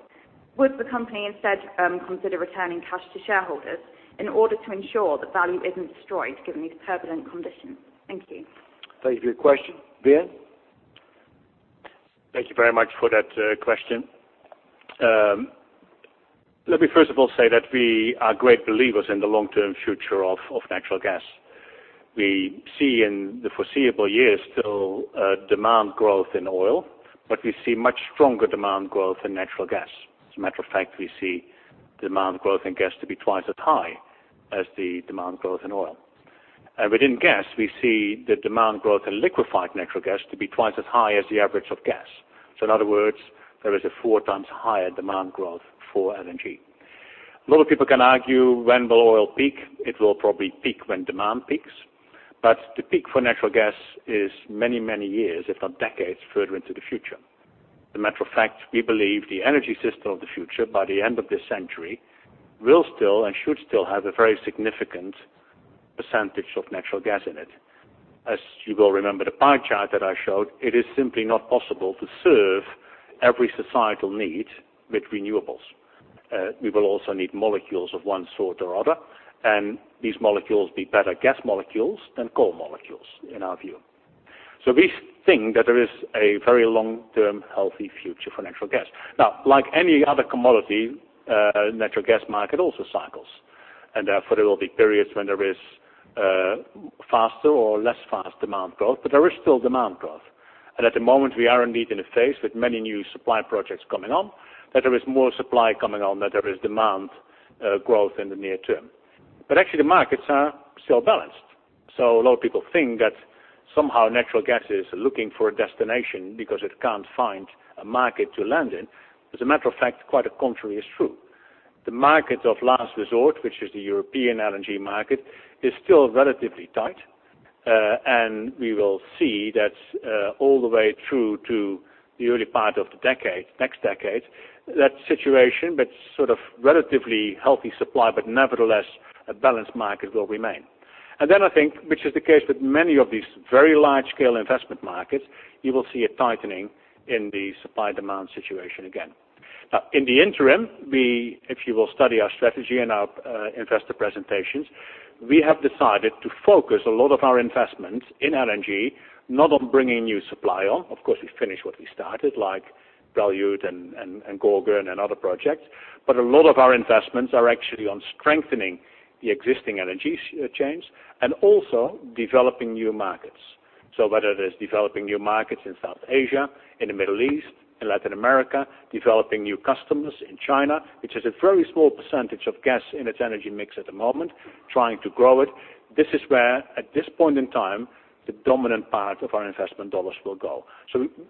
would the company instead consider returning cash to shareholders in order to ensure that value isn't destroyed given these prevalent conditions? Thank you. Thank you for your question. Ben? Thank you very much for that question. Let me first of all say that we are great believers in the long-term future of natural gas. We see in the foreseeable years still a demand growth in oil, we see much stronger demand growth in natural gas. As a matter of fact, we see demand growth in gas to be twice as high as the demand growth in oil. Within gas, we see the demand growth in liquefied natural gas to be twice as high as the average of gas. In other words, there is a four times higher demand growth for LNG. A lot of people can argue, when will oil peak? It will probably peak when demand peaks, but the peak for natural gas is many years, if not decades, further into the future. As a matter of fact, we believe the energy system of the future, by the end of this century, will still and should still have a very significant percentage of natural gas in it. As you will remember the pie chart that I showed, it is simply not possible to serve every societal need with renewables. We will also need molecules of one sort or other, and these molecules be better gas molecules than coal molecules, in our view. We think that there is a very long-term healthy future for natural gas. Now, like any other commodity, natural gas market also cycles. Therefore, there will be periods when there is faster or less fast demand growth, but there is still demand growth. At the moment, we are indeed in a phase with many new supply projects coming on, that there is more supply coming on than there is demand growth in the near term. Actually, the markets are still balanced. A lot of people think that somehow natural gas is looking for a destination because it can't find a market to land in. As a matter of fact, quite the contrary is true. The market of last resort, which is the European LNG market, is still relatively tight. We will see that all the way through to the early part of the next decade, that situation, but sort of relatively healthy supply, but nevertheless, a balanced market will remain. Then I think, which is the case with many of these very large-scale investment markets, you will see a tightening in the supply-demand situation again. Now, in the interim, if you will study our strategy and our investor presentations, we have decided to focus a lot of our investments in LNG, not on bringing new supply on. Of course, we finish what we started, like Prelude and Gorgon and other projects, but a lot of our investments are actually on strengthening the existing energy chains and also developing new markets. Whether it is developing new markets in South Asia, in the Middle East, in Latin America, developing new customers in China, which has a very small percentage of gas in its energy mix at the moment, trying to grow it. This is where, at this point in time, the dominant part of our investment dollars will go.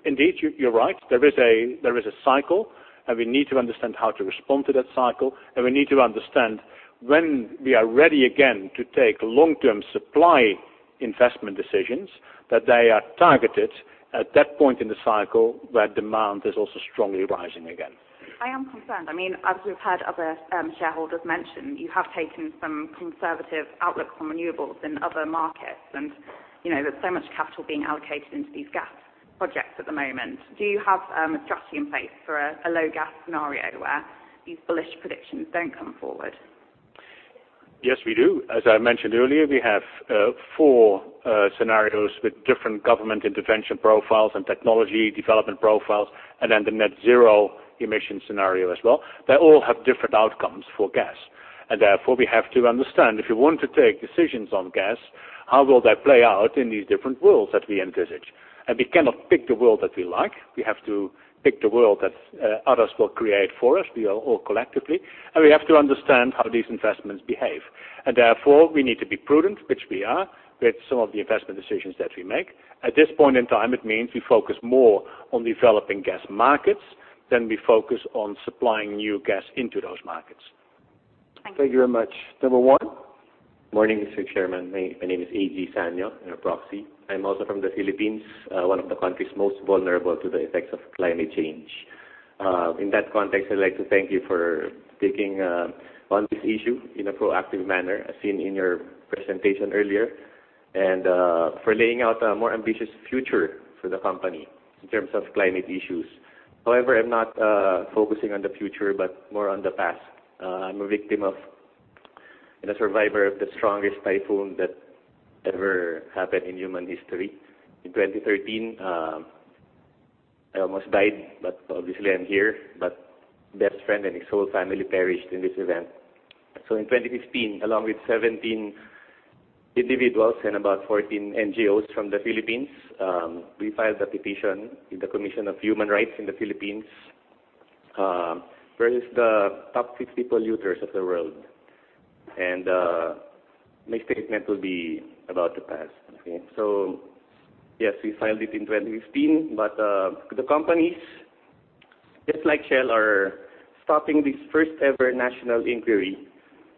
Indeed, you're right. There is a cycle, and we need to understand how to respond to that cycle, and we need to understand when we are ready again to take long-term supply investment decisions, that they are targeted at that point in the cycle where demand is also strongly rising again. I am concerned. As we've heard other shareholders mention, you have taken some conservative outlooks on renewables in other markets, and there's so much capital being allocated into these gas projects at the moment. Do you have a strategy in place for a low gas scenario where these bullish predictions don't come forward? Yes, we do. As I mentioned earlier, we have four scenarios with different government intervention profiles and technology development profiles, and then the net zero emission scenario as well. They all have different outcomes for gas. Therefore, we have to understand, if you want to take decisions on gas, how will that play out in these different worlds that we envisage? We cannot pick the world that we like. We have to pick the world that others will create for us, we are all collectively, and we have to understand how these investments behave. Therefore, we need to be prudent, which we are, with some of the investment decisions that we make. At this point in time, it means we focus more on developing gas markets than we focus on supplying new gas into those markets. Thank you. Thank you very much. Number one. Morning, Mr. Chairman. My name is AG Saño, I'm a proxy. I'm also from the Philippines, one of the countries most vulnerable to the effects of climate change. In that context, I'd like to thank you for taking on this issue in a proactive manner, as seen in your presentation earlier, and for laying out a more ambitious future for the company in terms of climate issues. I'm not focusing on the future, but more on the past. I'm a victim of and a survivor of the strongest typhoon that ever happened in human history. In 2013, I almost died, but obviously I'm here. My best friend and his whole family perished in this event. In 2015, along with 17 individuals and about 14 NGOs from the Philippines, we filed a petition with the Commission on Human Rights in the Philippines versus the top 50 polluters of the world. My statement will be about to pass. Yes, we filed it in 2015, the companies, just like Shell, are stopping this first ever national inquiry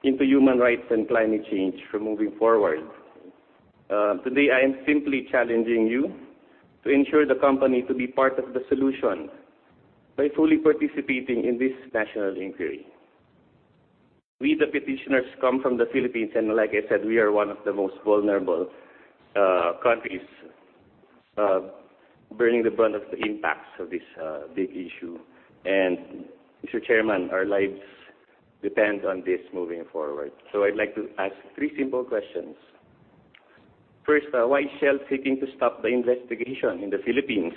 into human rights and climate change from moving forward. Today, I am simply challenging you to ensure the company to be part of the solution by fully participating in this national inquiry. We, the petitioners, come from the Philippines, like I said, we are one of the most vulnerable countries, bearing the brunt of the impacts of this big issue. Mr. Chairman, our lives depend on this moving forward. I'd like to ask three simple questions. First, why is Shell seeking to stop the investigation in the Philippines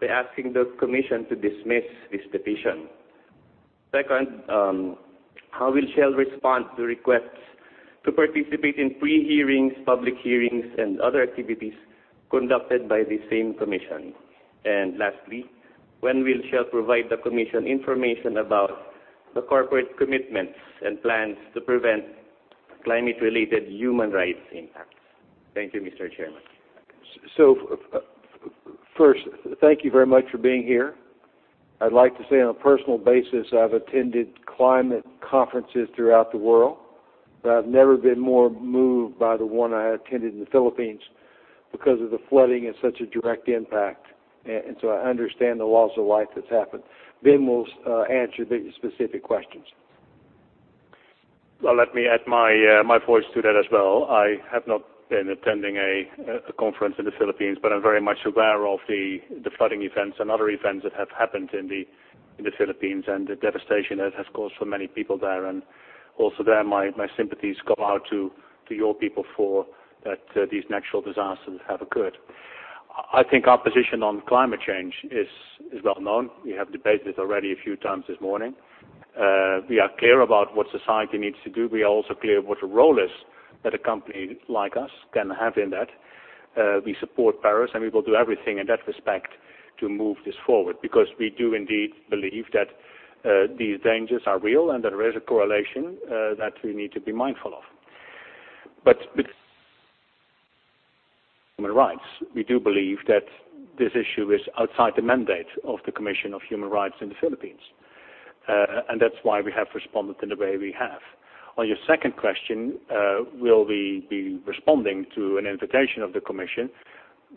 by asking the commission to dismiss this petition? Second, how will Shell respond to requests to participate in pre-hearings, public hearings, and other activities conducted by the same commission? Lastly, when will Shell provide the commission information about the corporate commitments and plans to prevent climate-related human rights impacts? Thank you, Mr. Chairman. First, thank you very much for being here. I'd like to say on a personal basis, I've attended climate conferences throughout the world, I've never been more moved by the one I attended in the Philippines because of the flooding and such a direct impact. I understand the loss of life that's happened. Ben will answer the specific questions. Let me add my voice to that as well. I have not been attending a conference in the Philippines, but I'm very much aware of the flooding events and other events that have happened in the Philippines and the devastation it has caused for many people there. Also there, my sympathies go out to your people for that these natural disasters have occurred. I think our position on climate change is well known. We have debated already a few times this morning. We are clear about what society needs to do. We are also clear what role is that a company like us can have in that. We support Paris, and we will do everything in that respect to move this forward because we do indeed believe that these dangers are real and that there is a correlation that we need to be mindful of. Human rights, we do believe that this issue is outside the mandate of the Commission on Human Rights in the Philippines. That's why we have responded in the way we have. On your second question, will we be responding to an invitation of the commission?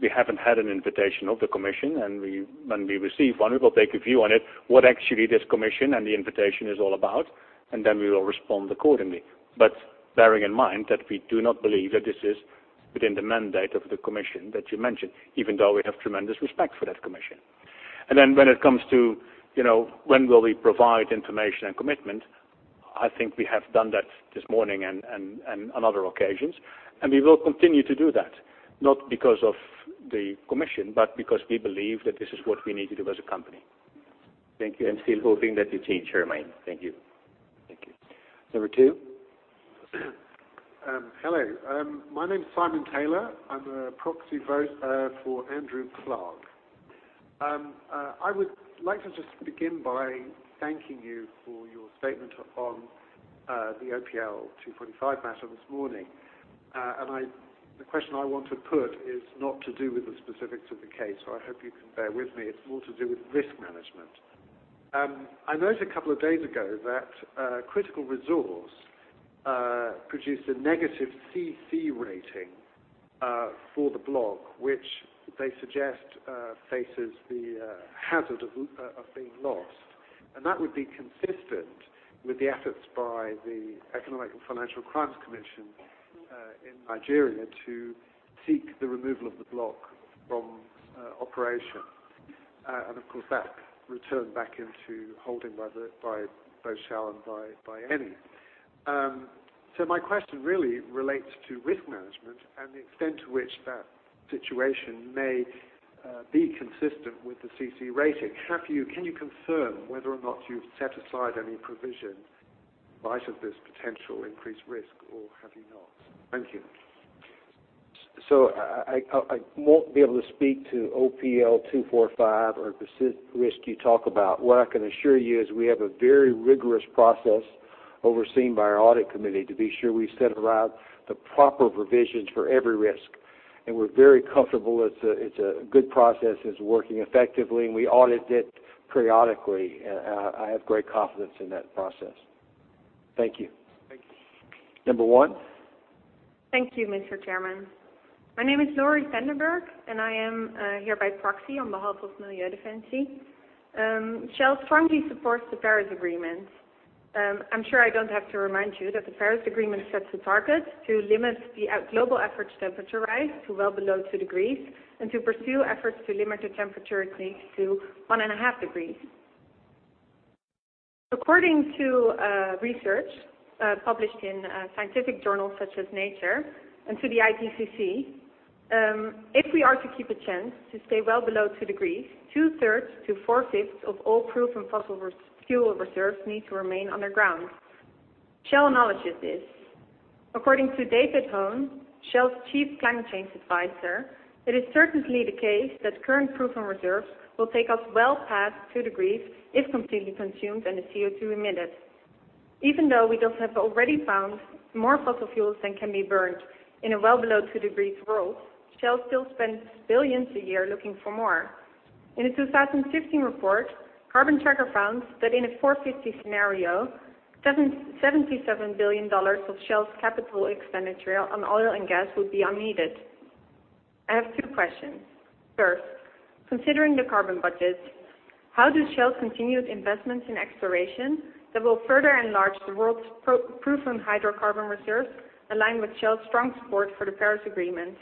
We haven't had an invitation of the commission, and when we receive one, we will take a view on it, what actually this commission and the invitation is all about, and then we will respond accordingly. Bearing in mind that we do not believe that this is within the mandate of the commission that you mentioned, even though we have tremendous respect for that commission. When it comes to when will we provide information and commitment, I think we have done that this morning and on other occasions, and we will continue to do that, not because of the commission, but because we believe that this is what we need to do as a company. Thank you. I'm still hoping that you change your mind. Thank you. Thank you. Number 2. Hello. My name is Simon Taylor. I'm a proxy vote for Andrew Clark. I would like to just begin by thanking you for your statement on the OPL 245 matter this morning. The question I want to put is not to do with the specifics of the case, so I hope you can bear with me. It's more to do with risk management. I noted a couple of days ago that Critical Resource produced a negative CC rating for the block, which they suggest faces the hazard of being lost. That would be consistent with the efforts by the Economic and Financial Crimes Commission in Nigeria to seek the removal of the block from operation. Of course, that return back into holding by both Shell and by Eni. My question really relates to risk management and the extent to which that situation may be consistent with the CC rating. Can you confirm whether or not you've set aside any provision in light of this potential increased risk, or have you not? Thank you. I won't be able to speak to OPL 245 or the risk you talk about. What I can assure you is we have a very rigorous process overseen by our audit committee to be sure we set around the proper provisions for every risk, and we're very comfortable it's a good process, it's working effectively, and we audit it periodically. I have great confidence in that process. Thank you. Thank you. Number 1. Thank you, Mr. Chairman. My name is Laurie Vandenberghe, and I am here by proxy on behalf of Milieudefensie. Shell strongly supports the Paris Agreement. I'm sure I don't have to remind you that the Paris Agreement sets a target to limit the global average temperature rise to well below two degrees and to pursue efforts to limit the temperature increase to one and a half degrees. According to research published in scientific journals such as Nature and to the IPCC, if we are to keep a chance to stay well below two degrees, two-thirds to four-fifths of all proven fossil fuel reserves need to remain underground. Shell acknowledges this. According to David Hone, Shell's chief climate change advisor, it is certainly the case that current proven reserves will take us well past two degrees if completely consumed and the CO2 emitted. Even though we thus have already found more fossil fuels than can be burned in a well below two degrees world, Shell still spends billions a year looking for more. In a 2015 report, Carbon Tracker found that in a 450 scenario, $77 billion of Shell's capital expenditure on oil and gas would be unneeded. I have two questions. First, considering the carbon budget, how do Shell's continued investments in exploration that will further enlarge the world's proven hydrocarbon reserves align with Shell's strong support for the Paris Agreement?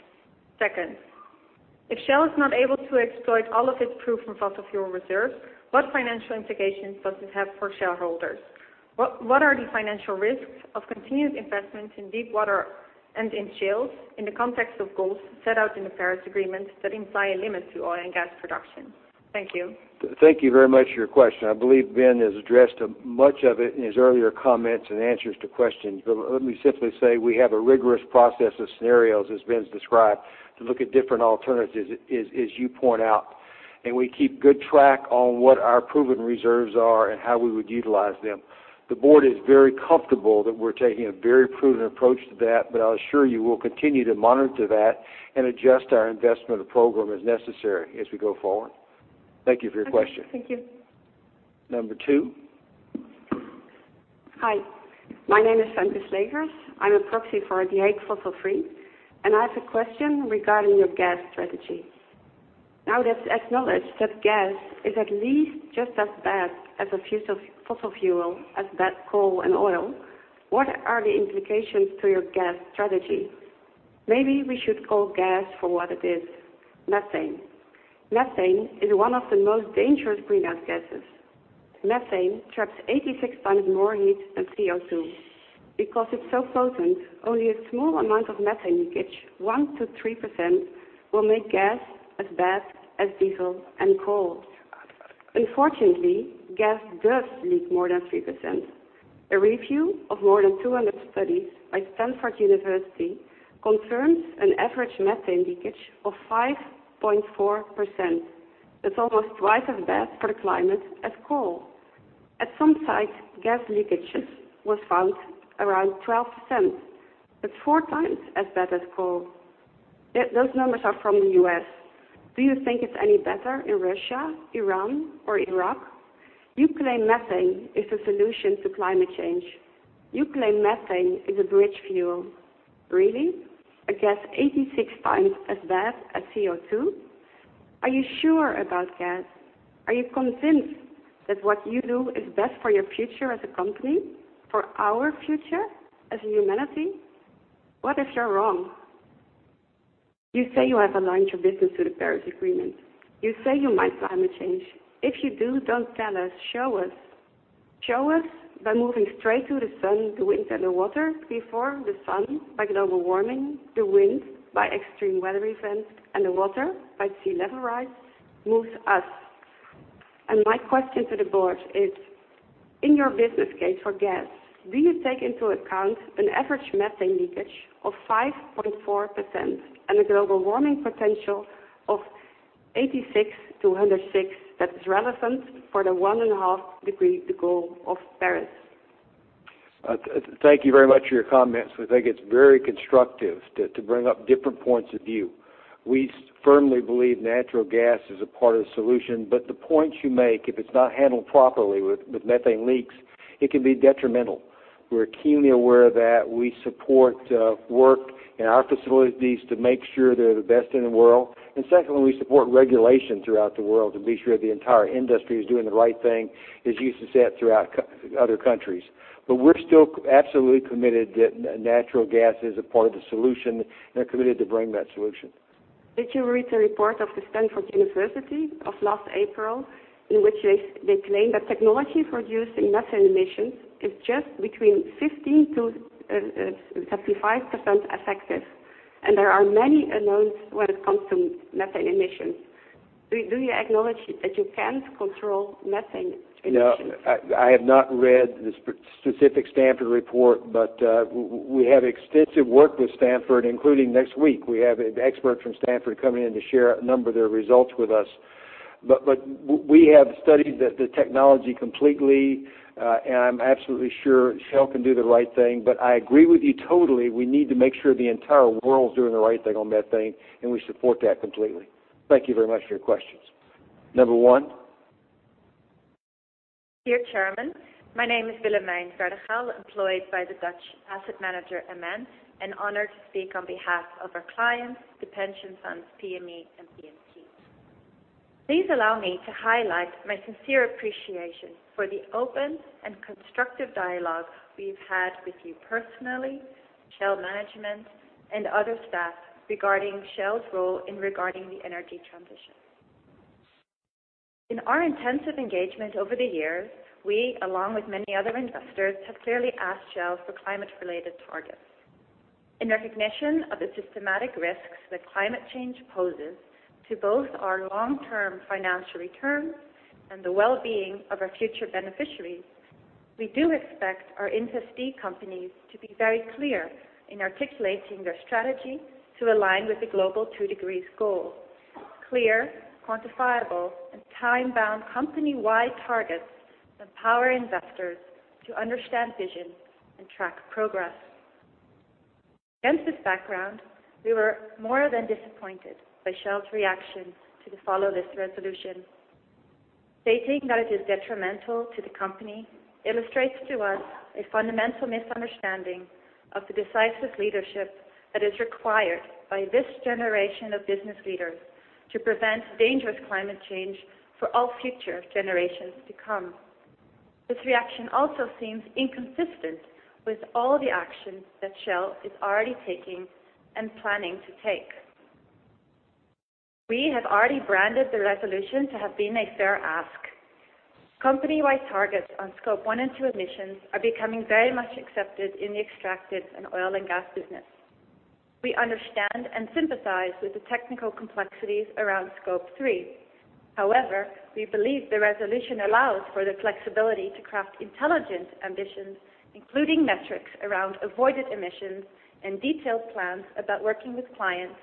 Second, if Shell is not able to exploit all of its proven fossil fuel reserves, what financial implications does this have for shareholders? What are the financial risks of continued investments in deep water and in shales in the context of goals set out in the Paris Agreement that imply a limit to oil and gas production? Thank you. Thank you very much for your question. I believe Ben has addressed much of it in his earlier comments and answers to questions. Let me simply say we have a rigorous process of scenarios, as Ben's described, to look at different alternatives, as you point out, and we keep good track on what our proven reserves are and how we would utilize them. The board is very comfortable that we're taking a very prudent approach to that, but I assure you we'll continue to monitor that and adjust our investment program as necessary as we go forward. Thank you for your question. Okay. Thank you. Number 2. Hi, my name is Sandra Slegers. I'm a proxy for The Hague Fossil Free. I have a question regarding your gas strategy. Now that it's acknowledged that gas is at least just as bad as a fossil fuel as that coal and oil, what are the implications to your gas strategy? Maybe we should call gas for what it is, methane. Methane is one of the most dangerous greenhouse gases. Methane traps 86 times more heat than CO2. Because it's so potent, only a small amount of methane leakage, 1%-3%, will make gas as bad as diesel and coal. Unfortunately, gas does leak more than 3%. A review of more than 200 studies by Stanford University confirms an average methane leakage of 5.4%. That's almost twice as bad for the climate as coal. At some sites, gas leakages was found around 12%. That's four times as bad as coal. Those numbers are from the U.S. Do you think it's any better in Russia, Iran or Iraq? You claim methane is a solution to climate change. You claim methane is a bridge fuel. Really? A gas 86 times as bad as CO2? Are you sure about gas? Are you convinced that what you do is best for your future as a company? For our future as humanity? What if you're wrong? You say you have aligned your business to the Paris Agreement. You say you mind climate change. If you do, don't tell us, show us. Show us by moving straight to the sun, the wind, and the water before the sun by global warming, the wind by extreme weather events, and the water by sea level rise moves us. My question to the board is, in your business case for gas, do you take into account an average methane leakage of 5.4% and a global warming potential of 86 to 106 that is relevant for the one and a half degree, the goal of Paris? Thank you very much for your comments. We think it's very constructive to bring up different points of view. We firmly believe natural gas is a part of the solution, but the point you make, if it's not handled properly with methane leaks, it can be detrimental. We're keenly aware of that. We support work in our facilities to make sure they're the best in the world. Secondly, we support regulation throughout the world to be sure the entire industry is doing the right thing, as you said, throughout other countries. We're still absolutely committed that natural gas is a part of the solution and are committed to bring that solution. Did you read the report of the Stanford University of last April, in which they claim that technology for reducing methane emissions is just between 15%-35% effective, there are many unknowns when it comes to methane emissions? Do you acknowledge that you can't control methane emissions? I have not read the specific Stanford report, but we have extensive work with Stanford, including next week. We have an expert from Stanford coming in to share a number of their results with us. We have studied the technology completely, and I'm absolutely sure Shell can do the right thing. I agree with you totally, we need to make sure the entire world's doing the right thing on methane, and we support that completely. Thank you very much for your questions. Number one. Dear Chairman, my name is Willemijn Verdaghel, employed by the Dutch asset manager MN, honored to speak on behalf of our clients, the pension funds, PME and PMT. Please allow me to highlight my sincere appreciation for the open and constructive dialogue we've had with you personally, Shell management, and other staff regarding Shell's role in regarding the energy transition. In our intensive engagement over the years, we, along with many other investors, have clearly asked Shell for climate-related targets. In recognition of the systematic risks that climate change poses to both our long-term financial returns and the well-being of our future beneficiaries, we do expect our investee companies to be very clear in articulating their strategy to align with the global two degrees goal. Clear, quantifiable, and time-bound company-wide targets empower investors to understand vision and track progress. Against this background, we were more than disappointed by Shell's reaction to the Follow This resolution. Stating that it is detrimental to the company illustrates to us a fundamental misunderstanding of the decisive leadership that is required by this generation of business leaders to prevent dangerous climate change for all future generations to come. This reaction also seems inconsistent with all the actions that Shell is already taking and planning to take. We have already branded the resolution to have been a fair ask. Company-wide targets on Scope 1 and 2 emissions are becoming very much accepted in the extractive and oil and gas business. We understand and sympathize with the technical complexities around Scope 3. We believe the resolution allows for the flexibility to craft intelligent ambitions, including metrics around avoided emissions and detailed plans about working with clients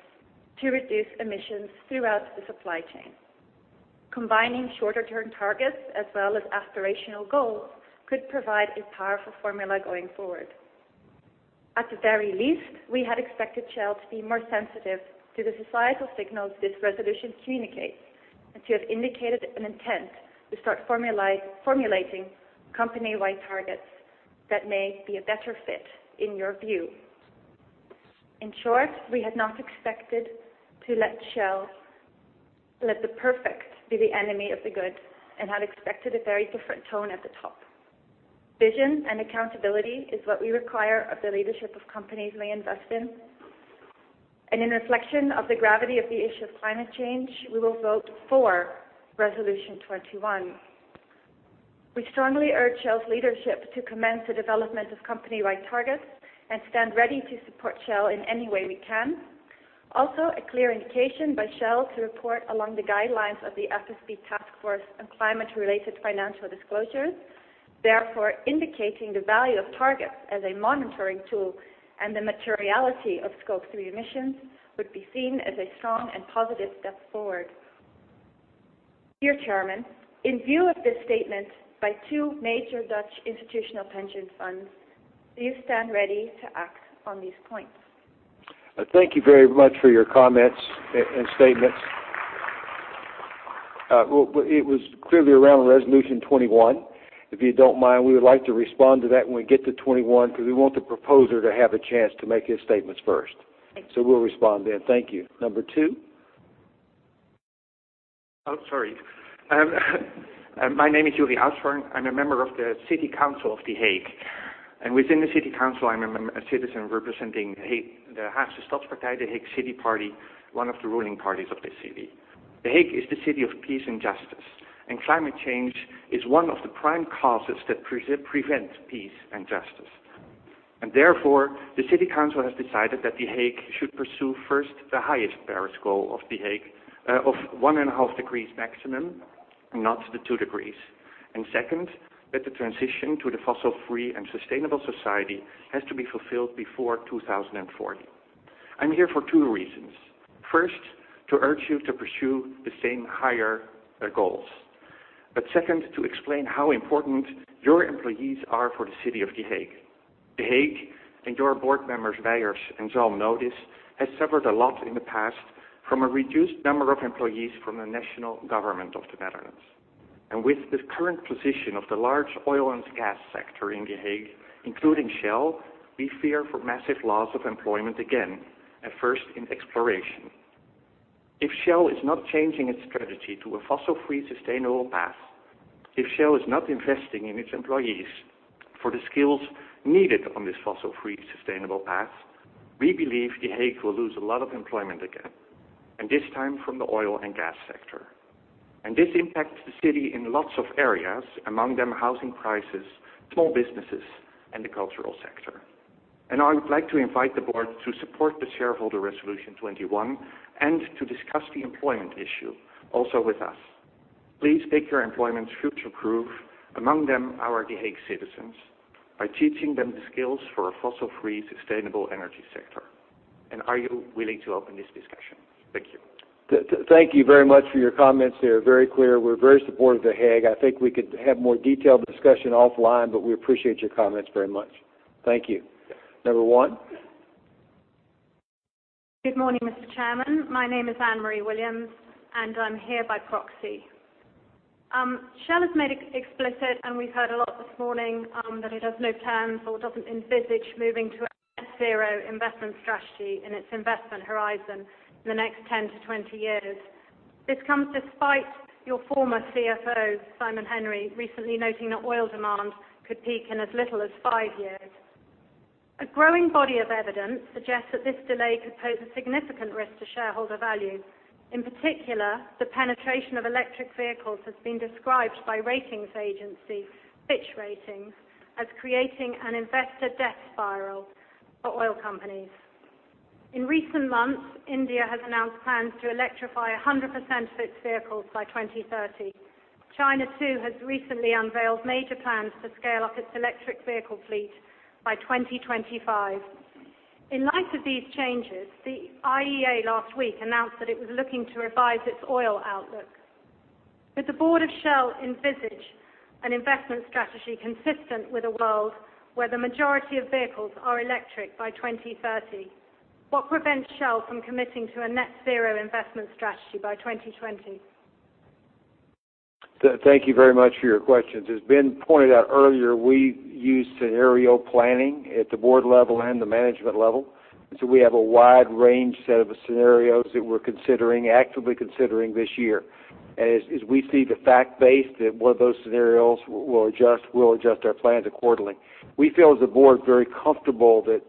to reduce emissions throughout the supply chain. Combining shorter-term targets as well as aspirational goals could provide a powerful formula going forward. At the very least, we had expected Shell to be more sensitive to the societal signals this resolution communicates and to have indicated an intent to start formulating company-wide targets that may be a better fit in your view. In short, we had not expected to let Shell let the perfect be the enemy of the good and had expected a very different tone at the top. Vision and accountability is what we require of the leadership of companies we invest in. In reflection of the gravity of the issue of climate change, we will vote for Resolution 21. We strongly urge Shell's leadership to commence the development of company-wide targets and stand ready to support Shell in any way we can. A clear indication by Shell to report along the guidelines of the FSB Task Force on Climate-related Financial Disclosures, therefore indicating the value of targets as a monitoring tool and the materiality of Scope 3 emissions would be seen as a strong and positive step forward. Dear Chairman, in view of this statement by two major Dutch institutional pension funds, do you stand ready to act on these points? Thank you very much for your comments and statements. Well, it was clearly around Resolution 21. If you don't mind, we would like to respond to that when we get to 21, because we want the proposer to have a chance to make his statements first. Thank you. We'll respond then. Thank you. Number 2. My name is Joeri Aesborn. I'm a member of the City Council of The Hague, within the City Council, I'm a citizen representing The Hague, the Haagse Stadspartij, The Hague city party, one of the ruling parties of the city. The Hague is the city of peace and justice, climate change is one of the prime causes that prevents peace and justice. Therefore, the City Council has decided that The Hague should pursue first the highest Paris goal of The Hague, of one and a half degrees maximum, not the two degrees. Second, that the transition to the fossil-free and sustainable society has to be fulfilled before 2040. I'm here for two reasons. First, to urge you to pursue the same higher goals, second, to explain how important your employees are for the city of The Hague. The Hague and your board members, Wijers and Zalm, know this, has suffered a lot in the past from a reduced number of employees from the national government of the Netherlands. With the current position of the large oil and gas sector in The Hague, including Shell, we fear for massive loss of employment again, at first in exploration. If Shell is not changing its strategy to a fossil-free, sustainable path If Shell is not investing in its employees for the skills needed on this fossil-free, sustainable path, we believe The Hague will lose a lot of employment again, this time from the oil and gas sector. This impacts the city in lots of areas, among them housing prices, small businesses, and the cultural sector. I would like to invite the board to support the shareholder resolution 21 and to discuss the employment issue also with us. Please make your employment future-proof, among them our The Hague citizens, by teaching them the skills for a fossil-free, sustainable energy sector. Are you willing to open this discussion? Thank you. Thank you very much for your comments. They are very clear. We're very supportive of The Hague. I think we could have more detailed discussion offline, we appreciate your comments very much. Thank you. Number one. Good morning, Mr. Chairman. My name is Anne-Marie Williams, and I'm here by proxy. Shell has made explicit, and we've heard a lot this morning, that it has no plans or doesn't envisage moving to a net zero investment strategy in its investment horizon in the next 10 to 20 years. This comes despite your former CFO, Simon Henry, recently noting that oil demand could peak in as little as five years. A growing body of evidence suggests that this delay could pose a significant risk to shareholder value. In particular, the penetration of electric vehicles has been described by ratings agency, Fitch Ratings, as creating an investor death spiral for oil companies. In recent months, India has announced plans to electrify 100% of its vehicles by 2030. China too has recently unveiled major plans to scale up its electric vehicle fleet by 2025. In light of these changes, the IEA last week announced that it was looking to revise its oil outlook. Does the board of Shell envisage an investment strategy consistent with a world where the majority of vehicles are electric by 2030? What prevents Shell from committing to a net zero investment strategy by 2020? Thank you very much for your questions. As Ben pointed out earlier, we use scenario planning at the board level and the management level. We have a wide range set of scenarios that we're considering, actively considering this year. As we see the fact base that one of those scenarios will adjust our plans accordingly. We feel, as a board, very comfortable that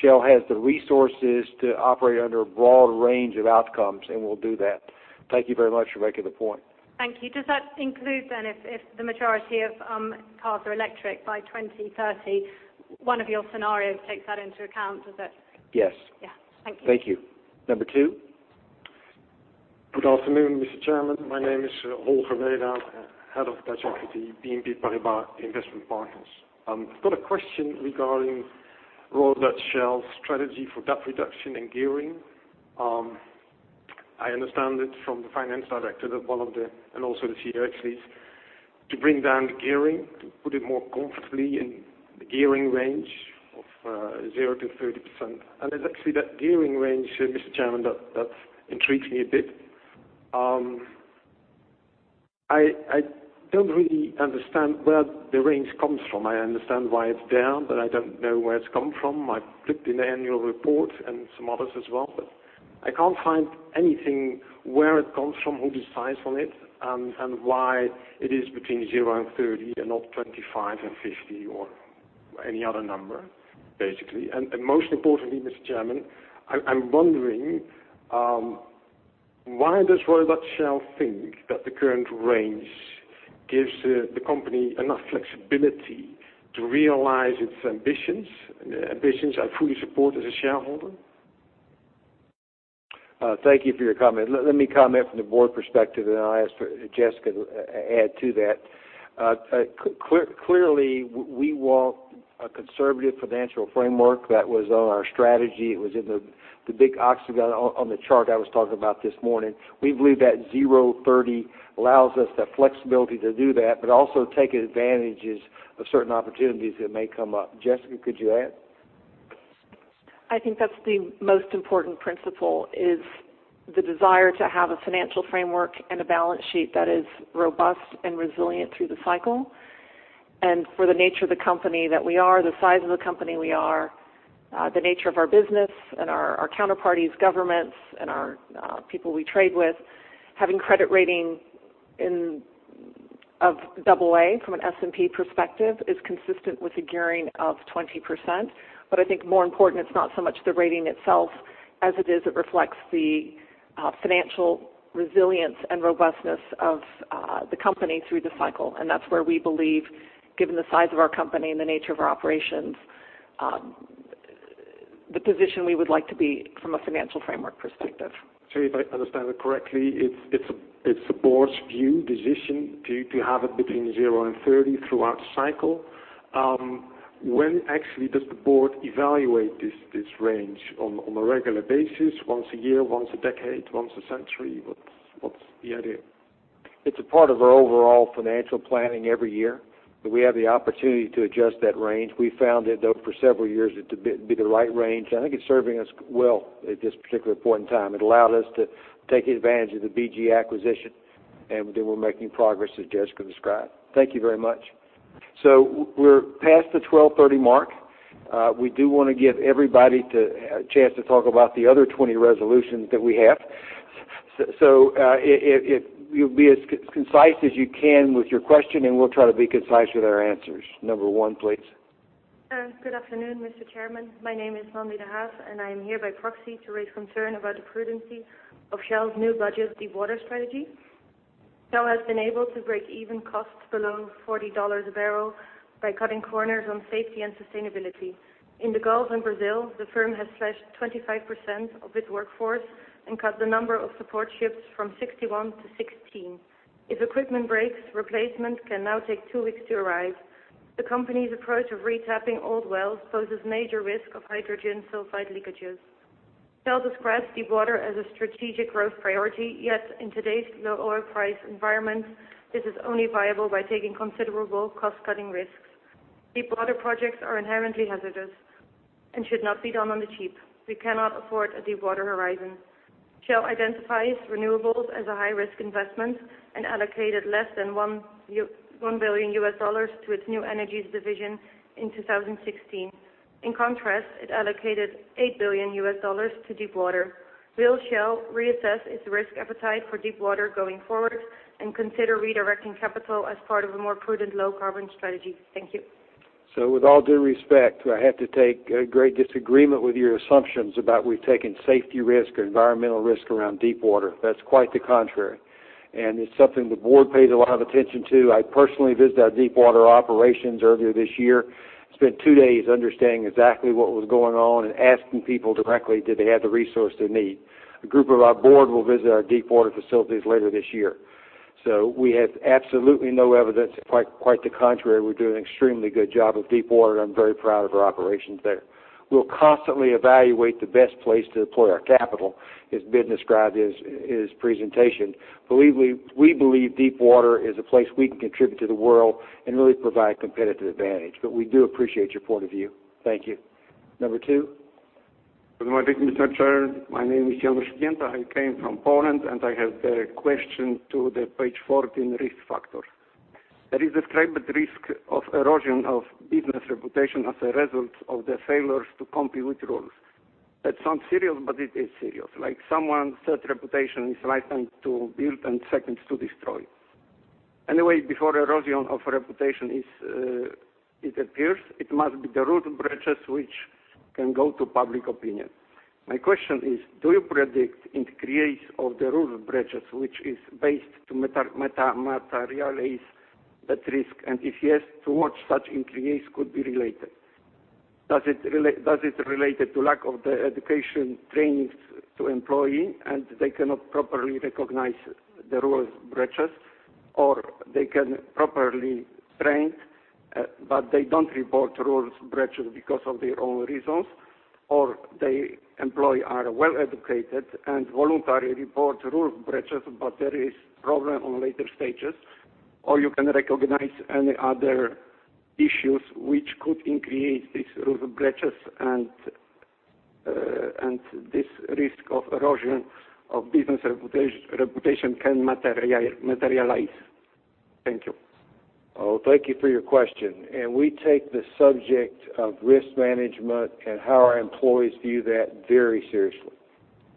Shell has the resources to operate under a broad range of outcomes, and we'll do that. Thank you very much for making the point. Thank you. Does that include then if the majority of cars are electric by 2030, one of your scenarios takes that into account, does it? Yes. Yeah. Thank you. Thank you. Number two. Good afternoon, Mr. Chairman. My name is Rolf Herreveld, Head of Dutch Equity, BNP Paribas Investment Partners. I've got a question regarding Royal Dutch Shell's strategy for debt reduction and gearing. I understand it from the finance director that one of the, and also the, [inaudible] to bring down the gearing, to put it more comfortably in the gearing range of 0%-30%. It's actually that gearing range, Mr. Chairman, that intrigues me a bit. I don't really understand where the range comes from. I understand why it's there, but I don't know where it's come from. I've looked in the annual report and some others as well, but I can't find anything where it comes from, who decides on it, and why it is between 0 and 30 and not 25 and 50 or any other number, basically. Most importantly, Mr. Chairman, I'm wondering why does Royal Dutch Shell think that the current range gives the company enough flexibility to realize its ambitions? Ambitions I fully support as a shareholder. Thank you for your comment. Let me comment from the board perspective, and then I'll ask for Jessica to add to that. Clearly, we want a conservative financial framework. That was on our strategy. It was in the big octagon on the chart I was talking about this morning. We believe that 0%-30% allows us the flexibility to do that, but also take advantages of certain opportunities that may come up. Jessica, could you add? I think that's the most important principle is the desire to have a financial framework and a balance sheet that is robust and resilient through the cycle. For the nature of the company that we are, the size of the company we are, the nature of our business and our counterparties, governments, and our people we trade with, having credit rating of AA from an S&P perspective is consistent with a gearing of 20%. I think more important, it's not so much the rating itself as it is it reflects the financial resilience and robustness of the company through the cycle, and that's where we believe, given the size of our company and the nature of our operations, the position we would like to be from a financial framework perspective. If I understand that correctly, it's the board's view, decision to have it between 0% and 30% throughout the cycle. When actually does the board evaluate this range, on a regular basis, once a year, once a decade, once a century? What's the idea? It's a part of our overall financial planning every year. We have the opportunity to adjust that range. We found that though for several years it to be the right range. I think it's serving us well at this particular point in time. It allowed us to take advantage of the BG acquisition, and then we're making progress, as Jessica described. Thank you very much. We're past the 12:30 P.M. mark. We do want to give everybody a chance to talk about the other 20 resolutions that we have. If you'll be as concise as you can with your question, and we'll try to be concise with our answers. Number 1, please. Good afternoon, Mr. Chairman. My name is Mandy Dehaas, and I am here by proxy to raise concern about the prudency of Shell's new budget deepwater strategy. Shell has been able to break even costs below $40 a barrel by cutting corners on safety and sustainability. In the Gulf in Brazil, the firm has slashed 25% of its workforce and cut the number of support ships from 61 to 16. If equipment breaks, replacement can now take two weeks to arrive. The company's approach of retapping old wells poses major risk of hydrogen sulfide leakages. Shell describes deepwater as a strategic growth priority, yet in today's low oil price environment, this is only viable by taking considerable cost-cutting risks. Deepwater projects are inherently hazardous and should not be done on the cheap. We cannot afford a Deepwater Horizon. Shell identifies renewables as a high-risk investment and allocated less than $1 billion to its New Energies division in 2016. In contrast, it allocated $8 billion to deepwater. Will Shell reassess its risk appetite for deepwater going forward and consider redirecting capital as part of a more prudent low carbon strategy? Thank you. With all due respect, I have to take great disagreement with your assumptions about we've taken safety risk or environmental risk around deepwater. That's quite the contrary, and it's something the board pays a lot of attention to. I personally visited our deepwater operations earlier this year, spent two days understanding exactly what was going on and asking people directly did they have the resource they need. A group of our board will visit our deepwater facilities later this year. We have absolutely no evidence, quite the contrary. We're doing an extremely good job of deepwater, and I'm very proud of our operations there. We'll constantly evaluate the best place to deploy our capital, as Ben described his presentation. We believe deepwater is a place we can contribute to the world and really provide competitive advantage. But we do appreciate your point of view. Thank you. Number two. Good morning, Mr. Chairman. My name is Janusz Glenda. I came from Poland and I have a question to the page 14 risk factor. There is described risk of erosion of business reputation as a result of the failures to comply with rules. That sounds serious, but it is serious. Like someone said, reputation is lifetime to build and seconds to destroy. Before erosion of reputation it appears, it must be the rule breaches which can go to public opinion. My question is, do you predict increase of the rule breaches, which is based to materialize that risk? And if yes, to what such increase could be related? Does it related to lack of the education trainings to employee, and they cannot properly recognize the rules breaches, or they can properly train, but they don't report rules breaches because of their own reasons? The employees are well educated and voluntarily report rule breaches, there is a problem on later stages? You can recognize any other issues which could increase these rule breaches and this risk of erosion of business reputation can materialize. Thank you. Thank you for your question, we take the subject of risk management and how our employees view that very seriously.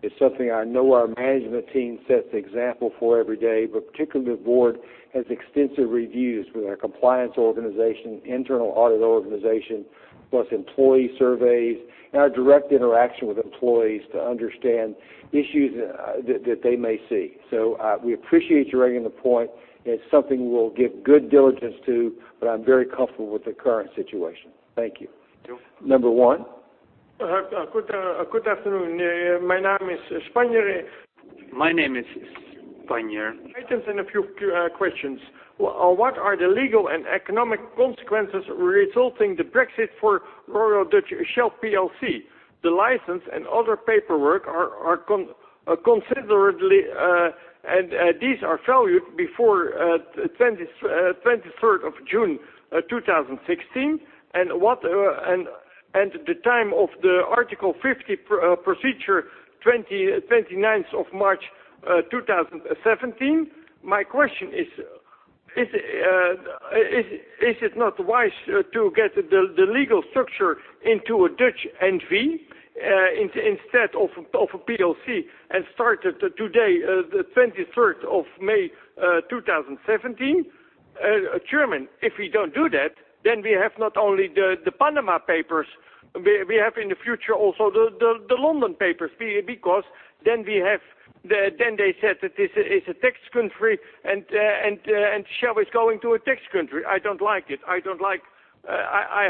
It's something I know our management team sets an example for every day, particularly the board has extensive reviews with our compliance organization, internal audit organization, plus employee surveys and our direct interaction with employees to understand issues that they may see. We appreciate you raising the point, it's something we'll give good diligence to, I'm very comfortable with the current situation. Thank you. Thank you. Number 1. Good afternoon. My name is Spanjer. Items and a few questions. What are the legal and economic consequences resulting from Brexit for Royal Dutch Shell plc? The license and other paperwork are considerable, and these are valued before 23rd of June 2016. The time of the Article 50 procedure, 29th of March 2017. My question is it not wise to get the legal structure into a Dutch NV instead of plc and start today, the 23rd of May 2017? Chairman, if we don't do that, then we have not only the Panama Papers, we have in the future also the London Papers, because then they said that this is a tax country and Shell is going to a tax country. I don't like it. I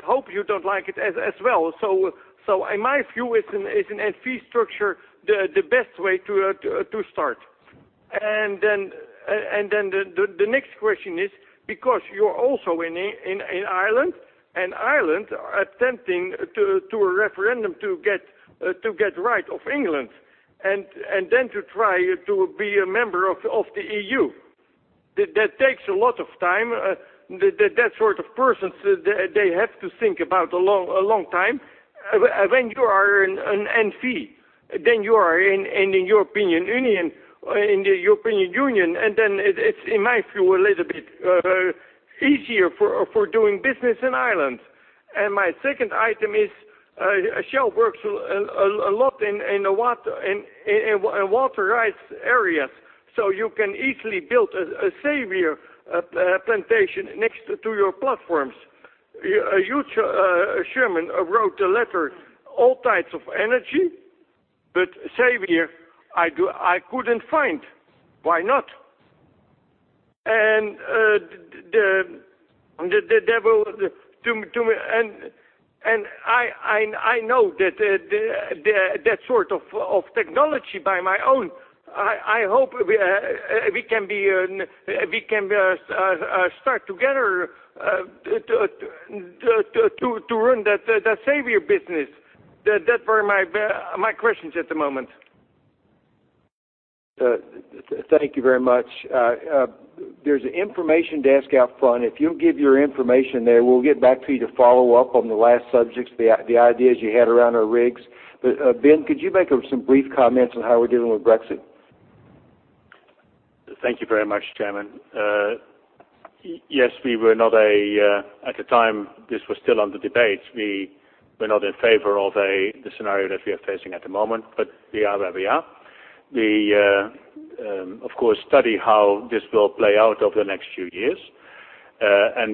hope you don't like it as well. In my view, is an NV structure the best way to start? The next question is, because you're also in Ireland, and Ireland attempting a referendum to get rid of England and then to try to be a member of the EU. That takes a lot of time. That sort of person, they have to think about a long time. When you are an NV then you are in the European Union. It's, in my view, a little bit easier for doing business in Ireland. My second item is, Shell works a lot in water rights areas, so you can easily build a seaweed plantation next to your platforms. You, chairman, wrote a letter, all types of energy, but seaweed I couldn't find. Why not? I know that sort of technology on my own. I hope we can start together to run that seaweed business. That were my questions at the moment. Thank you very much. There's an information desk out front. If you'll give your information there, we'll get back to you to follow up on the last subjects, the ideas you had around our rigs. Ben, could you make some brief comments on how we're dealing with Brexit? Thank you very much, Chairman. Yes, at the time this was still under debate, we were not in favor of the scenario that we are facing at the moment, but we are where we are. We, of course, study how this will play out over the next few years.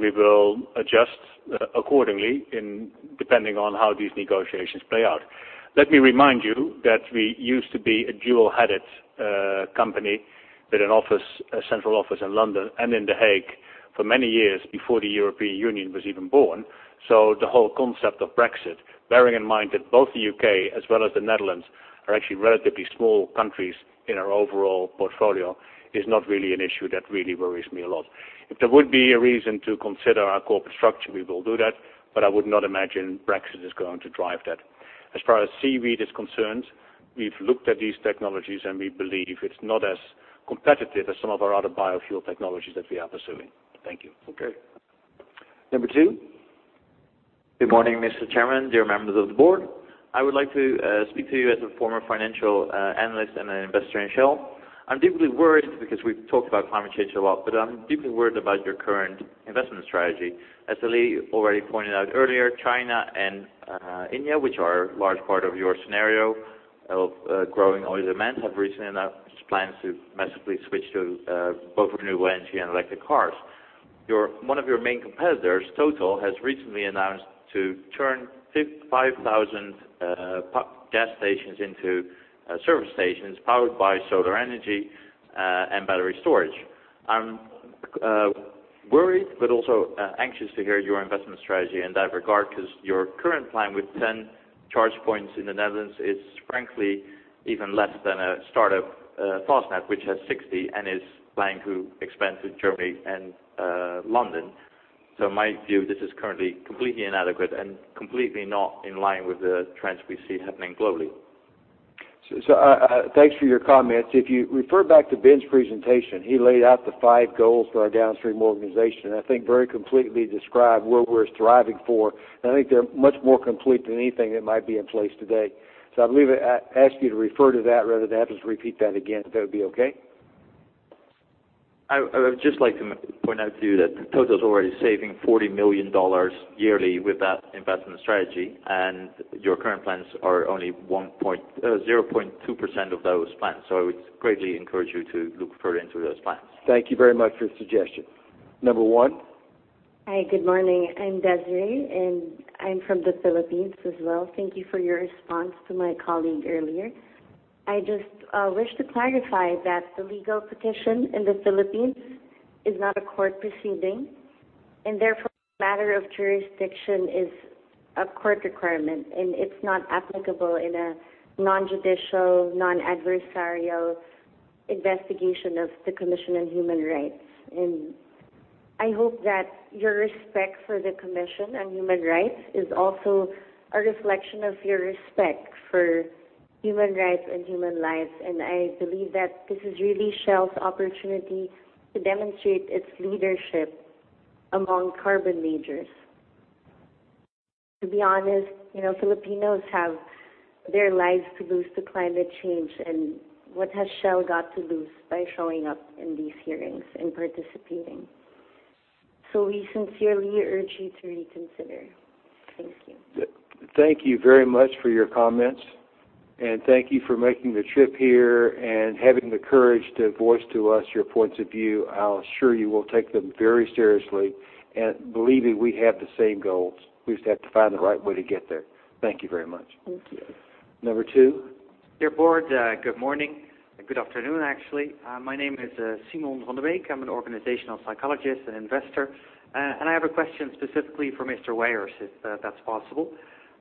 We will adjust accordingly depending on how these negotiations play out. Let me remind you that we used to be a dual-headed company with a central office in London and in The Hague for many years before the European Union was even born. The whole concept of Brexit, bearing in mind that both the U.K. as well as the Netherlands are actually relatively small countries in our overall portfolio, is not really an issue that really worries me a lot. If there would be a reason to consider our corporate structure, we will do that. I would not imagine Brexit is going to drive that. As far as seaweed is concerned, we've looked at these technologies, and we believe it's not as competitive as some of our other biofuel technologies that we are pursuing. Thank you. Okay. Number 2. Good morning, Mr. Chairman, dear members of the board. I would like to speak to you as a former financial analyst and an investor in Shell. I'm deeply worried. We've talked about climate change a lot. I'm deeply worried about your current investment strategy. As Ali already pointed out earlier, China and India, which are a large part of your scenario of growing oil demand, have recently announced plans to massively switch to both renewable energy and electric cars. One of your main competitors, Total, has recently announced to turn 5,000 gas stations into service stations powered by solar energy and battery storage. I'm worried but also anxious to hear your investment strategy in that regard because your current plan with 10 charge points in the Netherlands is frankly even less than a startup, Fastned, which has 60 and is planning to expand to Germany and London. In my view, this is currently completely inadequate and completely not in line with the trends we see happening globally. Thanks for your comments. If you refer back to Ben's presentation, he laid out the five goals for our downstream organization, I think very completely described where we're striving for. I think they're much more complete than anything that might be in place today. I'd ask you to refer to that rather than have us repeat that again, if that would be okay. I would just like to point out to you that Total is already saving $40 million yearly with that investment strategy. Your current plans are only 0.2% of those plans. I would greatly encourage you to look further into those plans. Thank you very much for the suggestion. Number one. Hi, good morning. I'm Desiree. I'm from the Philippines as well. Thank you for your response to my colleague earlier. I just wish to clarify that the legal petition in the Philippines is not a court proceeding, therefore, matter of jurisdiction is a court requirement, and it's not applicable in a non-judicial, non-adversarial investigation of the Commission on Human Rights. I hope that your respect for the Commission on Human Rights is also a reflection of your respect for human rights and human lives. I believe that this is really Shell's opportunity to demonstrate its leadership among carbon majors. To be honest, Filipinos have their lives to lose to climate change, and what has Shell got to lose by showing up in these hearings and participating? We sincerely urge you to reconsider. Thank you. Thank you very much for your comments. Thank you for making the trip here and having the courage to voice to us your points of view. I assure you we'll take them very seriously and believe me, we have the same goals. We just have to find the right way to get there. Thank you very much. Thank you. Number two. Dear board, good morning. Good afternoon, actually. My name is Simon van de Beek. I'm an organizational psychologist and investor. I have a question specifically for Mr. Wijers, if that's possible.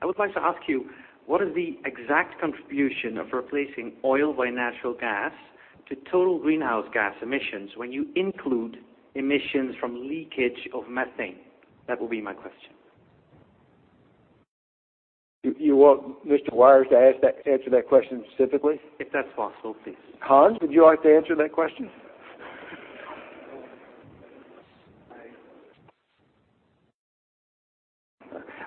I would like to ask you, what is the exact contribution of replacing oil by natural gas to total greenhouse gas emissions when you include emissions from leakage of methane? That will be my question. You want Mr. Wijers to answer that question specifically? If that's possible, please. Hans, would you like to answer that question?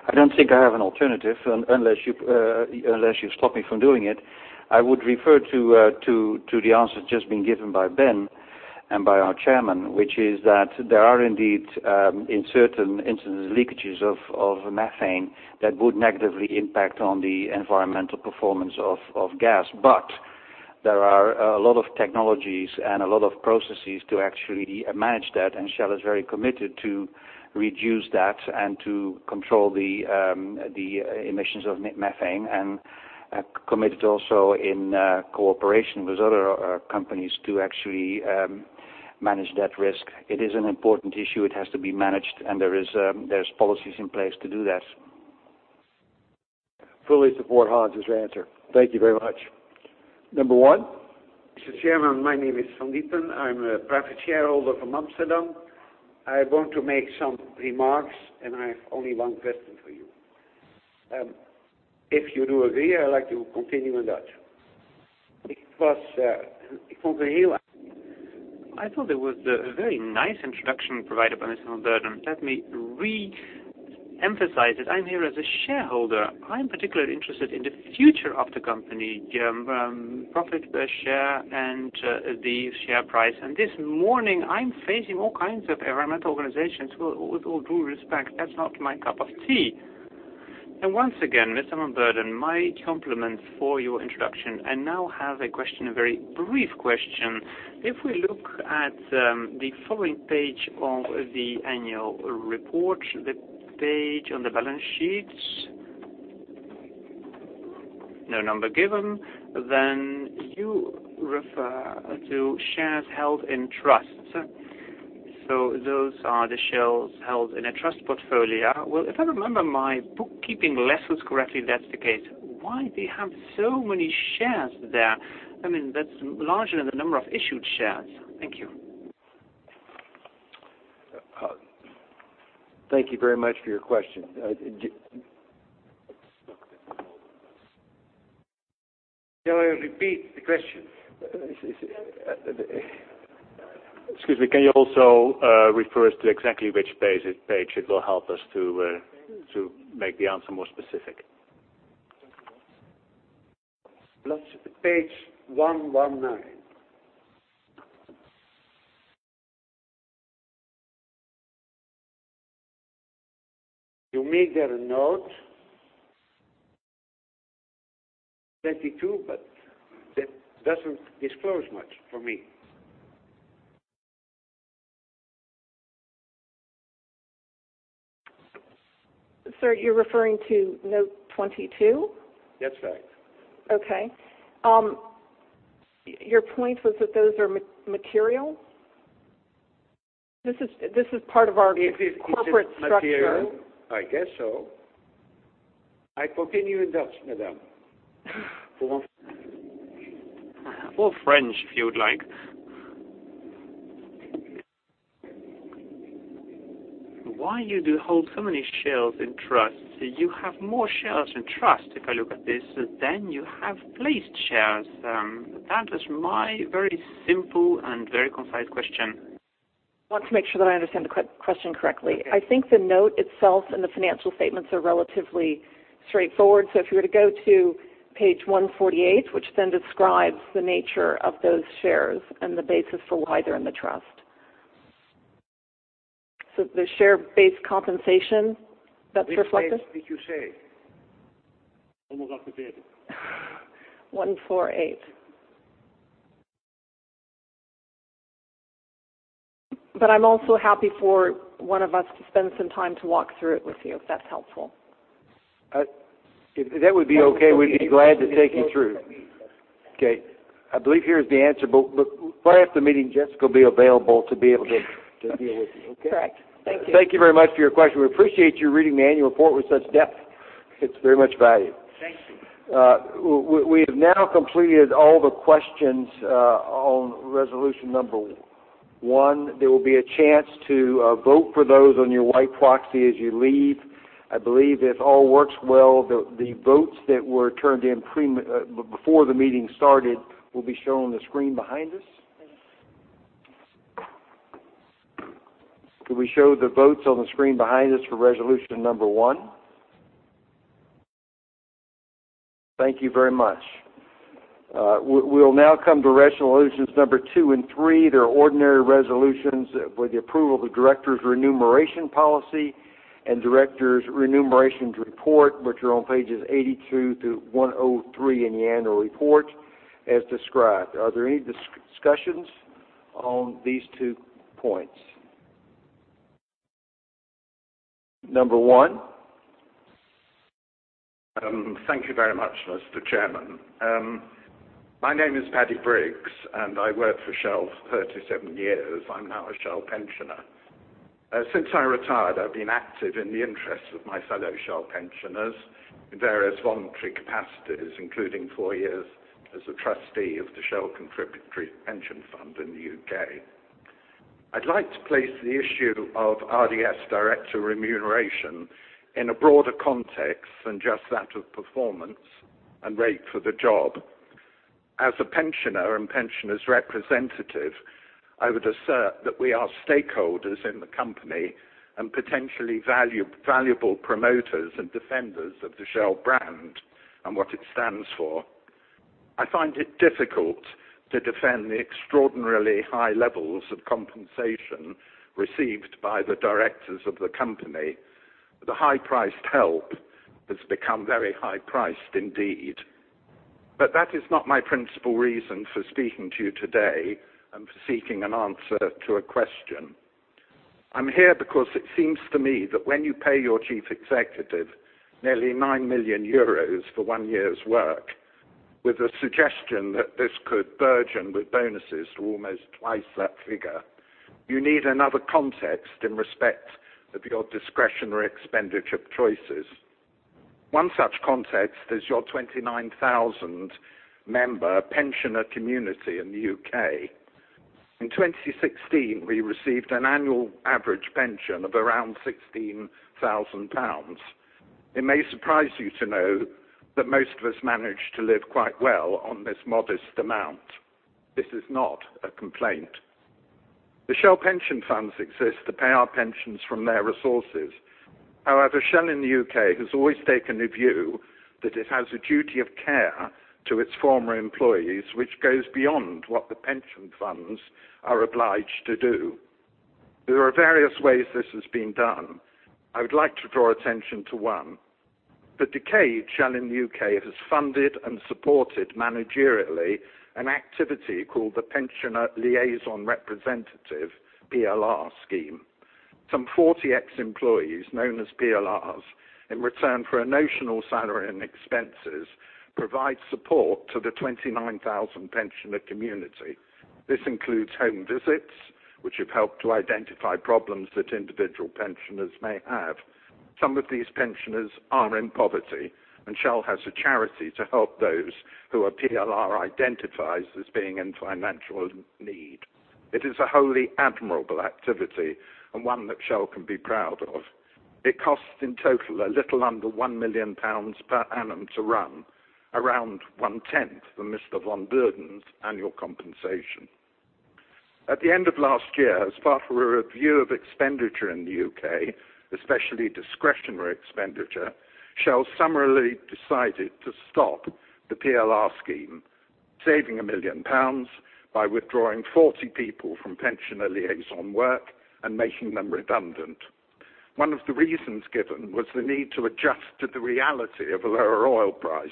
I don't think I have an alternative unless you stop me from doing it. I would refer to the answer just being given by Ben and by our Chairman, which is that there are indeed, in certain instances, leakages of methane that would negatively impact on the environmental performance of gas. There are a lot of technologies and a lot of processes to actually manage that, and Shell is very committed to reduce that and to control the emissions of methane and committed also in cooperation with other companies to actually manage that risk. It is an important issue. It has to be managed, and there's policies in place to do that. Fully support Hans' answer. Thank you very much. Number one. Mr. Chairman, my name is Van Diepen. I am a private shareholder from Amsterdam. I want to make some remarks, and I have only one question for you. If you do agree, I would like to continue in Dutch. I thought there was a very nice introduction provided by Mr. van Beurden. Let me re-emphasize that I am here as a shareholder. I am particularly interested in the future of the company, profit per share, and the share price. This morning, I am facing all kinds of environmental organizations. With all due respect, that's not my cup of tea. Once again, Mr. van Beurden, my compliments for your introduction. I now have a question, a very brief question. If we look at the following page of the annual report, the page on the balance sheets, no number given, you refer to shares held in trusts. Those are the shares held in a trust portfolio. Well, if I remember my bookkeeping lessons correctly, that's the case. Why do you have so many shares there? That's larger than the number of issued shares. Thank you. Thank you very much for your question. Shall I repeat the question? Excuse me, can you also refer us to exactly which page? It will help us to make the answer more specific. That's page 119. You make there a note, 22. That doesn't disclose much for me. Sir, you're referring to note 22? That's right. Okay. Your point was that those are material? This is part of our corporate structure. I guess so. I continue in Dutch, madam. Or French, if you would like. Why you do hold so many shares in trusts? You have more shares in trust, if I look at this, than you have placed shares. That was my very simple and very concise question. I want to make sure that I understand the question correctly. Okay. I think the note itself and the financial statements are relatively straightforward. If you were to go to page 148, which describes the nature of those shares and the basis for why they're in the trust. The share-based compensation that's reflected. Which page did you say? Almost I forget it. 148. I'm also happy for one of us to spend some time to walk through it with you, if that's helpful. If that would be okay, we'd be glad to take you through. Okay. I believe here is the answer, look, right after the meeting, Jessica will be available to be able to deal with you, okay? Correct. Thank you. Thank you very much for your question. We appreciate you reading the annual report with such depth. It's very much valued. Thank you. We have now completed all the questions on resolution number one. There will be a chance to vote for those on your white proxy as you leave. I believe if all works well, the votes that were turned in before the meeting started will be shown on the screen behind us. Could we show the votes on the screen behind us for resolution number one? Thank you very much. We'll now come to resolutions number two and three. They're ordinary resolutions for the approval of the directors' remuneration policy and directors' remunerations report, which are on pages 82 to 103 in the annual report as described. Are there any discussions on these two points? Number one. Thank you very much, Mr. Chairman. My name is Paddy Briggs, and I worked for Shell for 37 years. I am now a Shell pensioner. Since I retired, I have been active in the interests of my fellow Shell pensioners in various voluntary capacities, including four years as a trustee of the Shell Contributory Pension Fund in the U.K. I would like to place the issue of RDS director remuneration in a broader context than just that of performance and rate for the job. As a pensioner and pensioners representative, I would assert that we are stakeholders in the company and potentially valuable promoters and defenders of the Shell brand and what it stands for. I find it difficult to defend the extraordinarily high levels of compensation received by the directors of the company. The high-priced help has become very high-priced indeed. That is not my principal reason for speaking to you today and for seeking an answer to a question. I am here because it seems to me that when you pay your chief executive nearly 9 million euros for one year's work, with a suggestion that this could burgeon with bonuses to almost twice that figure, you need another context in respect of your discretionary expenditure choices. One such context is your 29,000-member pensioner community in the U.K. In 2016, we received an annual average pension of around 16,000 pounds. It may surprise you to know that most of us manage to live quite well on this modest amount. This is not a complaint. The Shell pension funds exist to pay our pensions from their resources. Shell in the U.K. has always taken the view that it has a duty of care to its former employees, which goes beyond what the pension funds are obliged to do. There are various ways this has been done. I would like to draw attention to one. For decades, Shell in the U.K. has funded and supported managerially an activity called the Pensioner Liaison Representative, PLR scheme. Some 40 ex-employees, known as PLRs, in return for a notional salary and expenses, provide support to the 29,000 pensioner community. This includes home visits, which have helped to identify problems that individual pensioners may have. Some of these pensioners are in poverty, Shell has a charity to help those who a PLR identifies as being in financial need. It is a wholly admirable activity and one that Shell can be proud of. It costs in total a little under 1 million pounds per annum to run, around one-tenth of Mr. van Beurden's annual compensation. At the end of last year, as part of a review of expenditure in the U.K., especially discretionary expenditure, Shell summarily decided to stop the PLR scheme, saving 1 million pounds by withdrawing 40 people from pensioner liaison work and making them redundant. One of the reasons given was the need to adjust to the reality of a lower oil price.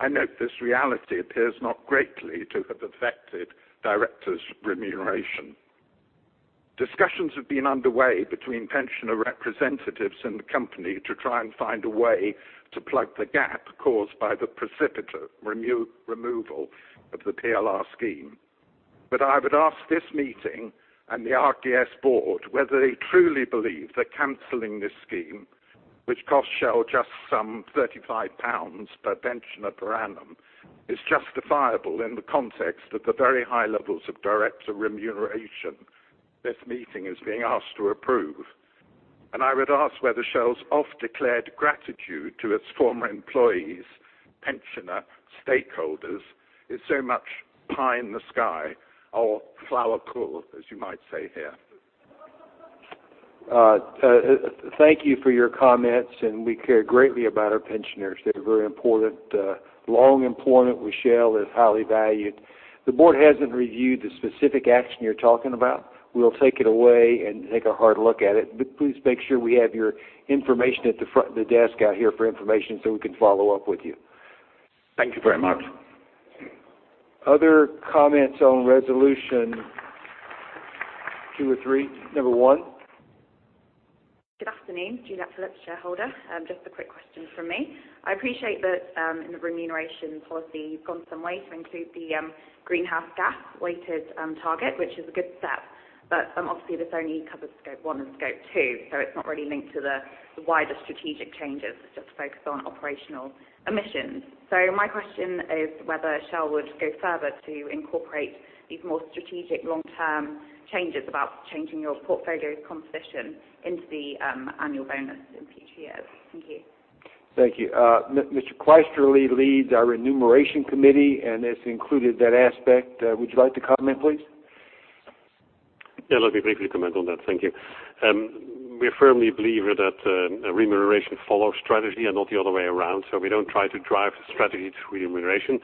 I note this reality appears not greatly to have affected directors' remuneration. Discussions have been underway between pensioner representatives and the company to try and find a way to plug the gap caused by the precipitous removal of the PLR scheme. I would ask this meeting and the RDS board whether they truly believe that canceling this scheme, which costs Shell just some 35 pounds per pensioner per annum, is justifiable in the context of the very high levels of director remuneration this meeting is being asked to approve. I would ask whether Shell's oft-declared gratitude to its former employees, pensioner stakeholders, is so much pie in the sky or flauwekul, as you might say here. Thank you for your comments. We care greatly about our pensioners. They're very important. Long employment with Shell is highly valued. The board hasn't reviewed the specific action you're talking about. We'll take it away and take a hard look at it. Please make sure we have your information at the front of the desk out here for information so we can follow up with you. Thank you very much. Other comments on resolution two or three, number 1? Good afternoon, Juliet Phillips, shareholder. Just a quick question from me. I appreciate that in the remuneration policy, you've gone some way to include the greenhouse gas-weighted target, which is a good step. Obviously, this only covers Scope 1 and Scope 2, so it's not really linked to the wider strategic changes. It's just focused on operational emissions. My question is whether Shell would go further to incorporate these more strategic long-term changes about changing your portfolio composition into the annual bonus in future years. Thank you. Thank you. Mr. Kleisterlee leads our remuneration committee, and it's included that aspect. Would you like to comment, please? Let me briefly comment on that. Thank you. We firmly believe that remuneration follows strategy and not the other way around. We don't try to drive strategy through remuneration.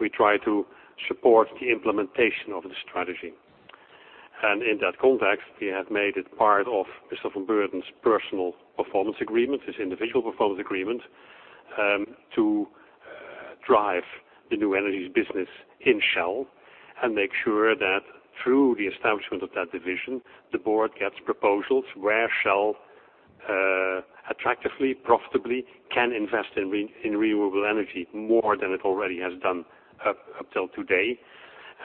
We try to support the implementation of the strategy. In that context, we have made it part of Mr. van Beurden's personal performance agreement, his individual performance agreement, to drive the New Energies business in Shell and make sure that through the establishment of that division, the board gets proposals where Shell attractively, profitably can invest in renewable energy more than it already has done up till today.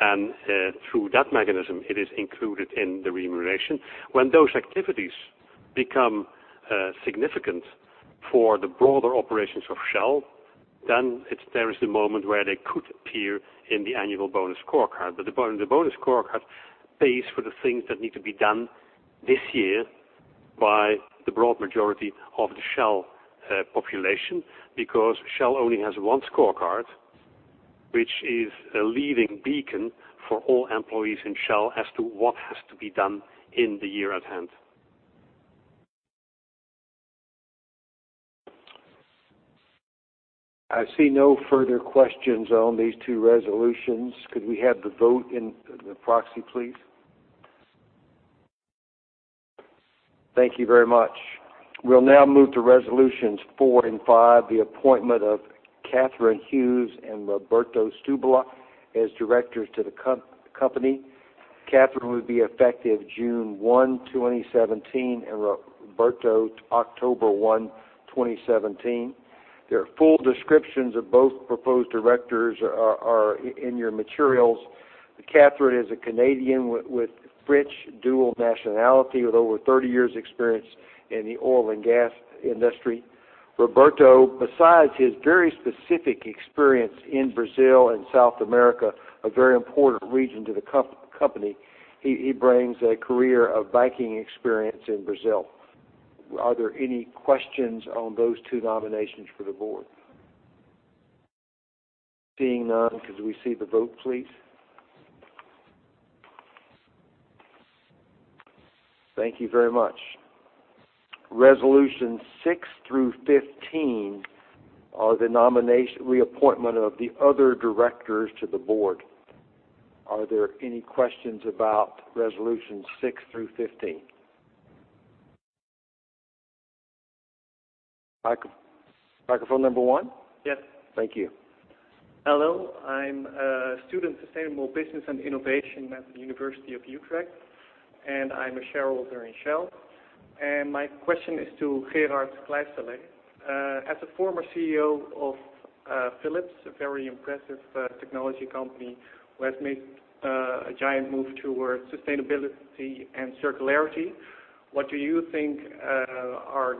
Through that mechanism, it is included in the remuneration. When those activities become significant for the broader operations of Shell, there is the moment where they could appear in the annual bonus scorecard. The bonus scorecard pays for the things that need to be done this year by the broad majority of the Shell population, because Shell only has one scorecard, which is a leading beacon for all employees in Shell as to what has to be done in the year at hand. I see no further questions on these two resolutions. Could we have the vote in the proxy, please? Thank you very much. We'll now move to resolutions four and five, the appointment of Catherine Hughes and Roberto Setubal as directors to the company. Catherine would be effective June 1, 2017, and Roberto, October 1, 2017. Their full descriptions of both proposed directors are in your materials. Catherine is a Canadian with French dual nationality, with over 30 years' experience in the oil and gas industry. Roberto, besides his very specific experience in Brazil and South America, a very important region to the company, he brings a career of banking experience in Brazil. Are there any questions on those two nominations for the board? Seeing none, could we see the vote, please? Thank you very much. Resolutions six through 15 are the reappointment of the other directors to the board. Are there any questions about resolutions six through 15? Microphone number 1? Yes. Thank you. Hello, I'm a student of sustainable business and innovation at Utrecht University, and I'm a shareholder in Shell. My question is to Gerard Kleisterlee. As a former CEO of Philips, a very impressive technology company who has made a giant move towards sustainability and circularity, what do you think are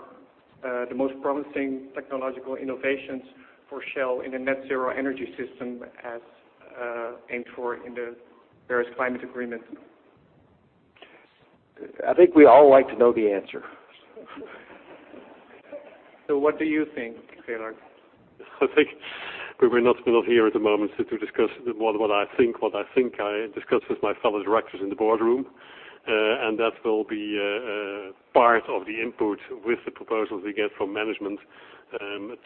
the most promising technological innovations for Shell in a net zero energy system as aimed for in the Paris Agreement? I think we all like to know the answer. What do you think, Gerard? I think we will not be here at the moment to discuss what I think. What I think I discuss with my fellow directors in the boardroom, that will be part of the input with the proposals we get from management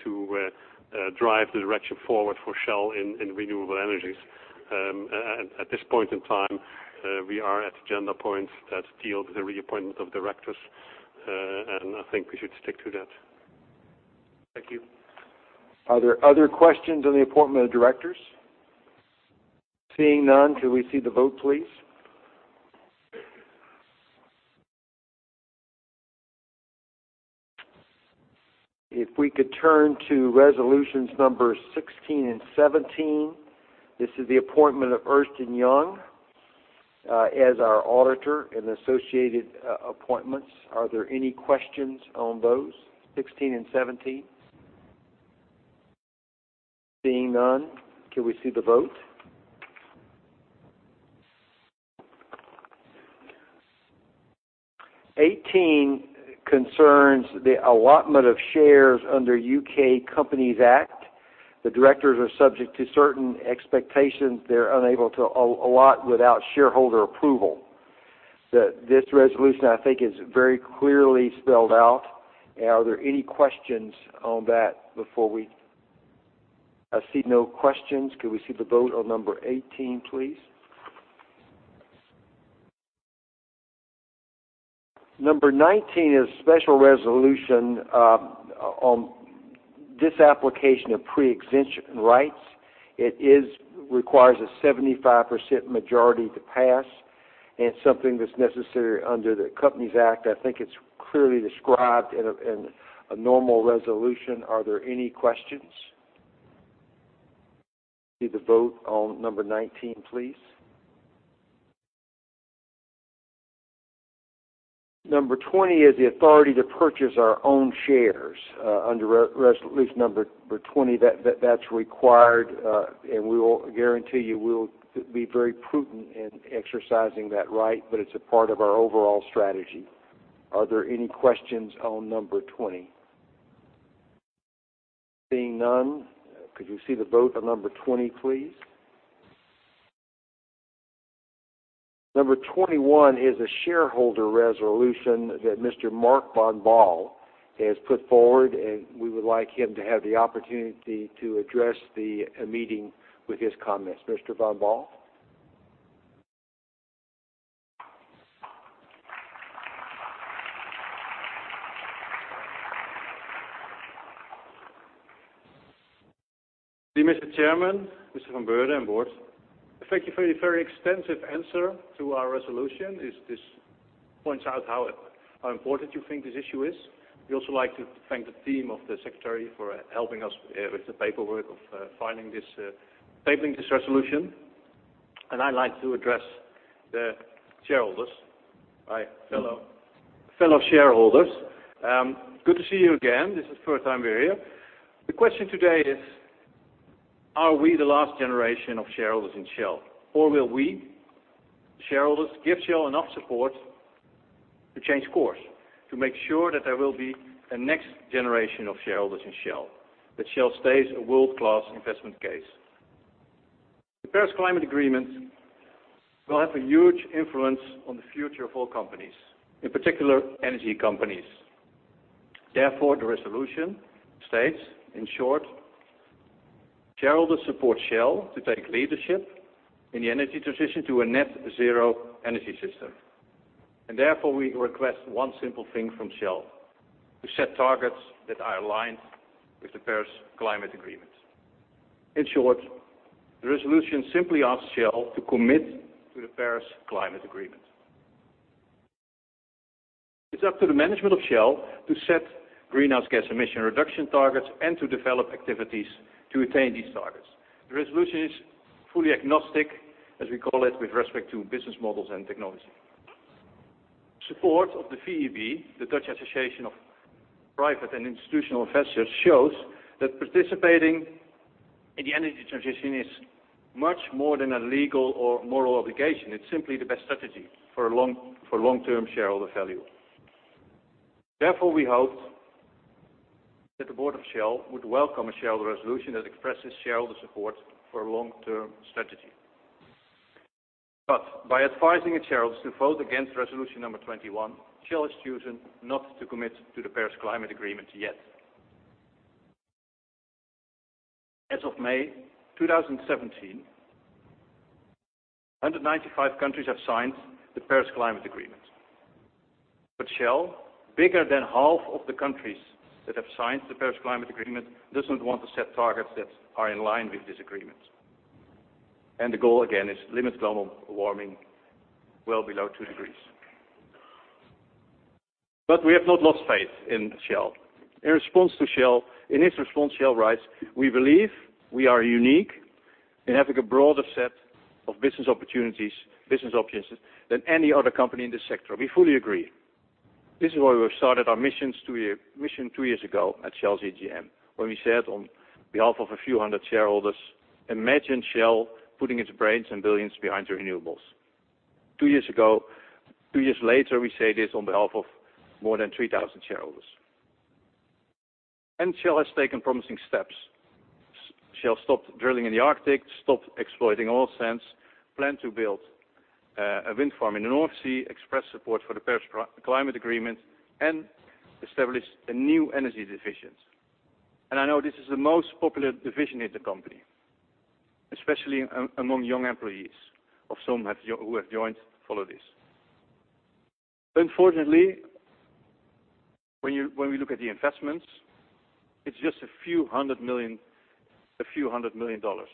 to drive the direction forward for Shell in renewable energies. At this point in time, we are at the agenda points that deal with the reappointment of directors, I think we should stick to that. Thank you. Are there other questions on the appointment of directors? Seeing none, could we see the vote, please? If we could turn to resolutions number 16 and 17. This is the appointment of Ernst & Young as our auditor and associated appointments. Are there any questions on those, 16 and 17? Seeing none, could we see the vote? 18 concerns the allotment of shares under Companies Act 2006. The directors are subject to certain expectations they're unable to allot without shareholder approval. This resolution, I think, is very clearly spelled out. Are there any questions on that? I see no questions. Could we see the vote on number 18, please? Number 19 is a special resolution on this application of pre-existing rights. It requires a 75% majority to pass and something that's necessary under the Companies Act. I think it's clearly described in a normal resolution. Are there any questions? See the vote on number 19, please. Number 20 is the authority to purchase our own shares under resolution number 20. That's required, and we will guarantee you we'll be very prudent in exercising that right, but it's a part of our overall strategy. Are there any questions on number 20? Seeing none, could you see the vote on number 20, please? Number 21 is a shareholder resolution that Mr. Mark van Baal has put forward. We would like him to have the opportunity to address the meeting with his comments. Mr. Van Baal. Dear Mr. Chairman, Mr. Van Beurden, and board, thank you for your very extensive answer to our resolution. This points out how important you think this issue is. We also like to thank the team of the secretary for helping us with the paperwork of filing this resolution. I'd like to address the shareholders. Fellow shareholders, good to see you again. This is the first time we're here. The question today is, are we the last generation of shareholders in Shell? Or will we, shareholders, give Shell enough support to change course to make sure that there will be a next generation of shareholders in Shell? That Shell stays a world-class investment case. The Paris Climate Agreement will have a huge influence on the future of all companies, in particular energy companies. Therefore, the resolution states, in short, shareholders support Shell to take leadership in the energy transition to a net zero energy system. Therefore, we request one simple thing from Shell, to set targets that are aligned with the Paris Climate Agreement. In short, the resolution simply asks Shell to commit to the Paris Climate Agreement. It's up to the management of Shell to set greenhouse gas emission reduction targets and to develop activities to attain these targets. The resolution is fully agnostic, as we call it, with respect to business models and technology. Support of the VEB, the Dutch Association of Private and Institutional Investors, shows that participating in the energy transition is much more than a legal or moral obligation. It's simply the best strategy for long-term shareholder value. Therefore, we hoped that the board of Shell would welcome a shareholder resolution that expresses shareholder support for a long-term strategy. By advising its shareholders to vote against Resolution 21, Shell is choosing not to commit to the Paris Agreement yet. As of May 2017, 195 countries have signed the Paris Agreement. Shell, bigger than half of the countries that have signed the Paris Agreement, does not want to set targets that are in line with this agreement. The goal, again, is limit global warming well below two degrees. We have not lost faith in Shell. In its response, Shell writes, "We believe we are unique in having a broader set of business opportunities than any other company in this sector." We fully agree. This is why we've started our mission two years ago at Shell's AGM, when we said on behalf of a few hundred shareholders, imagine Shell putting its brains and billions behind renewables. Two years later, we say this on behalf of more than 3,000 shareholders. Shell has taken promising steps. Shell stopped drilling in the Arctic, stopped exploiting oil sands, planned to build a wind farm in the North Sea, expressed support for the Paris Agreement, and established a New Energies division. I know this is the most popular division in the company, especially among young employees of some who have joined Follow This. Unfortunately, when we look at the investments, it's just a few hundred million dollars,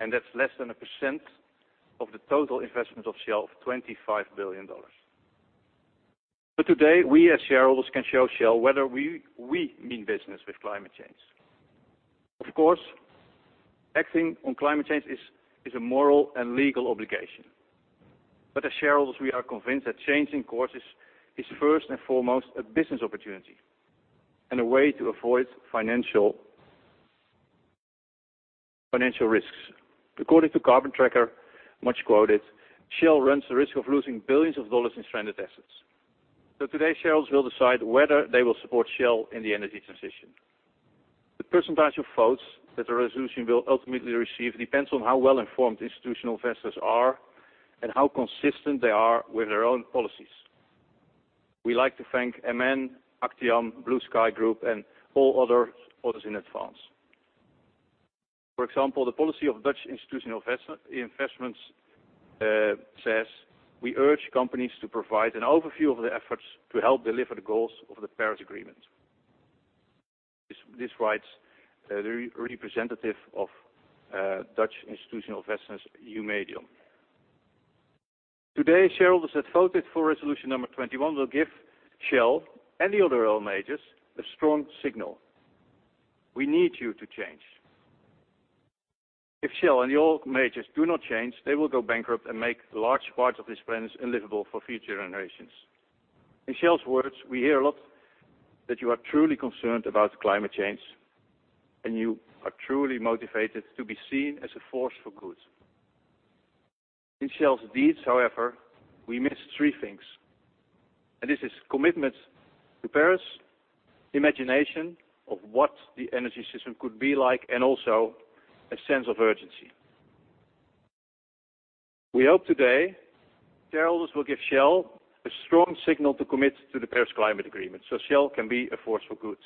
and that's less than 1% of the total investment of Shell of $25 billion. Today, we as shareholders can show Shell whether we mean business with climate change. Of course, acting on climate change is a moral and legal obligation. As shareholders, we are convinced that changing course is first and foremost a business opportunity and a way to avoid financial risks. According to Carbon Tracker, much quoted, Shell runs the risk of losing billions of dollars in stranded assets. Today, shareholders will decide whether they will support Shell in the energy transition. The % of votes that the resolution will ultimately receive depends on how well-informed institutional investors are and how consistent they are with their own policies. We like to thank MN, Actiam, BlueSky Group, and all others in advance. For example, the policy of Dutch Institutional Investments says, "We urge companies to provide an overview of their efforts to help deliver the goals of the Paris Agreement." This writes the representative of Dutch Institutional Investments, Eumedion. Today, shareholders that voted for Resolution 21 will give Shell and the other oil majors a strong signal. We need you to change. If Shell and the oil majors do not change, they will go bankrupt and make large parts of this planet unlivable for future generations. In Shell's words, we hear a lot that you are truly concerned about climate change, you are truly motivated to be seen as a force for good. In Shell's deeds, however, we miss three things: this is commitment to Paris, imagination of what the energy system could be like, also a sense of urgency. We hope today shareholders will give Shell a strong signal to commit to the Paris Climate Agreement, so Shell can be a force for good.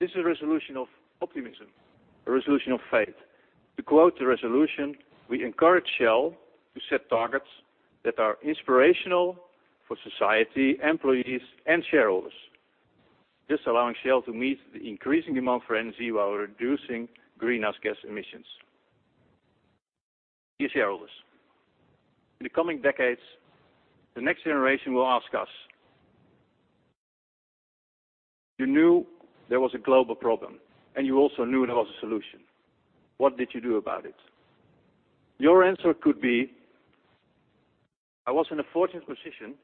This is a resolution of optimism, a resolution of faith. To quote the resolution, we encourage Shell to set targets that are inspirational for society, employees, and shareholders, thus allowing Shell to meet the increasing demand for energy while reducing greenhouse gas emissions. Dear shareholders, in the coming decades, the next generation will ask us, "You knew there was a global problem, and you also knew there was a solution. What did you do about it?" Your answer could be I was in a fortunate position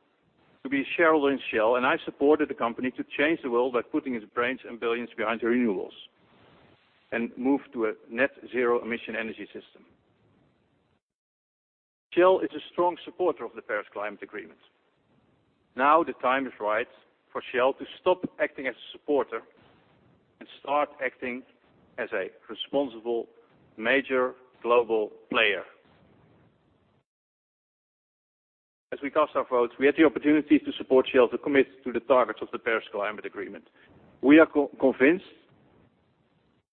to be a shareholder in Shell, and I supported the company to change the world by putting its brains and billions behind renewables and move to a net zero emission energy system. Shell is a strong supporter of the Paris Climate Agreement. The time is right for Shell to stop acting as a supporter and start acting as a responsible major global player. As we cast our votes, we had the opportunity to support Shell to commit to the targets of the Paris Climate Agreement. We are convinced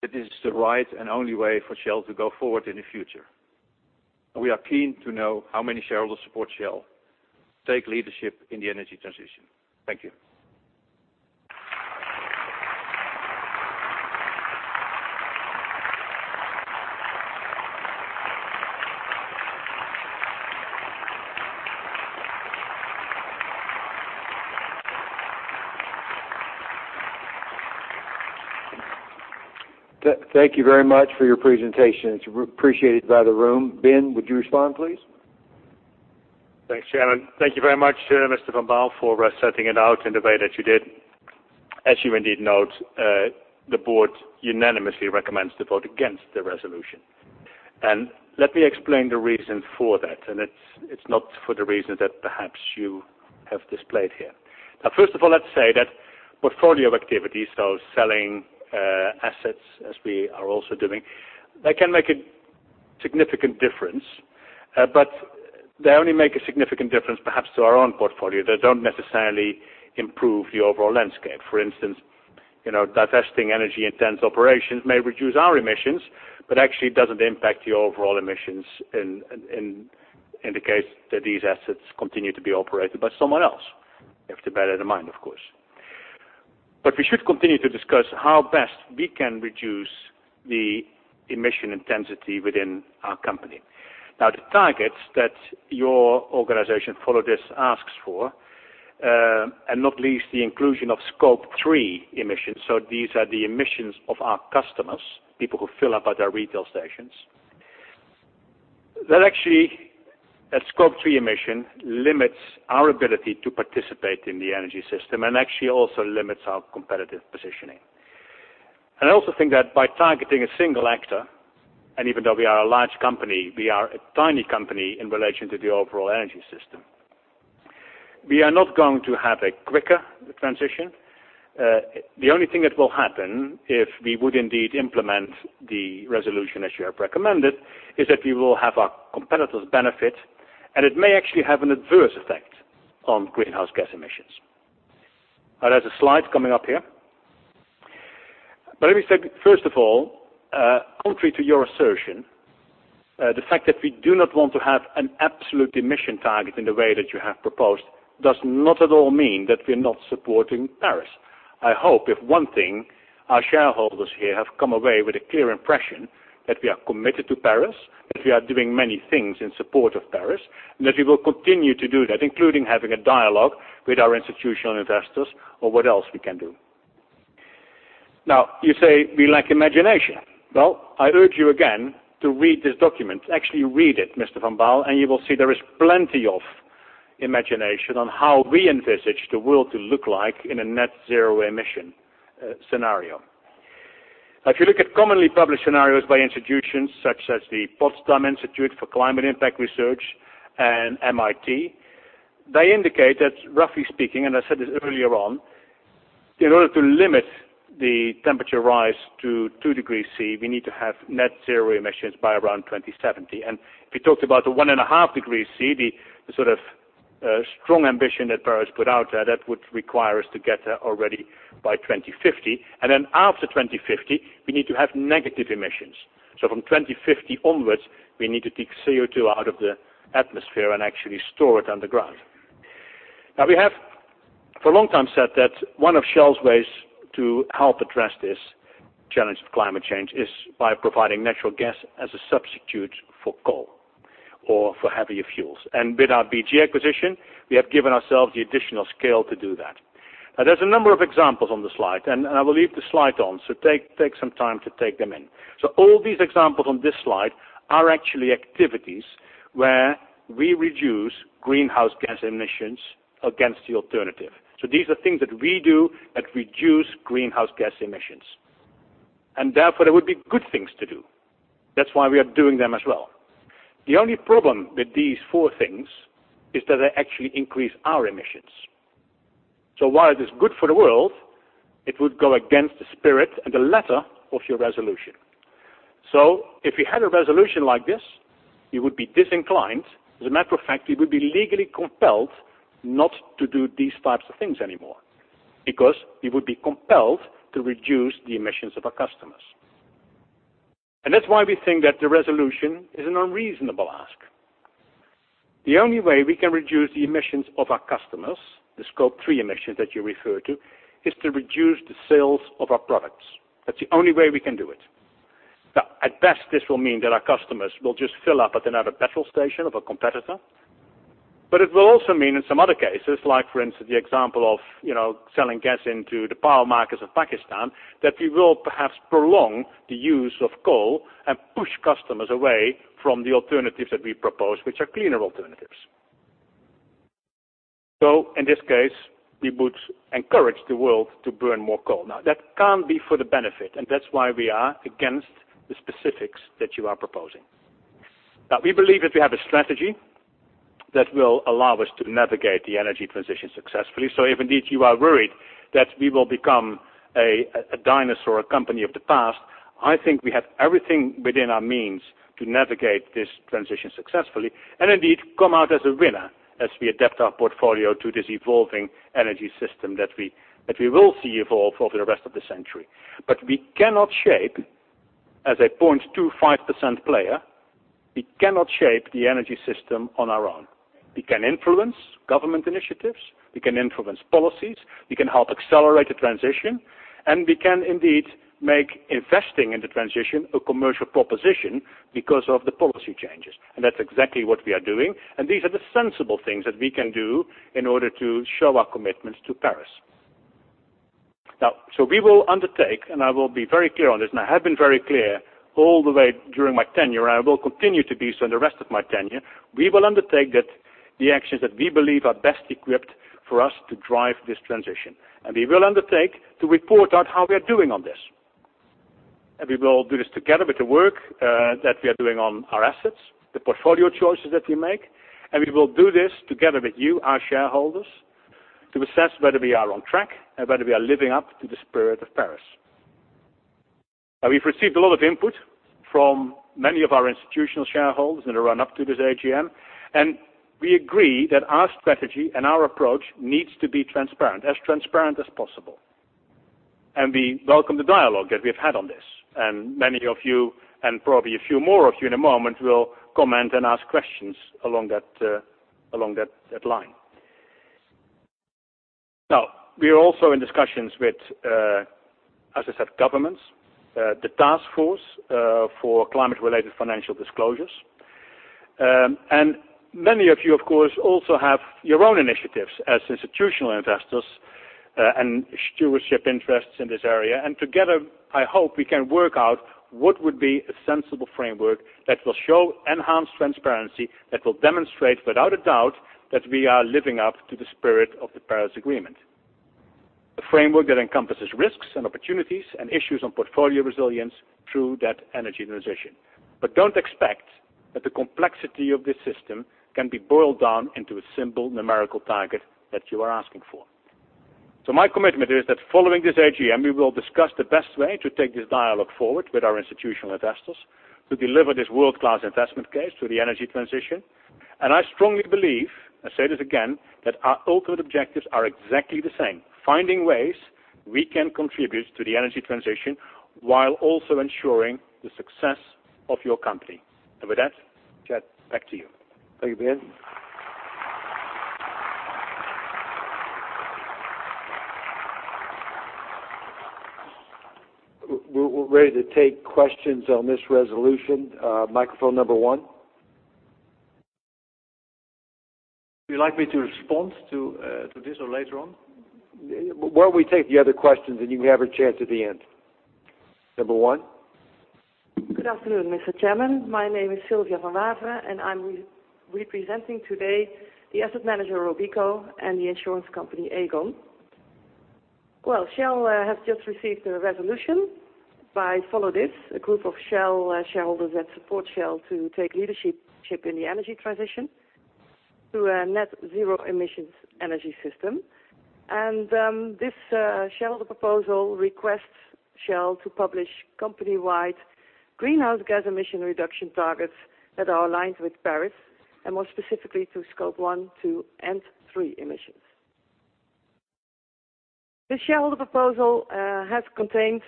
that this is the right and only way for Shell to go forward in the future, and we are keen to know how many shareholders support Shell take leadership in the energy transition. Thank you. Thank you very much for your presentation. It's appreciated by the room. Ben, would you respond, please? Thanks, Chairman. Thank you very much, Mr. Van Baal, for setting it out in the way that you did. As you indeed note, the board unanimously recommends to vote against the resolution. Let me explain the reason for that, and it's not for the reason that perhaps you have displayed here. First of all, let's say that portfolio activities, so selling assets as we are also doing, they can make a significant difference, but they only make a significant difference perhaps to our own portfolio. They don't necessarily improve the overall landscape. For instance, divesting energy-intense operations may reduce our emissions, but actually doesn't impact the overall emissions in the case that these assets continue to be operated by someone else. You have to bear that in mind, of course. We should continue to discuss how best we can reduce the emission intensity within our company. The targets that your organization Follow This asks for, and not least the inclusion of Scope 3 emissions. These are the emissions of our customers, people who fill up at our retail stations. That actually, that Scope 3 emission limits our ability to participate in the energy system and actually also limits our competitive positioning. I also think that by targeting a single actor, and even though we are a large company, we are a tiny company in relation to the overall energy system. We are not going to have a quicker transition. The only thing that will happen if we would indeed implement the resolution as you have recommended, is that we will have our competitors benefit, and it may actually have an adverse effect on greenhouse gas emissions. There's a slide coming up here. Let me say, first of all, contrary to your assertion, the fact that we do not want to have an absolute emission target in the way that you have proposed does not at all mean that we're not supporting Paris. I hope if one thing, our shareholders here have come away with a clear impression that we are committed to Paris, that we are doing many things in support of Paris, and that we will continue to do that, including having a dialogue with our institutional investors on what else we can do. You say we lack imagination. I urge you again to read this document. Actually read it, Mr. Van Baal, and you will see there is plenty of imagination on how we envisage the world to look like in a net zero emission scenario. If you look at commonly published scenarios by institutions such as the Potsdam Institute for Climate Impact Research and MIT, they indicate that, roughly speaking, and I said this earlier on, in order to limit the temperature rise to 2 degrees C, we need to have net zero emissions by around 2070. If we talked about the 1.5 degrees C, the sort of strong ambition that Paris put out there, that would require us to get there already by 2050. Then after 2050, we need to have negative emissions. From 2050 onwards, we need to take CO2 out of the atmosphere and actually store it underground. We have, for a long time said that one of Shell's ways to help address this challenge of climate change is by providing natural gas as a substitute for coal or for heavier fuels. With our BG acquisition, we have given ourselves the additional scale to do that. There's a number of examples on the slide, and I will leave the slide on, so take some time to take them in. All these examples on this slide are actually activities where we reduce greenhouse gas emissions against the alternative. These are things that we do that reduce greenhouse gas emissions, and therefore, they would be good things to do. That's why we are doing them as well. The only problem with these four things is that they actually increase our emissions. While it is good for the world, it would go against the spirit and the letter of your resolution. If we had a resolution like this, we would be disinclined, as a matter of fact, we would be legally compelled not to do these types of things anymore, because we would be compelled to reduce the emissions of our customers. That's why we think that the resolution is an unreasonable ask. The only way we can reduce the emissions of our customers, the Scope 3 emissions that you refer to, is to reduce the sales of our products. That's the only way we can do it. At best, this will mean that our customers will just fill up at another petrol station of a competitor. It will also mean in some other cases, like for instance, the example of selling gas into the power markets of Pakistan, that we will perhaps prolong the use of coal and push customers away from the alternatives that we propose, which are cleaner alternatives. In this case, we would encourage the world to burn more coal. That can't be for the benefit, and that's why we are against the specifics that you are proposing. We believe that we have a strategy that will allow us to navigate the energy transition successfully. If indeed you are worried that we will become a dinosaur or a company of the past, I think we have everything within our means to navigate this transition successfully and indeed come out as a winner as we adapt our portfolio to this evolving energy system that we will see evolve over the rest of the century. We cannot shape, as a 0.25% player, we cannot shape the energy system on our own. We can influence government initiatives. We can influence policies. We can help accelerate the transition, and we can indeed make investing in the transition a commercial proposition because of the policy changes. That's exactly what we are doing, and these are the sensible things that we can do in order to show our commitments to Paris. We will undertake, and I will be very clear on this, and I have been very clear all the way during my tenure, and I will continue to be so in the rest of my tenure, we will undertake the actions that we believe are best equipped for us to drive this transition. We will undertake to report out how we are doing on this. We will do this together with the work that we are doing on our assets, the portfolio choices that we make, and we will do this together with you, our shareholders, to assess whether we are on track and whether we are living up to the spirit of Paris. We've received a lot of input from many of our institutional shareholders in the run-up to this AGM, we agree that our strategy and our approach needs to be transparent, as transparent as possible. We welcome the dialogue that we've had on this, and many of you, and probably a few more of you in a moment, will comment and ask questions along that line. We are also in discussions with, as I said, governments, the Task Force on Climate-related Financial Disclosures. Many of you, of course, also have your own initiatives as institutional investors and stewardship interests in this area. Together, I hope we can work out what would be a sensible framework that will show enhanced transparency, that will demonstrate without a doubt that we are living up to the spirit of the Paris Agreement. A framework that encompasses risks and opportunities and issues on portfolio resilience through that energy transition. Don't expect that the complexity of this system can be boiled down into a simple numerical target that you are asking for. My commitment is that following this AGM, we will discuss the best way to take this dialogue forward with our institutional investors to deliver this world-class investment case to the energy transition. I strongly believe, I say this again, that our ultimate objectives are exactly the same, finding ways we can contribute to the energy transition while also ensuring the success of your company. With that, Chad, back to you. Thank you, Ben. We're ready to take questions on this resolution. Microphone number 1. Would you like me to respond to this or later on? Why don't we take the other questions, you can have a chance at the end. Number one. Good afternoon, Mr. Chairman. My name is Sylvia van Waveren, I'm representing today the asset manager Robeco and the insurance company Aegon. Well, Shell has just received a resolution by Follow This, a group of Shell shareholders that support Shell to take leadership in the energy transition to a net zero emissions energy system. This shareholder proposal requests Shell to publish company-wide greenhouse gas emission reduction targets that are aligned with Paris, and more specifically, to Scope 1, 2, and 3 emissions. The shareholder proposal contains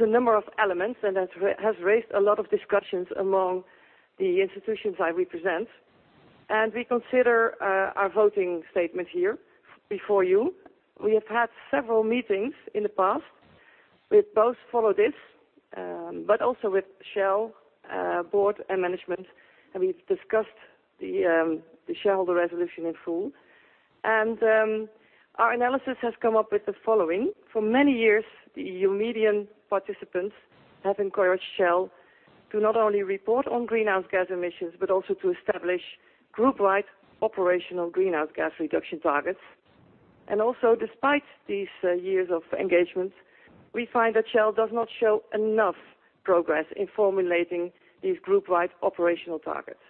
a number of elements and has raised a lot of discussions among the institutions I represent, and we consider our voting statement here before you. We have had several meetings in the past with both Follow This, but also with Shell board and management, and we've discussed the shareholder resolution in full. Our analysis has come up with the following. For many years, the Eumedion participants have encouraged Shell to not only report on greenhouse gas emissions, but also to establish group-wide operational greenhouse gas reduction targets. Despite these years of engagement, we find that Shell does not show enough progress in formulating these group-wide operational targets.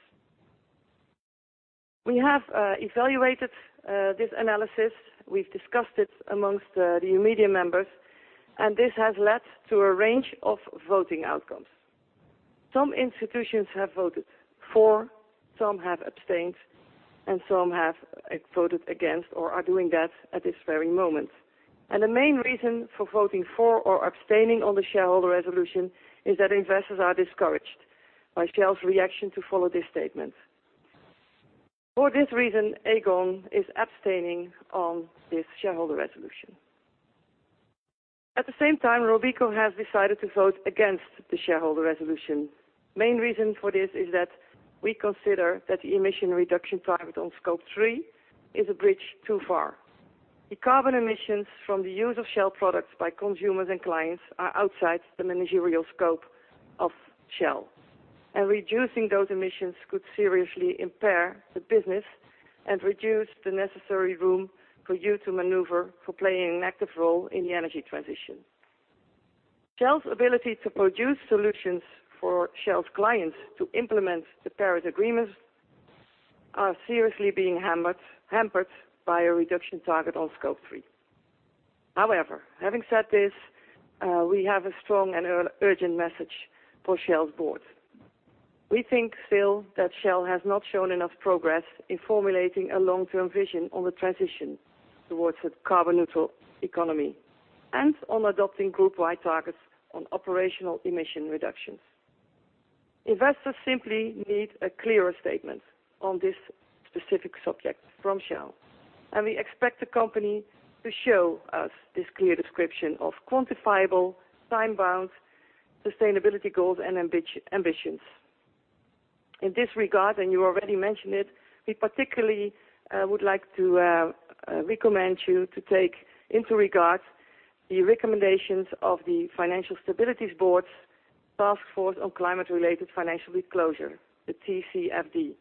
We have evaluated this analysis. We've discussed it amongst the Eumedion members, this has led to a range of voting outcomes. Some institutions have voted for, some have abstained, some have voted against or are doing that at this very moment. The main reason for voting for or abstaining on the shareholder resolution is that investors are discouraged by Shell's reaction to Follow This statement. For this reason, Aegon is abstaining on this shareholder resolution. At the same time, Robeco has decided to vote against the shareholder resolution. Main reason for this is that we consider that the emission reduction target on Scope 3 is a bridge too far. The carbon emissions from the use of Shell products by consumers and clients are outside the managerial scope of Shell. Reducing those emissions could seriously impair the business and reduce the necessary room for you to maneuver for playing an active role in the energy transition. Shell's ability to produce solutions for Shell's clients to implement the Paris Agreement are seriously being hampered by a reduction target on Scope 3. However, having said this, we have a strong and urgent message for Shell's board. We think still that Shell has not shown enough progress in formulating a long-term vision on the transition towards a carbon neutral economy, on adopting group-wide targets on operational emission reductions. Investors simply need a clearer statement on this specific subject from Shell, and we expect the company to show us this clear description of quantifiable, time-bound sustainability goals and ambitions. In this regard, and you already mentioned it, we particularly would like to recommend you to take into regard the recommendations of the Financial Stability Board's Task Force on Climate-related Financial Disclosures, the TCFD.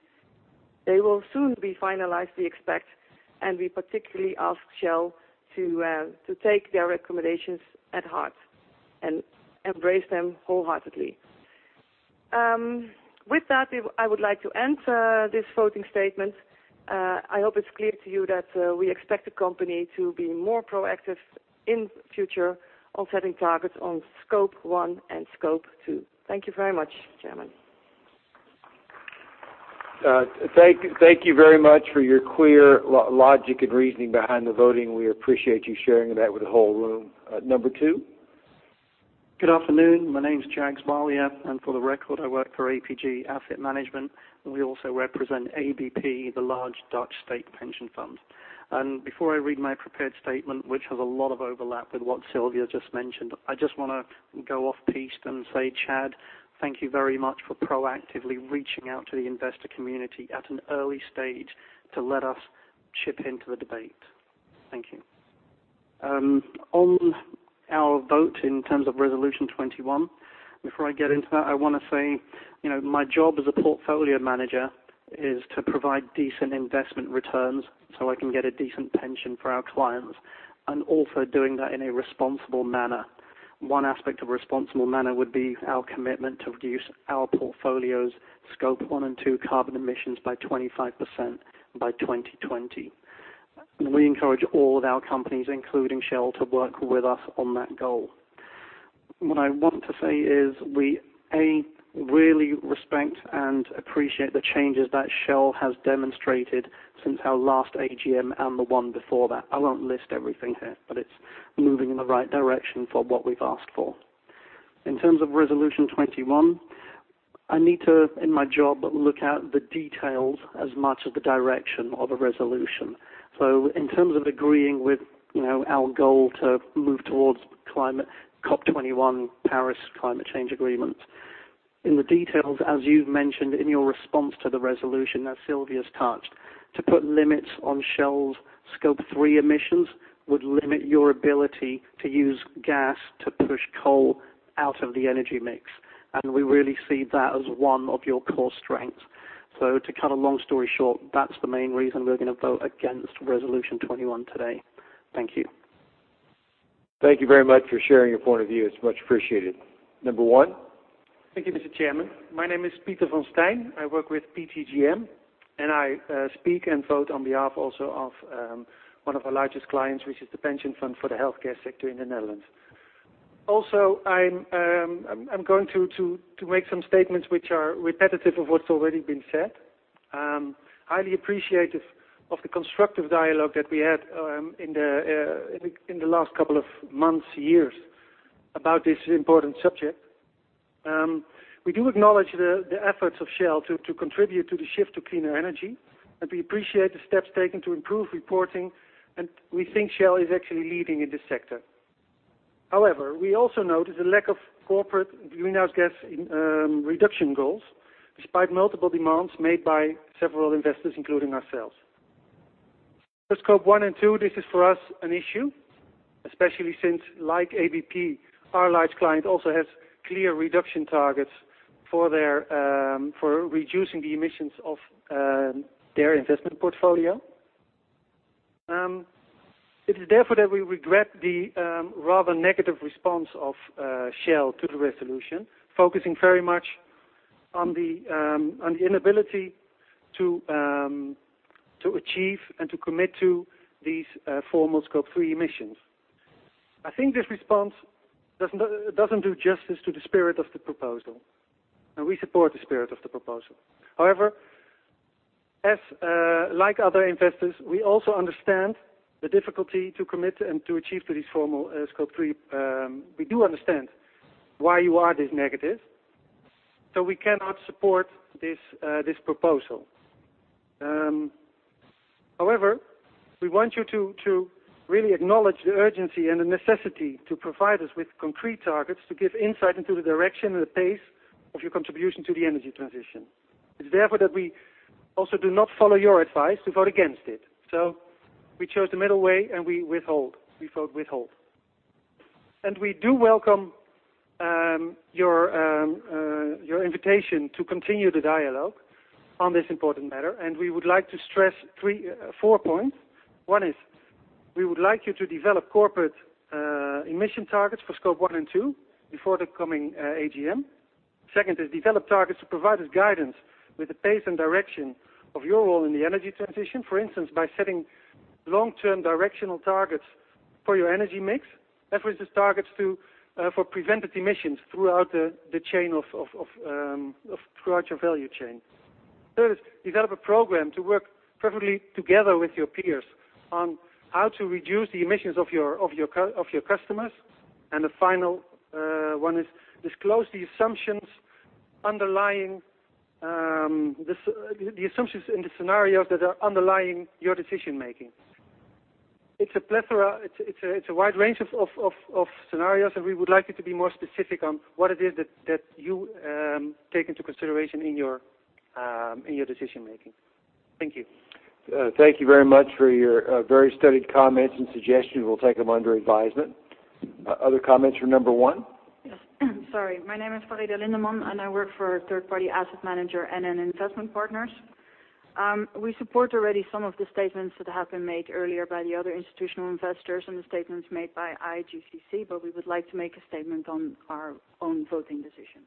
They will soon be finalized, we expect. We particularly ask Shell to take their recommendations at heart and embrace them wholeheartedly. With that, I would like to end this voting statement. I hope it is clear to you that we expect the company to be more proactive in the future on setting targets on Scope 1 and Scope 2. Thank you very much, Chairman. Thank you very much for your clear logic and reasoning behind the voting. We appreciate you sharing that with the whole room. Number two. Good afternoon. My name is Jags Malia. For the record, I work for APG Asset Management. We also represent ABP, the large Dutch state pension fund. Before I read my prepared statement, which has a lot of overlap with what Sylvia just mentioned, I just want to go off-piece and say, Chad, thank you very much for proactively reaching out to the investor community at an early stage to let us chip into the debate. Thank you. On our vote in terms of Resolution 21, before I get into that, I want to say, my job as a portfolio manager is to provide decent investment returns so I can get a decent pension for our clients, also doing that in a responsible manner. One aspect of responsible manner would be our commitment to reduce our portfolio's Scope 1 and Scope 2 carbon emissions by 25% by 2020. We encourage all of our companies, including Shell, to work with us on that goal. What I want to say is we, A, really respect and appreciate the changes that Shell has demonstrated since our last AGM and the one before that. I won't list everything here, but it is moving in the right direction for what we've asked for. In terms of Resolution 21, I need to, in my job, look at the details as much as the direction of a resolution. In terms of agreeing with our goal to move towards COP21 Paris climate change agreements, in the details, as you've mentioned in your response to the resolution, as Sylvia's touched, to put limits on Shell's Scope 3 emissions would limit your ability to use gas to push coal out of the energy mix. We really see that as one of your core strengths. To cut a long story short, that's the main reason we're going to vote against Resolution 21 today. Thank you. Thank you very much for sharing your point of view. It's much appreciated. Number 1. Thank you, Mr. Chairman. My name is Pieter van Stijn. I work with PGGM. I speak and vote on behalf also of one of our largest clients, which is the pension fund for the healthcare sector in the Netherlands. I'm going to make some statements which are repetitive of what's already been said. Highly appreciative of the constructive dialogue that we had in the last couple of months, years, about this important subject. We do acknowledge the efforts of Shell to contribute to the shift to cleaner energy. We appreciate the steps taken to improve reporting. We think Shell is actually leading in this sector. However, we also notice a lack of corporate greenhouse gas reduction goals, despite multiple demands made by several investors, including ourselves. For Scope 1 and 2, this is for us an issue, especially since, like ABP, our large client also has clear reduction targets for reducing the emissions of their investment portfolio. It is therefore that we regret the rather negative response of Shell to the Resolution, focusing very much on the inability to achieve and to commit to these formal Scope 3 emissions. I think this response doesn't do justice to the spirit of the proposal, and we support the spirit of the proposal. However, like other investors, we also understand the difficulty to commit and to achieve to these formal Scope 3. We do understand why you are this negative, so we cannot support this proposal. However, we want you to really acknowledge the urgency and the necessity to provide us with concrete targets to give insight into the direction and the pace of your contribution to the energy transition. We also do not follow your advice to vote against it. We chose the middle way. We withhold. We vote withhold. We do welcome your invitation to continue the dialogue on this important matter. We would like to stress four points. One is, we would like you to develop corporate emission targets for Scope 1 and 2 before the coming AGM. Second is, develop targets to provide us guidance with the pace and direction of your role in the energy transition. For instance, by setting long-term directional targets for your energy mix. Efforts targets for prevented emissions throughout your value chain. Third is, develop a program to work preferably together with your peers on how to reduce the emissions of your customers. The final one is, disclose the assumptions in the scenarios that are underlying your decision-making. It's a wide range of scenarios. We would like you to be more specific on what it is that you take into consideration in your decision-making. Thank you. Thank you very much for your very studied comments and suggestions. We'll take them under advisement. Other comments from number 1? Yes. Sorry, my name is Faryda Lindeman. I work for third-party asset manager, NN Investment Partners. We support already some of the statements that have been made earlier by the other institutional investors and the statements made by IIGCC. We would like to make a statement on our own voting decision.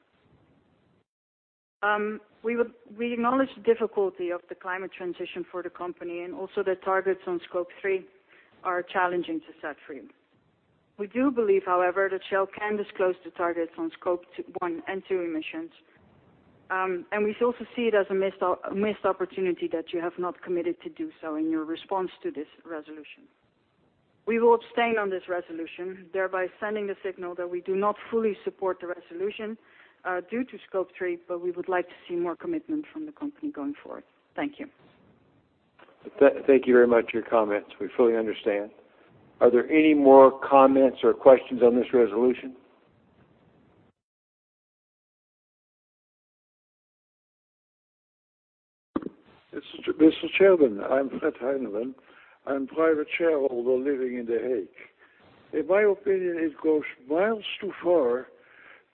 We acknowledge the difficulty of the climate transition for the company. Also the targets on Scope 3 are challenging to set for you. We do believe, however, that Shell can disclose the targets on Scope 1 and 2 emissions. We also see it as a missed opportunity that you have not committed to do so in your response to this resolution. We will abstain on this resolution, thereby sending a signal that we do not fully support the resolution due to Scope 3, but we would like to see more commitment from the company going forward. Thank you. Thank you very much for your comments. We fully understand. Are there any more comments or questions on this resolution? Mr. Chairman, I am Fred Heineman. I am private shareholder living in The Hague. In my opinion, it goes miles too far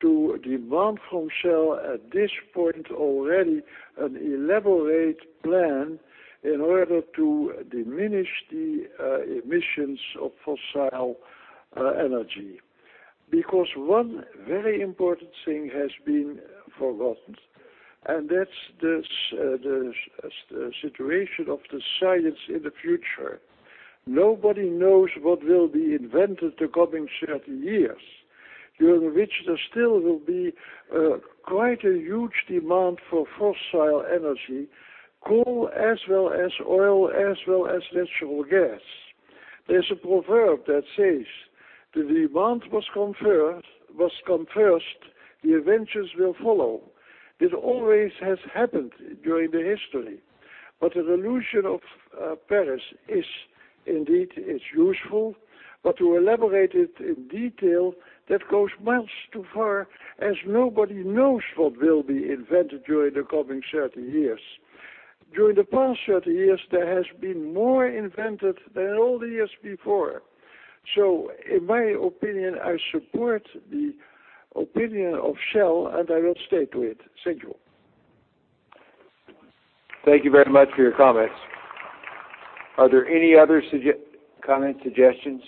to demand from Shell at this point already an elaborate plan in order to diminish the emissions of fossil energy. One very important thing has been forgotten, and that is the situation of the science in the future. Nobody knows what will be invented the coming 30 years, during which there still will be quite a huge demand for fossil energy, coal as well as oil as well as natural gas. There is a proverb that says, "The demand was come first, the inventions will follow." It always has happened during the history. The Paris Agreement is indeed useful, but to elaborate it in detail, that goes miles too far as nobody knows what will be invented during the coming 30 years. During the past 30 years, there has been more invented than all the years before. In my opinion, I support the opinion of Shell, and I will stay to it. Thank you. Thank you very much for your comments. Are there any other comments, suggestions?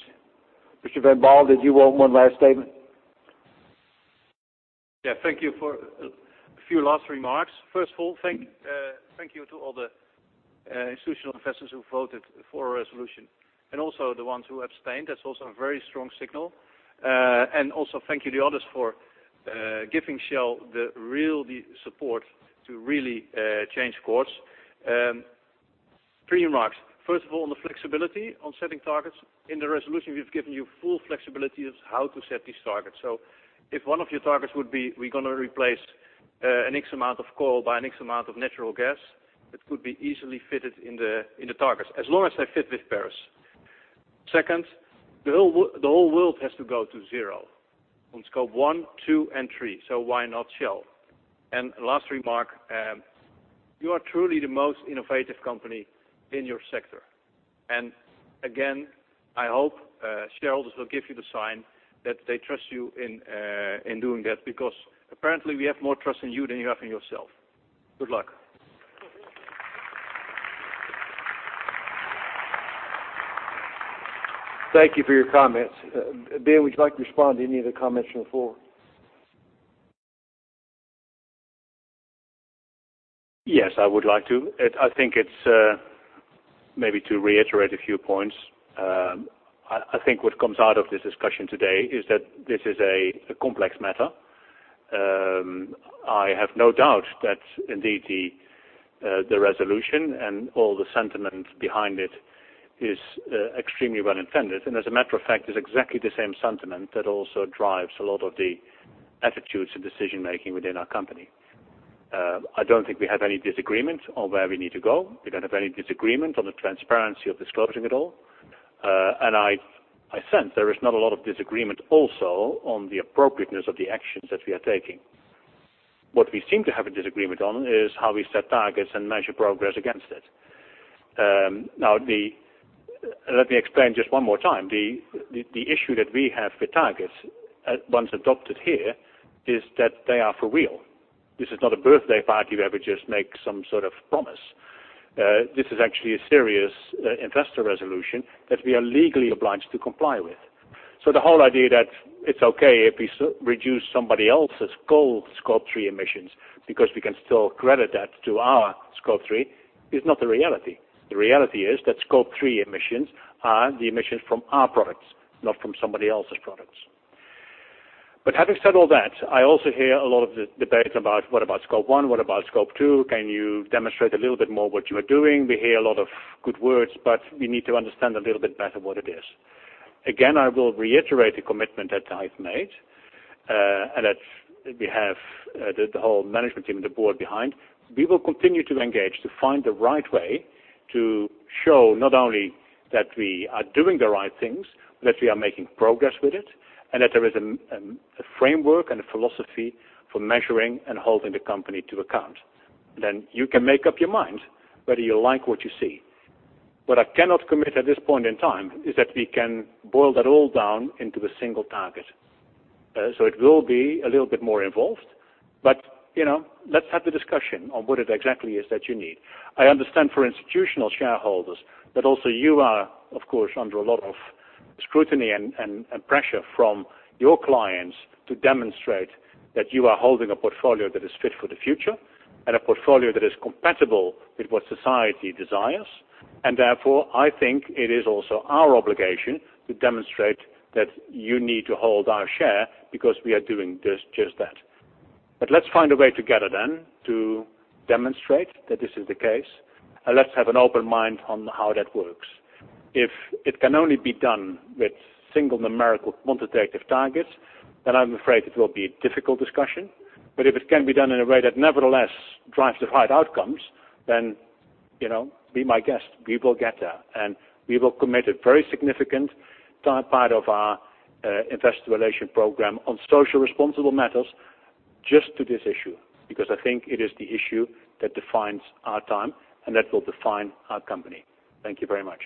Mr. van Baal, did you want one last statement? A few last remarks. First of all, thank you to all the institutional investors who voted for our resolution and also the ones who abstained. That's also a very strong signal. Also thank you to others for giving Shell the support to really change course. Three remarks. First of all, on the flexibility on setting targets. In the resolution, we've given you full flexibility of how to set these targets. So if one of your targets would be we're going to replace an X amount of coal by an X amount of natural gas, it could be easily fitted in the targets as long as they fit with Paris. Second, the whole world has to go to zero on Scope 1, 2, and 3, so why not Shell? Last remark, you are truly the most innovative company in your sector. Again, I hope shareholders will give you the sign that they trust you in doing that, because apparently we have more trust in you than you have in yourself. Good luck. Thank you for your comments. Ben, would you like to respond to any of the comments from the floor? Yes, I would like to. Maybe to reiterate a few points. I think what comes out of this discussion today is that this is a complex matter. I have no doubt that indeed the resolution and all the sentiment behind it is extremely well-intended. As a matter of fact, it's exactly the same sentiment that also drives a lot of the attitudes and decision-making within our company. I don't think we have any disagreement on where we need to go. We don't have any disagreement on the transparency of disclosing it all. I sense there is not a lot of disagreement also on the appropriateness of the actions that we are taking. What we seem to have a disagreement on is how we set targets and measure progress against it. Let me explain just one more time. The issue that we have with targets, ones adopted here, is that they are for real. This is not a birthday party where we just make some sort of promise. This is actually a serious investor resolution that we are legally obliged to comply with. The whole idea that it's okay if we reduce somebody else's goal, Scope 3 emissions, because we can still credit that to our Scope 3, is not the reality. The reality is that Scope 3 emissions are the emissions from our products, not from somebody else's products. Having said all that, I also hear a lot of the debate about, what about Scope 1? What about Scope 2? Can you demonstrate a little bit more what you are doing? We hear a lot of good words, but we need to understand a little bit better what it is. I will reiterate the commitment that I've made, that we have the whole management team and the board behind. We will continue to engage to find the right way to show not only that we are doing the right things, but that we are making progress with it, and that there is a framework and a philosophy for measuring and holding the company to account. You can make up your mind whether you like what you see. What I cannot commit at this point in time is that we can boil that all down into a single target. It will be a little bit more involved, but let's have the discussion on what it exactly is that you need. I understand for institutional shareholders, that also you are, of course, under a lot of scrutiny and pressure from your clients to demonstrate that you are holding a portfolio that is fit for the future and a portfolio that is compatible with what society desires. Therefore, I think it is also our obligation to demonstrate that you need to hold our share because we are doing just that. Let's find a way together then to demonstrate that this is the case, and let's have an open mind on how that works. If it can only be done with single numerical quantitative targets, I'm afraid it will be a difficult discussion. If it can be done in a way that nevertheless drives the right outcomes, then be my guest. We will get there. We will commit a very significant part of our investor relations program on socially responsible matters just to this issue, because I think it is the issue that defines our time and that will define our company. Thank you very much.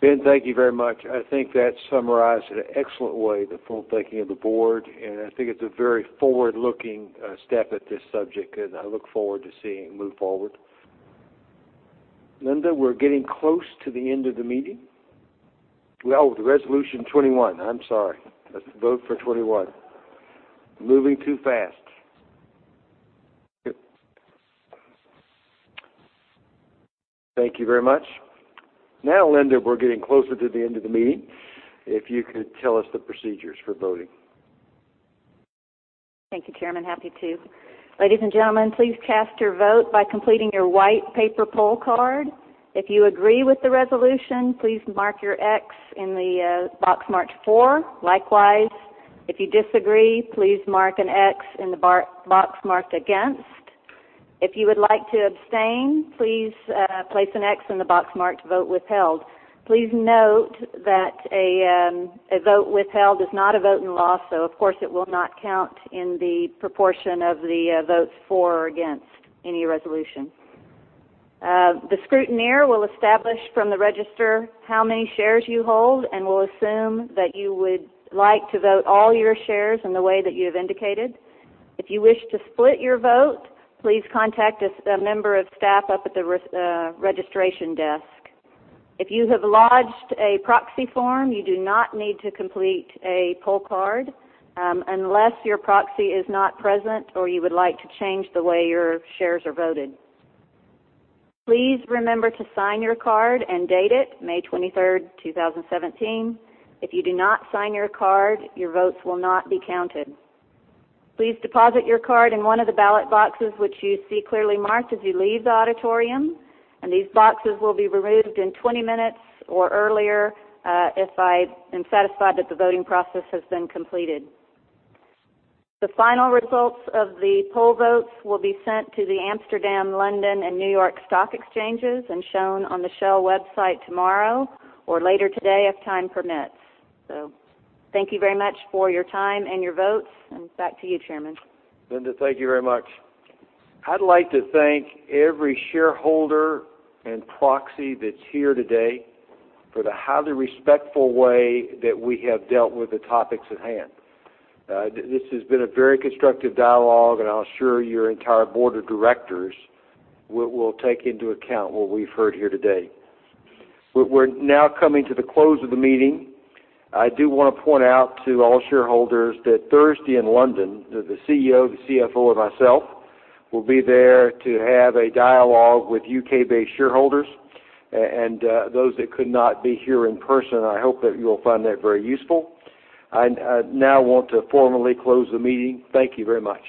Ben, thank you very much. I think that summarized in an excellent way the full thinking of the board. I think it's a very forward-looking step at this subject. I look forward to seeing it move forward. Linda, we're getting close to the end of the meeting. Well, the resolution 21. I'm sorry. Let's vote for 21. Moving too fast. Good. Linda, we're getting closer to the end of the meeting. If you could tell us the procedures for voting. Thank you, Chairman. Happy to. Ladies and gentlemen, please cast your vote by completing your white paper poll card. If you agree with the resolution, please mark your X in the box marked for. Likewise, if you disagree, please mark an X in the box marked against. If you would like to abstain, please place an X in the box marked vote withheld. Please note that a vote withheld is not a vote in gross. Of course, it will not count in the proportion of the votes for or against any resolution. The scrutineer will establish from the register how many shares you hold and will assume that you would like to vote all your shares in the way that you have indicated. If you wish to split your vote, please contact a member of staff up at the registration desk. If you have lodged a proxy form, you do not need to complete a poll card, unless your proxy is not present or you would like to change the way your shares are voted. Please remember to sign your card and date it May 23rd, 2017. If you do not sign your card, your votes will not be counted. Please deposit your card in one of the ballot boxes, which you see clearly marked as you leave the auditorium. These boxes will be removed in 20 minutes or earlier, if I am satisfied that the voting process has been completed. The final results of the poll votes will be sent to the Amsterdam, London, and New York Stock Exchange and shown on the Shell website tomorrow or later today if time permits. Thank you very much for your time and your votes, and back to you, Chairman. Linda, thank you very much. I'd like to thank every shareholder and proxy that's here today for the highly respectful way that we have dealt with the topics at hand. This has been a very constructive dialogue. I assure your entire Board of Directors we'll take into account what we've heard here today. We're now coming to the close of the meeting. I do want to point out to all shareholders that Thursday in London, the CEO, the CFO, and myself will be there to have a dialogue with U.K.-based shareholders and those that could not be here in person. I hope that you will find that very useful. I now want to formally close the meeting. Thank you very much.